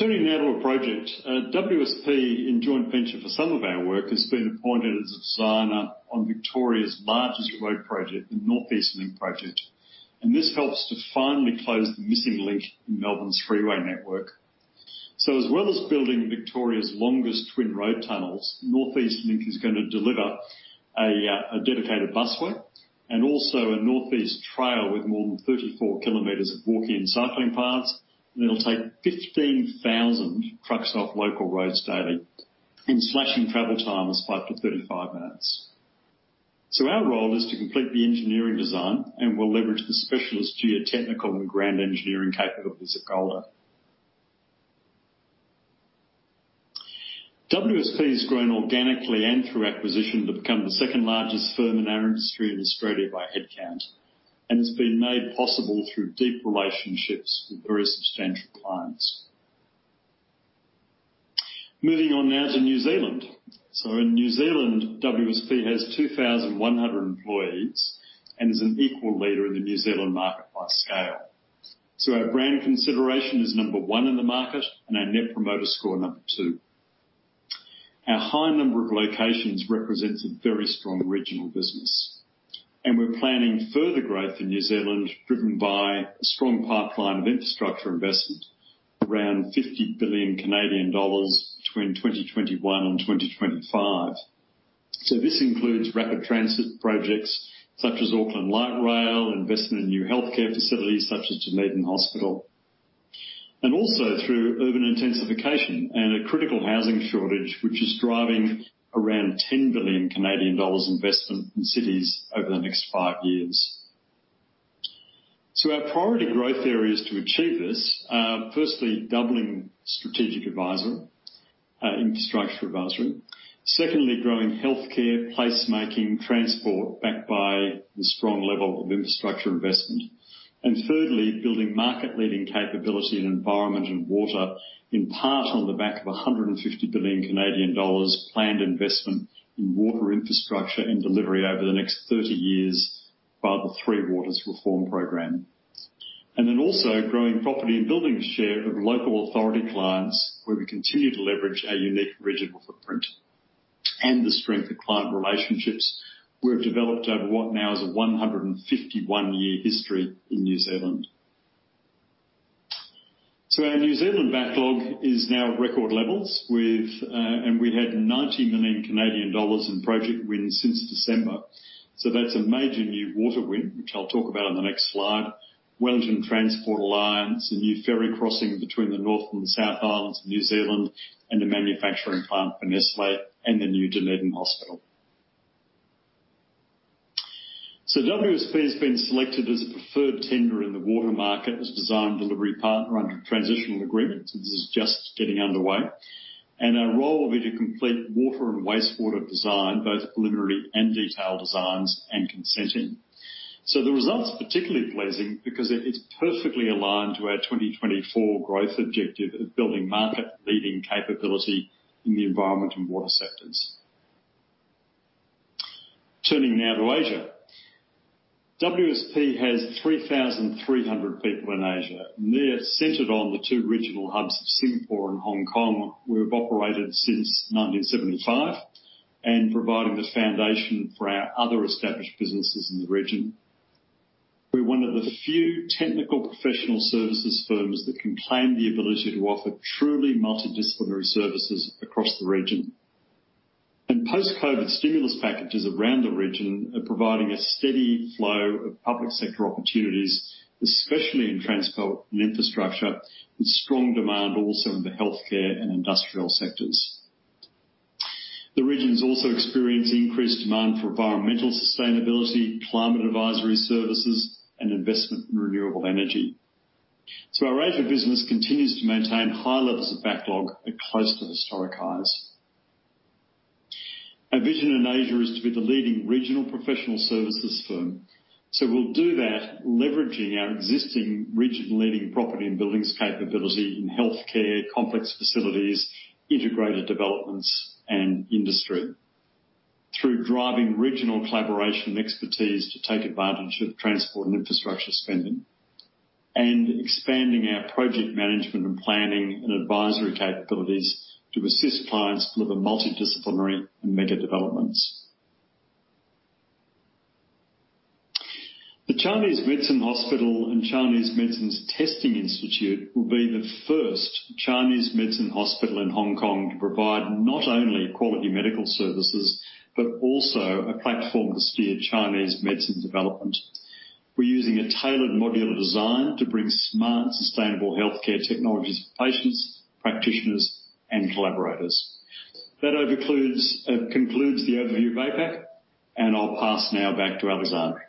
Turning now to a project. WSP, in joint venture for some of our work, has been appointed as a designer on Victoria's largest road project, the Northeast Link project, and this helps to finally close the missing link in Melbourne's freeway network. As well as building Victoria's longest twin road tunnels, Northeast Link is gonna deliver a dedicated busway and also a North East Trail with more than 34 km of walking and cycling paths. It'll take 15,000 trucks off local roads daily and slashing travel times by up to 35 minutes. Our role is to complete the engineering design, and we'll leverage the specialist geotechnical and ground engineering capabilities at Golder. WSP has grown organically and through acquisition to become the second-largest firm in our industry in Australia by headcount and has been made possible through deep relationships with very substantial clients. Moving on now to New Zealand. In New Zealand, WSP has 2,100 employees and is an equal leader in the New Zealand market by scale. Our brand consideration is 1 in the market and our Net Promoter Score 2. Our high number of locations represents a very strong regional business, and we're planning further growth in New Zealand driven by a strong pipeline of infrastructure investment, around 50 billion Canadian dollars between 2021 and 2025. This includes rapid transit projects such as Auckland Light Rail, investment in new healthcare facilities such as Dunedin Hospital, and also through urban intensification and a critical housing shortage, which is driving around 10 billion Canadian dollars investment in cities over the next five years. Our priority growth areas to achieve this are firstly, doubling strategic advisory, infrastructure advisory. Secondly, growing healthcare, placemaking, transport backed by the strong level of infrastructure investment. Thirdly, building market-leading capability in environment and water, in part on the back of 150 billion Canadian dollars planned investment in water infrastructure and delivery over the next 30 years via the Three Waters Reform program. Then also growing property and building share of local authority clients, where we continue to leverage our unique regional footprint. The strength of client relationships we have developed over what now is a 151-year history in New Zealand. Our New Zealand backlog is now at record levels. We had 90 million Canadian dollars in project wins since December. That's a major new water win, which I'll talk about on the next slide. Wellington Transport Alliance, a new ferry crossing between the North and South Islands of New Zealand, and a manufacturing plant for Nestlé and the new Dunedin hospital. WSP has been selected as a preferred tenderer in the water market as design delivery partner under transitional agreement. This is just getting underway. Our role will be to complete water and wastewater design, both preliminary and detailed designs and consenting. The results are particularly pleasing because it's perfectly aligned to our 2024 growth objective of building market-leading capability in the environment and water sectors. Turning now to Asia. WSP has 3,300 people in Asia, and they're centered on the two regional hubs of Singapore and Hong Kong, where we've operated since 1975, and providing the foundation for our other established businesses in the region. We're one of the few technical professional services firms that can claim the ability to offer truly multidisciplinary services across the region. post-COVID stimulus packages around the region are providing a steady flow of public sector opportunities, especially in transport and infrastructure, with strong demand also in the healthcare and industrial sectors. The region is also experiencing increased demand for environmental sustainability, climate advisory services, and investment in renewable energy. Our Asia business continues to maintain high levels of backlog at close to historic highs. Our vision in Asia is to be the leading regional professional services firm. We'll do that leveraging our existing regional leading property and buildings capability in healthcare, complex facilities, integrated developments, and industry through driving regional collaboration and expertise to take advantage of transport and infrastructure spending expanding our project management and planning and advisory capabilities to assist clients deliver multidisciplinary and mega developments. The Chinese Medicine Hospital and Chinese Medicines Testing Institute will be the first Chinese medicine hospital in Hong Kong to provide not only quality medical services, but also a platform to steer Chinese medicine development. We're using a tailored modular design to bring smart, sustainable healthcare technologies to patients, practitioners, and collaborators. That concludes the overview of APAC, and I'll pass now back to Alexandre.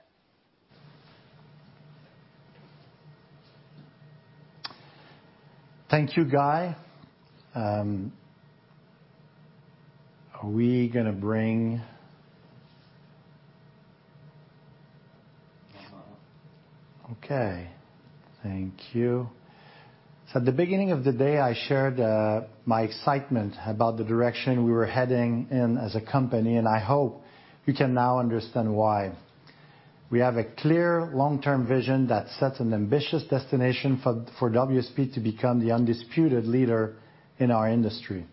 Thank you, Guy. Thank you. At the beginning of the day, I shared my excitement about the direction we were heading in as a company, and I hope you can now understand why. We have a clear long-term vision that sets an ambitious destination for WSP to become the undisputed leader in our industry.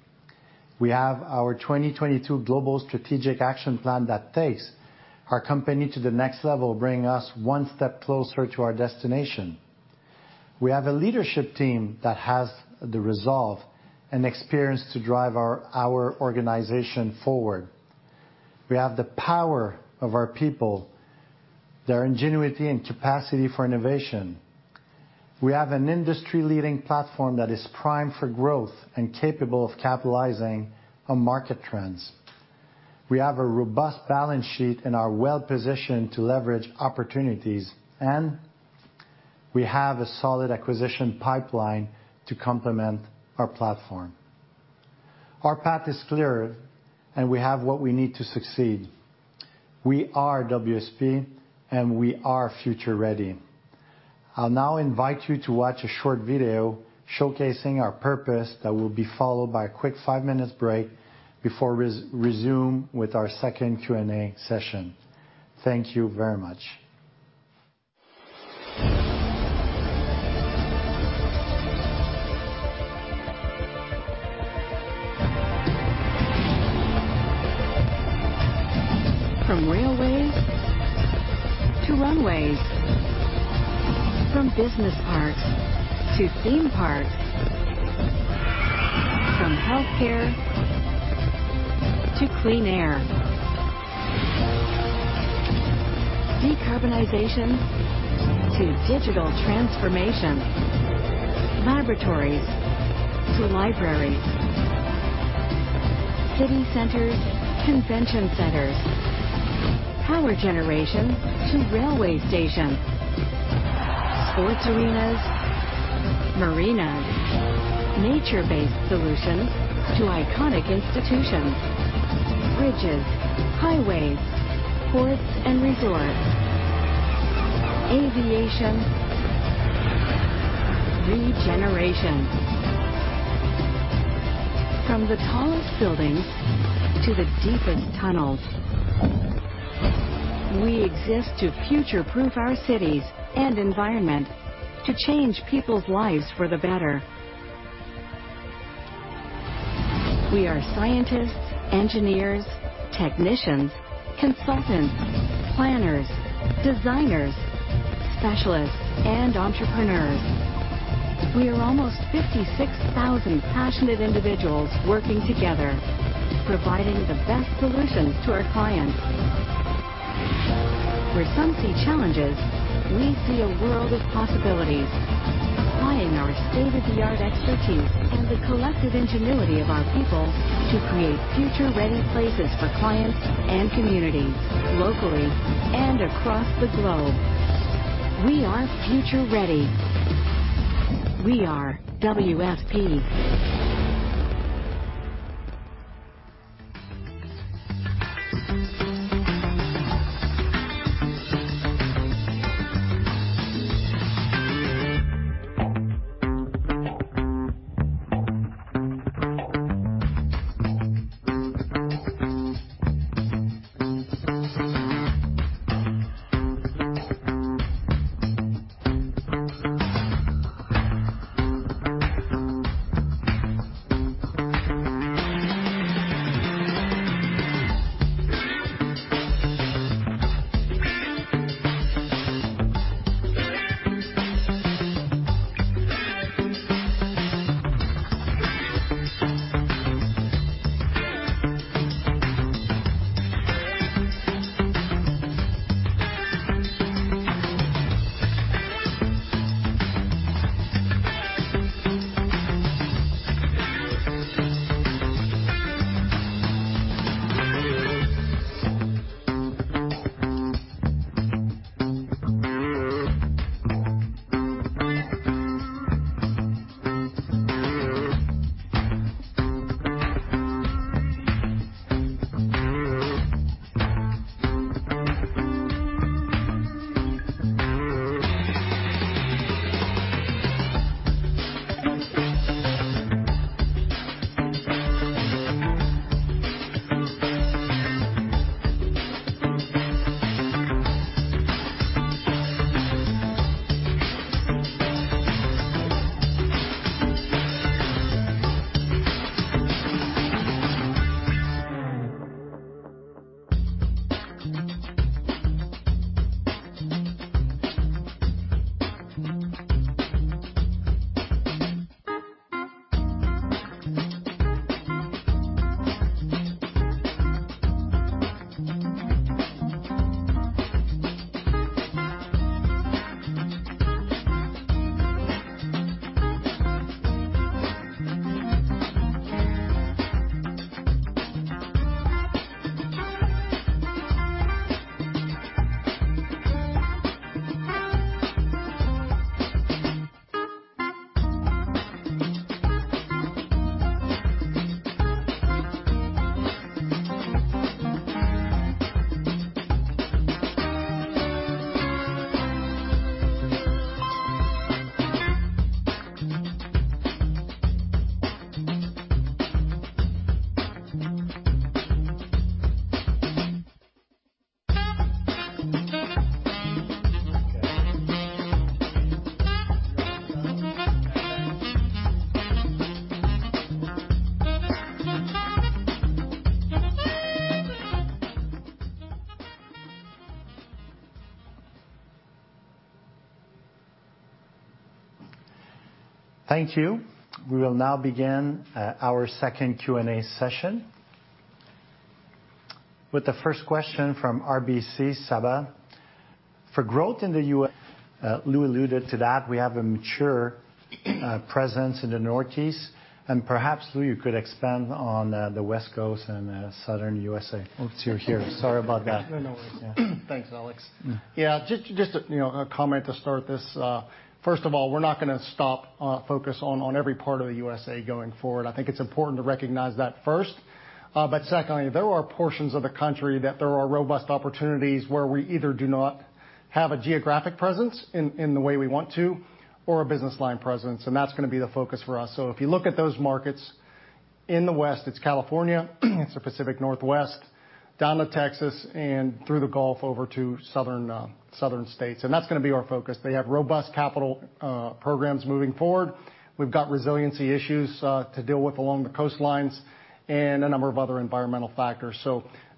We have our 2022 global strategic action plan that takes our company to the next level, bringing us one step closer to our destination. We have a leadership team that has the resolve and experience to drive our organization forward. We have the power of our people, their ingenuity and capacity for innovation. We have an industry-leading platform that is primed for growth and capable of capitalizing on market trends. We have a robust balance sheet and are well positioned to leverage opportunities, and we have a solid acquisition pipeline to complement our platform. Our path is clear, and we have what we need to succeed. We are WSP, and we are Future Ready. I'll now invite you to watch a short video showcasing our purpose that will be followed by a quick five-minute break before resume with our second Q&A session. Thank you very much. From railways to runways. From business parks to theme parks. From healthcare to clean air. Decarbonization to digital transformation. Laboratories to libraries. City centers, convention centers. Power generation to railway stations. Sports arenas, marinas. Nature-based solutions to iconic institutions. Bridges, highways, ports and resorts. Aviation, regeneration. From the tallest buildings to the deepest tunnels. We exist to future-proof our cities and environment to change people's lives for the better. We are scientists, engineers, technicians, consultants, planners, designers, specialists, and entrepreneurs. We are almost 56,000 passionate individuals working together, providing the best solutions to our clients. Where some see challenges, we see a world of possibilities. Applying our state-of-the-art expertise and the collective ingenuity of our people to create Future Ready places for clients and communities locally and across the globe. We are Future Ready. We are WSP. Thank you. We will now begin our second Q&A session. With the first question from RBC, Saba. For growth in the U.S. Lou alluded to that we have a mature presence in the Northeast. Perhaps, Lou, you could expand on the West Coast and Southern U.S. It's you here. Sorry about that. No worries. Yeah. Thanks, Alex. Mm. Just, you know, a comment to start this. First of all, we're not gonna stop our focus on every part of the USA going forward. I think it's important to recognize that first. Secondly, there are portions of the country that there are robust opportunities where we either do not have a geographic presence in the way we want to or a business line presence, and that's gonna be the focus for us. If you look at those markets, in the West, it's California, it's the Pacific Northwest, down to Texas, and through the Gulf over to Southern states. That's gonna be our focus. They have robust capital programs moving forward. We've got resiliency issues to deal with along the coastlines and a number of other environmental factors.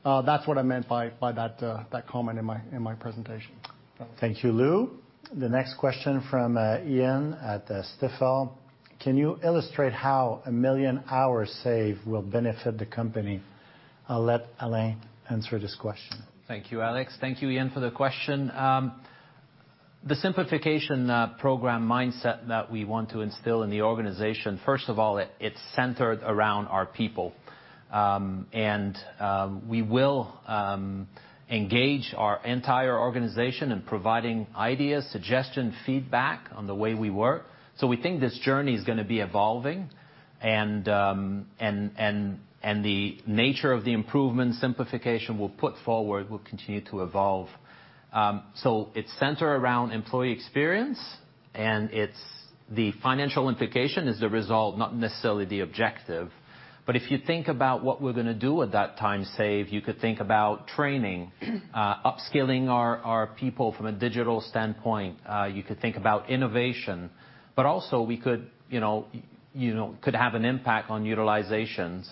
That's what I meant by that comment in my presentation. Thank you, Lou. The next question from Ian at Stifel. Can you illustrate how 1 million hours saved will benefit the company? I'll let Alain answer this question. Thank you, Alex. Thank you, Ian, for the question. The simplification program mindset that we want to instill in the organization, first of all, it's centered around our people. We will engage our entire organization in providing ideas, suggestions, feedback on the way we work. We think this journey is gonna be evolving and the nature of the improvement simplification we'll put forward will continue to evolve. It's centered around employee experience. The financial implication is the result, not necessarily the objective. If you think about what we're gonna do with that time save, you could think about training, upskilling our people from a digital standpoint. You could think about innovation, but also we could have an impact on utilization.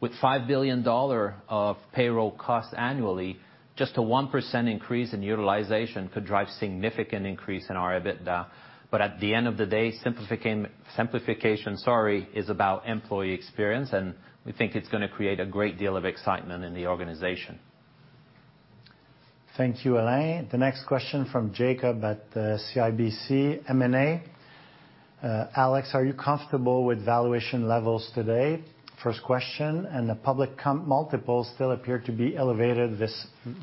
With 5 billion dollar of payroll costs annually, just a 1% increase in utilization could drive significant increase in our EBITDA. At the end of the day, simplification, sorry, is about employee experience, and we think it's gonna create a great deal of excitement in the organization. Thank you, Alain. The next question from Jacob at CIBC. Alex, are you comfortable with valuation levels today? First question, and the public multiples still appear to be elevated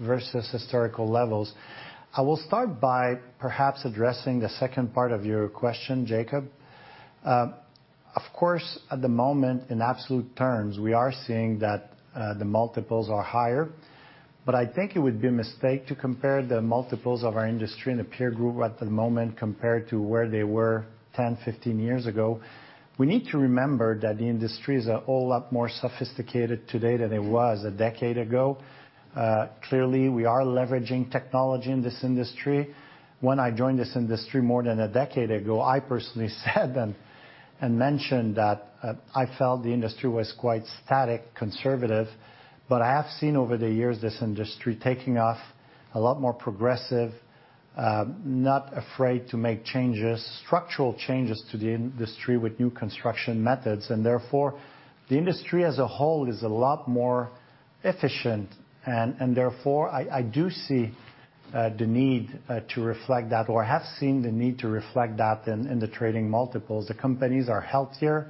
versus historical levels. I will start by perhaps addressing the second part of your question, Jacob. Of course, at the moment, in absolute terms, we are seeing that the multiples are higher. I think it would be a mistake to compare the multiples of our industry and the peer group at the moment compared to where they were 10, 15 years ago. We need to remember that the industry is a whole lot more sophisticated today than it was a decade ago. Clearly, we are leveraging technology in this industry. When I joined this industry more than a decade ago, I personally said and mentioned that I felt the industry was quite static, conservative. I have seen over the years this industry taking off a lot more progressive, not afraid to make changes, structural changes to the industry with new construction methods. Therefore, the industry as a whole is a lot more efficient and therefore I do see the need to reflect that or have seen the need to reflect that in the trading multiples. The companies are healthier,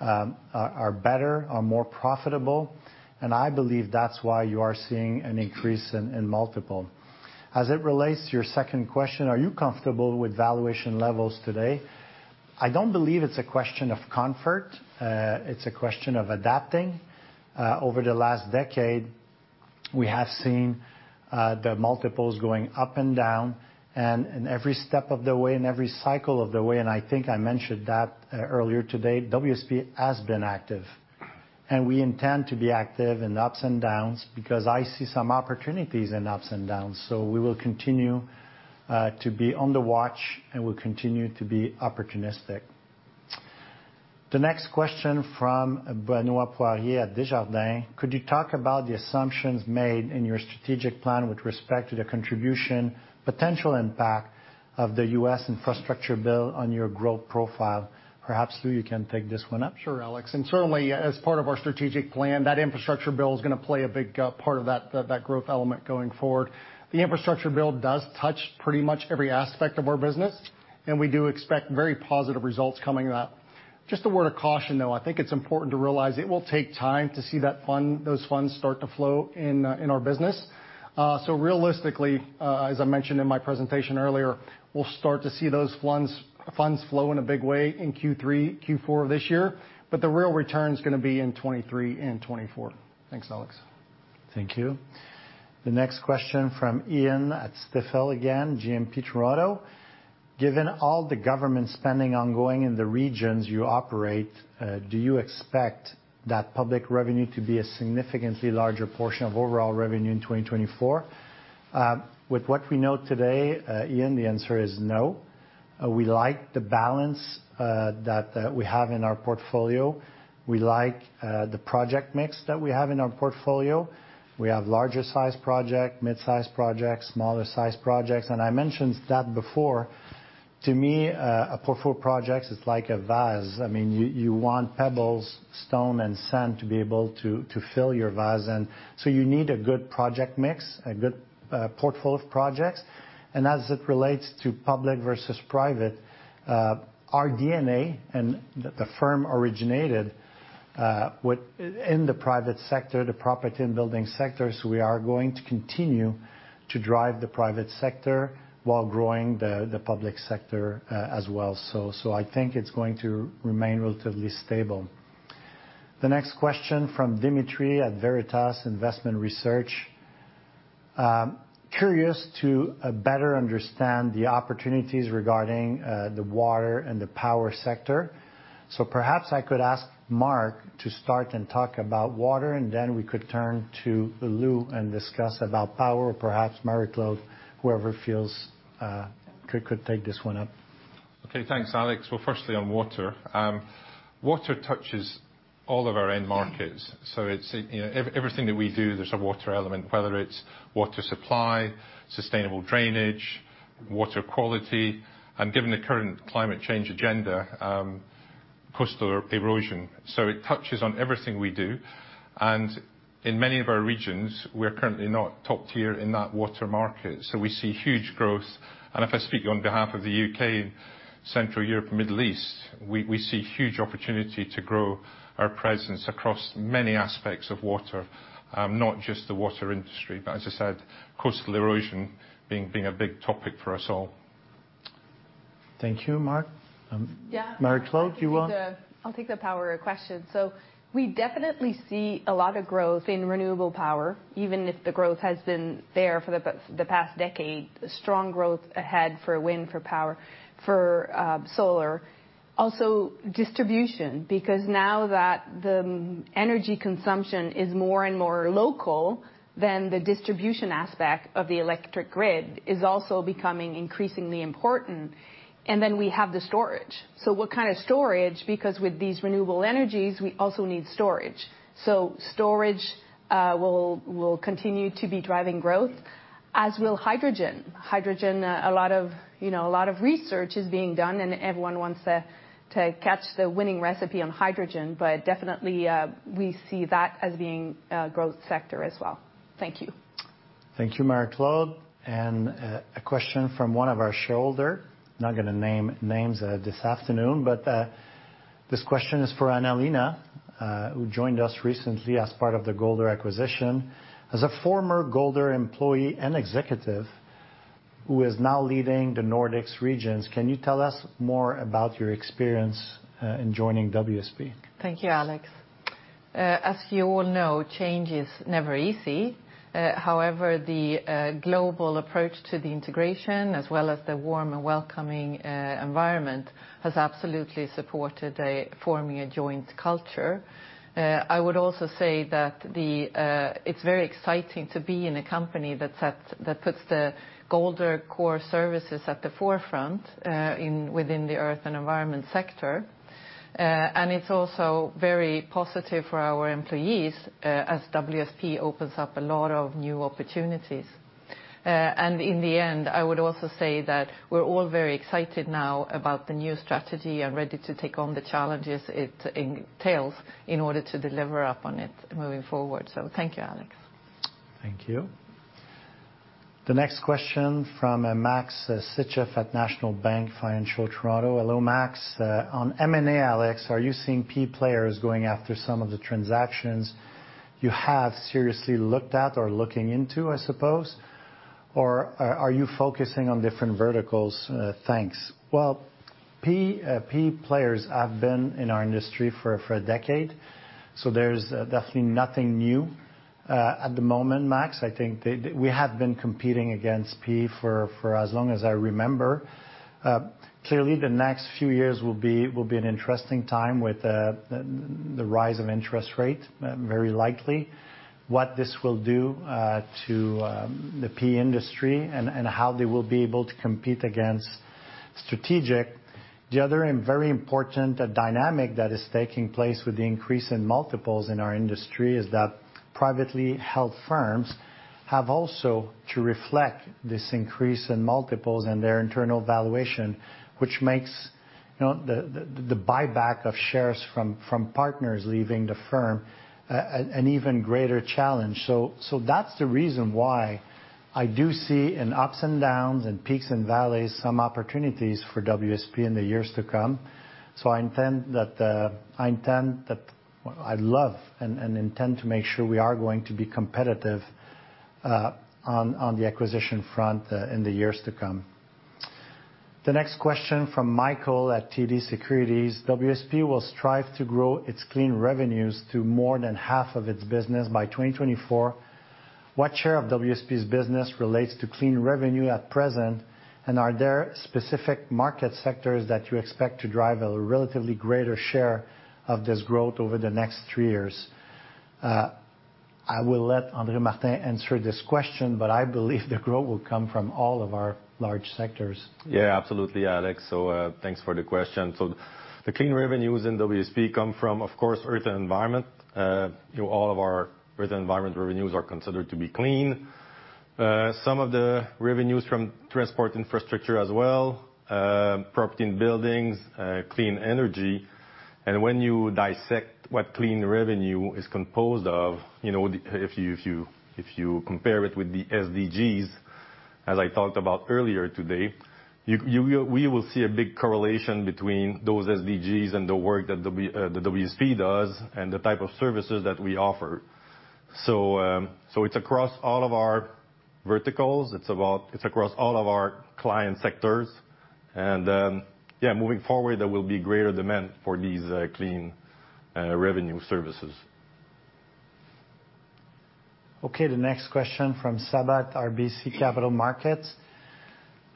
are better, are more profitable, and I believe that's why you are seeing an increase in multiple. As it relates to your second question, are you comfortable with valuation levels today? I don't believe it's a question of comfort. It's a question of adapting. Over the last decade, we have seen the multiples going up and down, and in every step of the way, in every cycle of the way, and I think I mentioned that earlier today, WSP has been active. We intend to be active in the ups and downs because I see some opportunities in ups and downs. We will continue to be on the watch, and we'll continue to be opportunistic. The next question from Benoit Poirier at Desjardins. Could you talk about the assumptions made in your strategic plan with respect to the contribution, potential impact of the U.S. infrastructure bill on your growth profile? Perhaps, Lou, you can take this one up. Sure, Alex. Certainly, as part of our strategic plan, that infrastructure bill is gonna play a big part of that growth element going forward. The infrastructure bill does touch pretty much every aspect of our business, and we do expect very positive results coming up. Just a word of caution, though. I think it's important to realize it will take time to see those funds start to flow in in our business. Realistically, as I mentioned in my presentation earlier, we'll start to see those funds flow in a big way in Q3, Q4 of this year, but the real return's gonna be in 2023 and 2024. Thanks, Alex. Thank you. The next question from Ian at Stifel GMP Toronto. Given all the government spending ongoing in the regions you operate, do you expect that public revenue to be a significantly larger portion of overall revenue in 2024? With what we know today, Ian, the answer is no. We like the balance that we have in our portfolio. We like the project mix that we have in our portfolio. We have larger size project, mid-size projects, smaller size projects, and I mentioned that before. To me, projects is like a vase. I mean, you want pebbles, stone, and sand to be able to fill your vase. You need a good project mix, a good portfolio of projects. As it relates to public versus private, our DNA and the firm originated in the private sector, the property and building sectors, we are going to continue to drive the private sector while growing the public sector as well. I think it's going to remain relatively stable. The next question from Dmitry at Veritas Investment Research. Curious to better understand the opportunities regarding the water and the power sector. Perhaps I could ask Mark to start and talk about water, and then we could turn to Lou and discuss about power, or perhaps Marie-Claude, whoever feels could take this one up. Okay, thanks, Alex. Well, firstly, on water touches all of our end markets. It's, you know, everything that we do, there's a water element, whether it's water supply, sustainable drainage, water quality, and given the current climate change agenda, coastal erosion. It touches on everything we do. In many of our regions, we're currently not top tier in that water market. We see huge growth. If I speak on behalf of the U.K., Central Europe, and Middle East, we see huge opportunity to grow our presence across many aspects of water, not just the water industry. As I said, coastal erosion being a big topic for us all. Thank you, Mark. Marie-Claude, you want- Yeah, I'll take the power question. We definitely see a lot of growth in renewable power, even if the growth has been there for the past decade, strong growth ahead for wind, for power, for solar. Also distribution, because now that the energy consumption is more and more local than the distribution aspect of the electric grid, is also becoming increasingly important. Then we have the storage. What kind of storage? Because with these renewable energies, we also need storage. Storage will continue to be driving growth, as will hydrogen. Hydrogen, a lot of research is being done, and everyone wants to catch the winning recipe on hydrogen. Definitely, we see that as being a growth sector as well. Thank you. Thank you, Marie-Claude. A question from one of our shareholder. Not gonna name names, this afternoon, but this question is for Anna-Lena Öberg-Högsta, who joined us recently as part of the Golder acquisition. As a former Golder employee and executive who is now leading the Nordics regions, can you tell us more about your experience in joining WSP? Thank you, Alex. As you all know, change is never easy. However, the global approach to the integration, as well as the warm and welcoming environment, has absolutely supported forming a joint culture. I would also say that it's very exciting to be in a company that puts the Golder core services at the forefront within the earth and environment sector. It's also very positive for our employees as WSP opens up a lot of new opportunities. In the end, I would also say that we're all very excited now about the new strategy and ready to take on the challenges it entails in order to deliver up on it moving forward. Thank you, Alex. Thank you. The next question from Maxim Sytchev at National Bank Financial, Toronto. Hello, Max. On M&A, Alex, are you seeing PE players going after some of the transactions you have seriously looked at or looking into, I suppose? Or are you focusing on different verticals? Thanks. Well, PE players have been in our industry for a decade, so there's definitely nothing new at the moment, Max. I think we have been competing against PE for as long as I remember. Clearly, the next few years will be an interesting time with the rise of interest rate, very likely. What this will do to the PE industry and how they will be able to compete against strategic. The other and very important dynamic that is taking place with the increase in multiples in our industry is that privately held firms have also to reflect this increase in multiples and their internal valuation, which makes the buyback of shares from partners leaving the firm an even greater challenge. That's the reason why I do see in ups and downs, in peaks and valleys, some opportunities for WSP in the years to come. I intend to make sure we are going to be competitive on the acquisition front in the years to come. The next question from Michael at TD Securities. WSP will strive to grow its clean revenues to more than half of its business by 2024. What share of WSP's business relates to clean revenue at present, and are there specific market sectors that you expect to drive a relatively greater share of this growth over the next three years? I will let André-Martin answer this question, but I believe the growth will come from all of our large sectors. Yeah, absolutely, Alex. Thanks for the question. The clean revenues in WSP come from, of course, Earth and Environment. You know, all of our Earth and Environment revenues are considered to be clean. Some of the revenues from transport infrastructure as well, property and buildings, clean energy. When you dissect what clean revenue is composed of, you know, if you compare it with the SDGs, as I talked about earlier today, you will see a big correlation between those SDGs and the work that WSP does and the type of services that we offer. It's across all of our verticals. It's across all of our client sectors. Yeah, moving forward, there will be greater demand for these clean revenue services. Okay, the next question from Sabahat, RBC Capital Markets.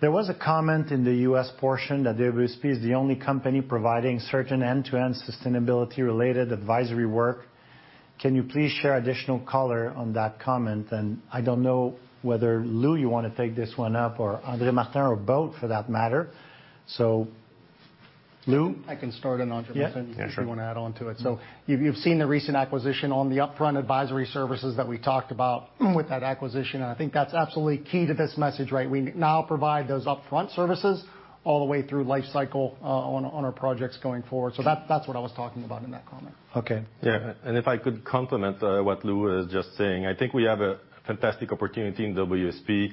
There was a comment in the US portion that WSP is the only company providing certain end-to-end sustainability-related advisory work. Can you please share additional color on that comment? I don't know whether, Lou, you wanna take this one up or André-Martin or both for that matter. Lou? I can start and André Martin. Yeah, sure. If you wanna add on to it. You've seen the recent acquisition on the upfront advisory services that we talked about with that acquisition, and I think that's absolutely key to this message, right? We now provide those upfront services all the way through lifecycle, on our projects going forward. That's what I was talking about in that comment. Okay. Yeah. If I could complement what Lou is just saying. I think we have a fantastic opportunity in WSP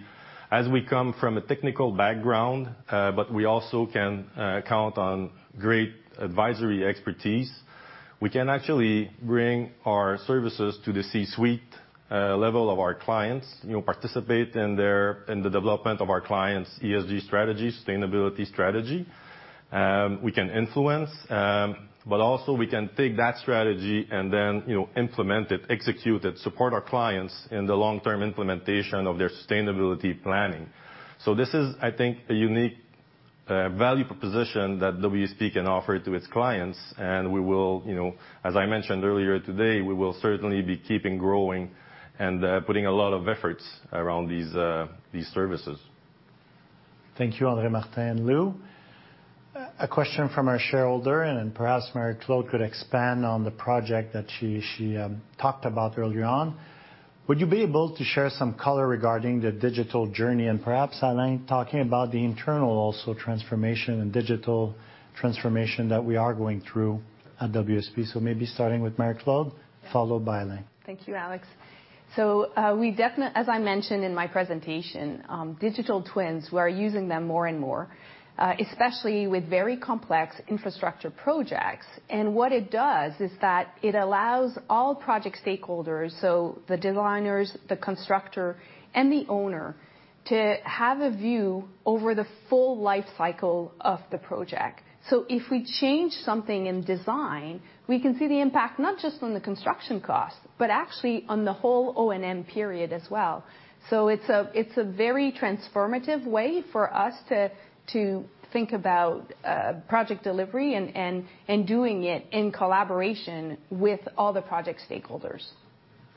as we come from a technical background, but we also can count on great advisory expertise. We can actually bring our services to the C-suite level of our clients, you know, participate in the development of our clients' ESG strategy, sustainability strategy. We can influence, but also we can take that strategy and then, you know, implement it, execute it, support our clients in the long-term implementation of their sustainability planning. This is, I think, a unique value proposition that WSP can offer to its clients, and we will, you know, as I mentioned earlier today, we will certainly be keeping growing and putting a lot of efforts around these services. Thank you, André, Martin, and Lou. A question from our shareholder, and perhaps Marie-Claude could expand on the project that she talked about earlier on. Would you be able to share some color regarding the digital journey and perhaps, Alain, talking about the internal also transformation and digital transformation that we are going through at WSP? Maybe starting with Marie-Claude, followed by Alain. Thank you, Alex. As I mentioned in my presentation, digital twins, we're using them more and more, especially with very complex infrastructure projects. What it does is that it allows all project stakeholders, so the designers, the constructor, and the owner, to have a view over the full life cycle of the project. If we change something in design, we can see the impact, not just on the construction cost, but actually on the whole O&M period as well. It's a very transformative way for us to think about project delivery and doing it in collaboration with all the project stakeholders.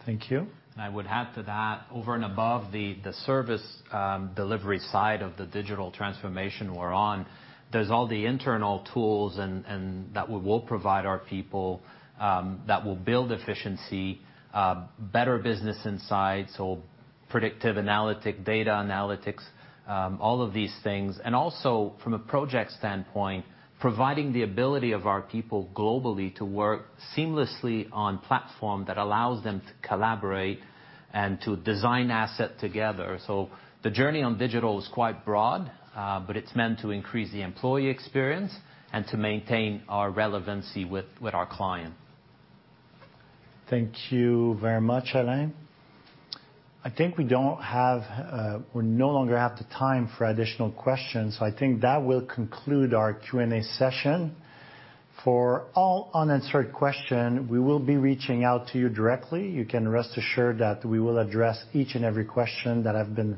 Thank you. I would add to that, over and above the service delivery side of the digital transformation we're on, there's all the internal tools and that we will provide our people that will build efficiency, better business insights or predictive analytic, data analytics, all of these things. Also from a project standpoint, providing the ability of our people globally to work seamlessly on platform that allows them to collaborate and to design asset together. The journey on digital is quite broad, but it's meant to increase the employee experience and to maintain our relevancy with our client. Thank you very much, Alain. I think we don't have, we no longer have the time for additional questions, so I think that will conclude our Q&A session. For all unanswered question, we will be reaching out to you directly. You can rest assured that we will address each and every question that have been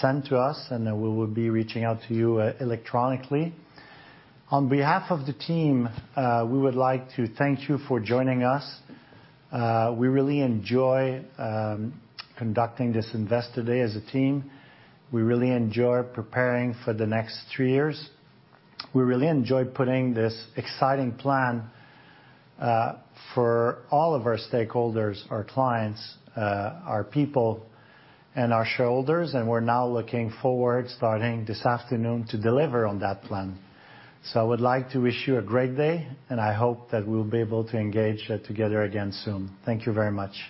sent to us, and, we will be reaching out to you, electronically. On behalf of the team, we would like to thank you for joining us. We really enjoy conducting this Investor Day as a team. We really enjoy preparing for the next three years. We really enjoy putting this exciting plan for all of our stakeholders, our clients, our people, and our shareholders, and we're now looking forward, starting this afternoon, to deliver on that plan. I would like to wish you a great day, and I hope that we'll be able to engage, together again soon. Thank you very much.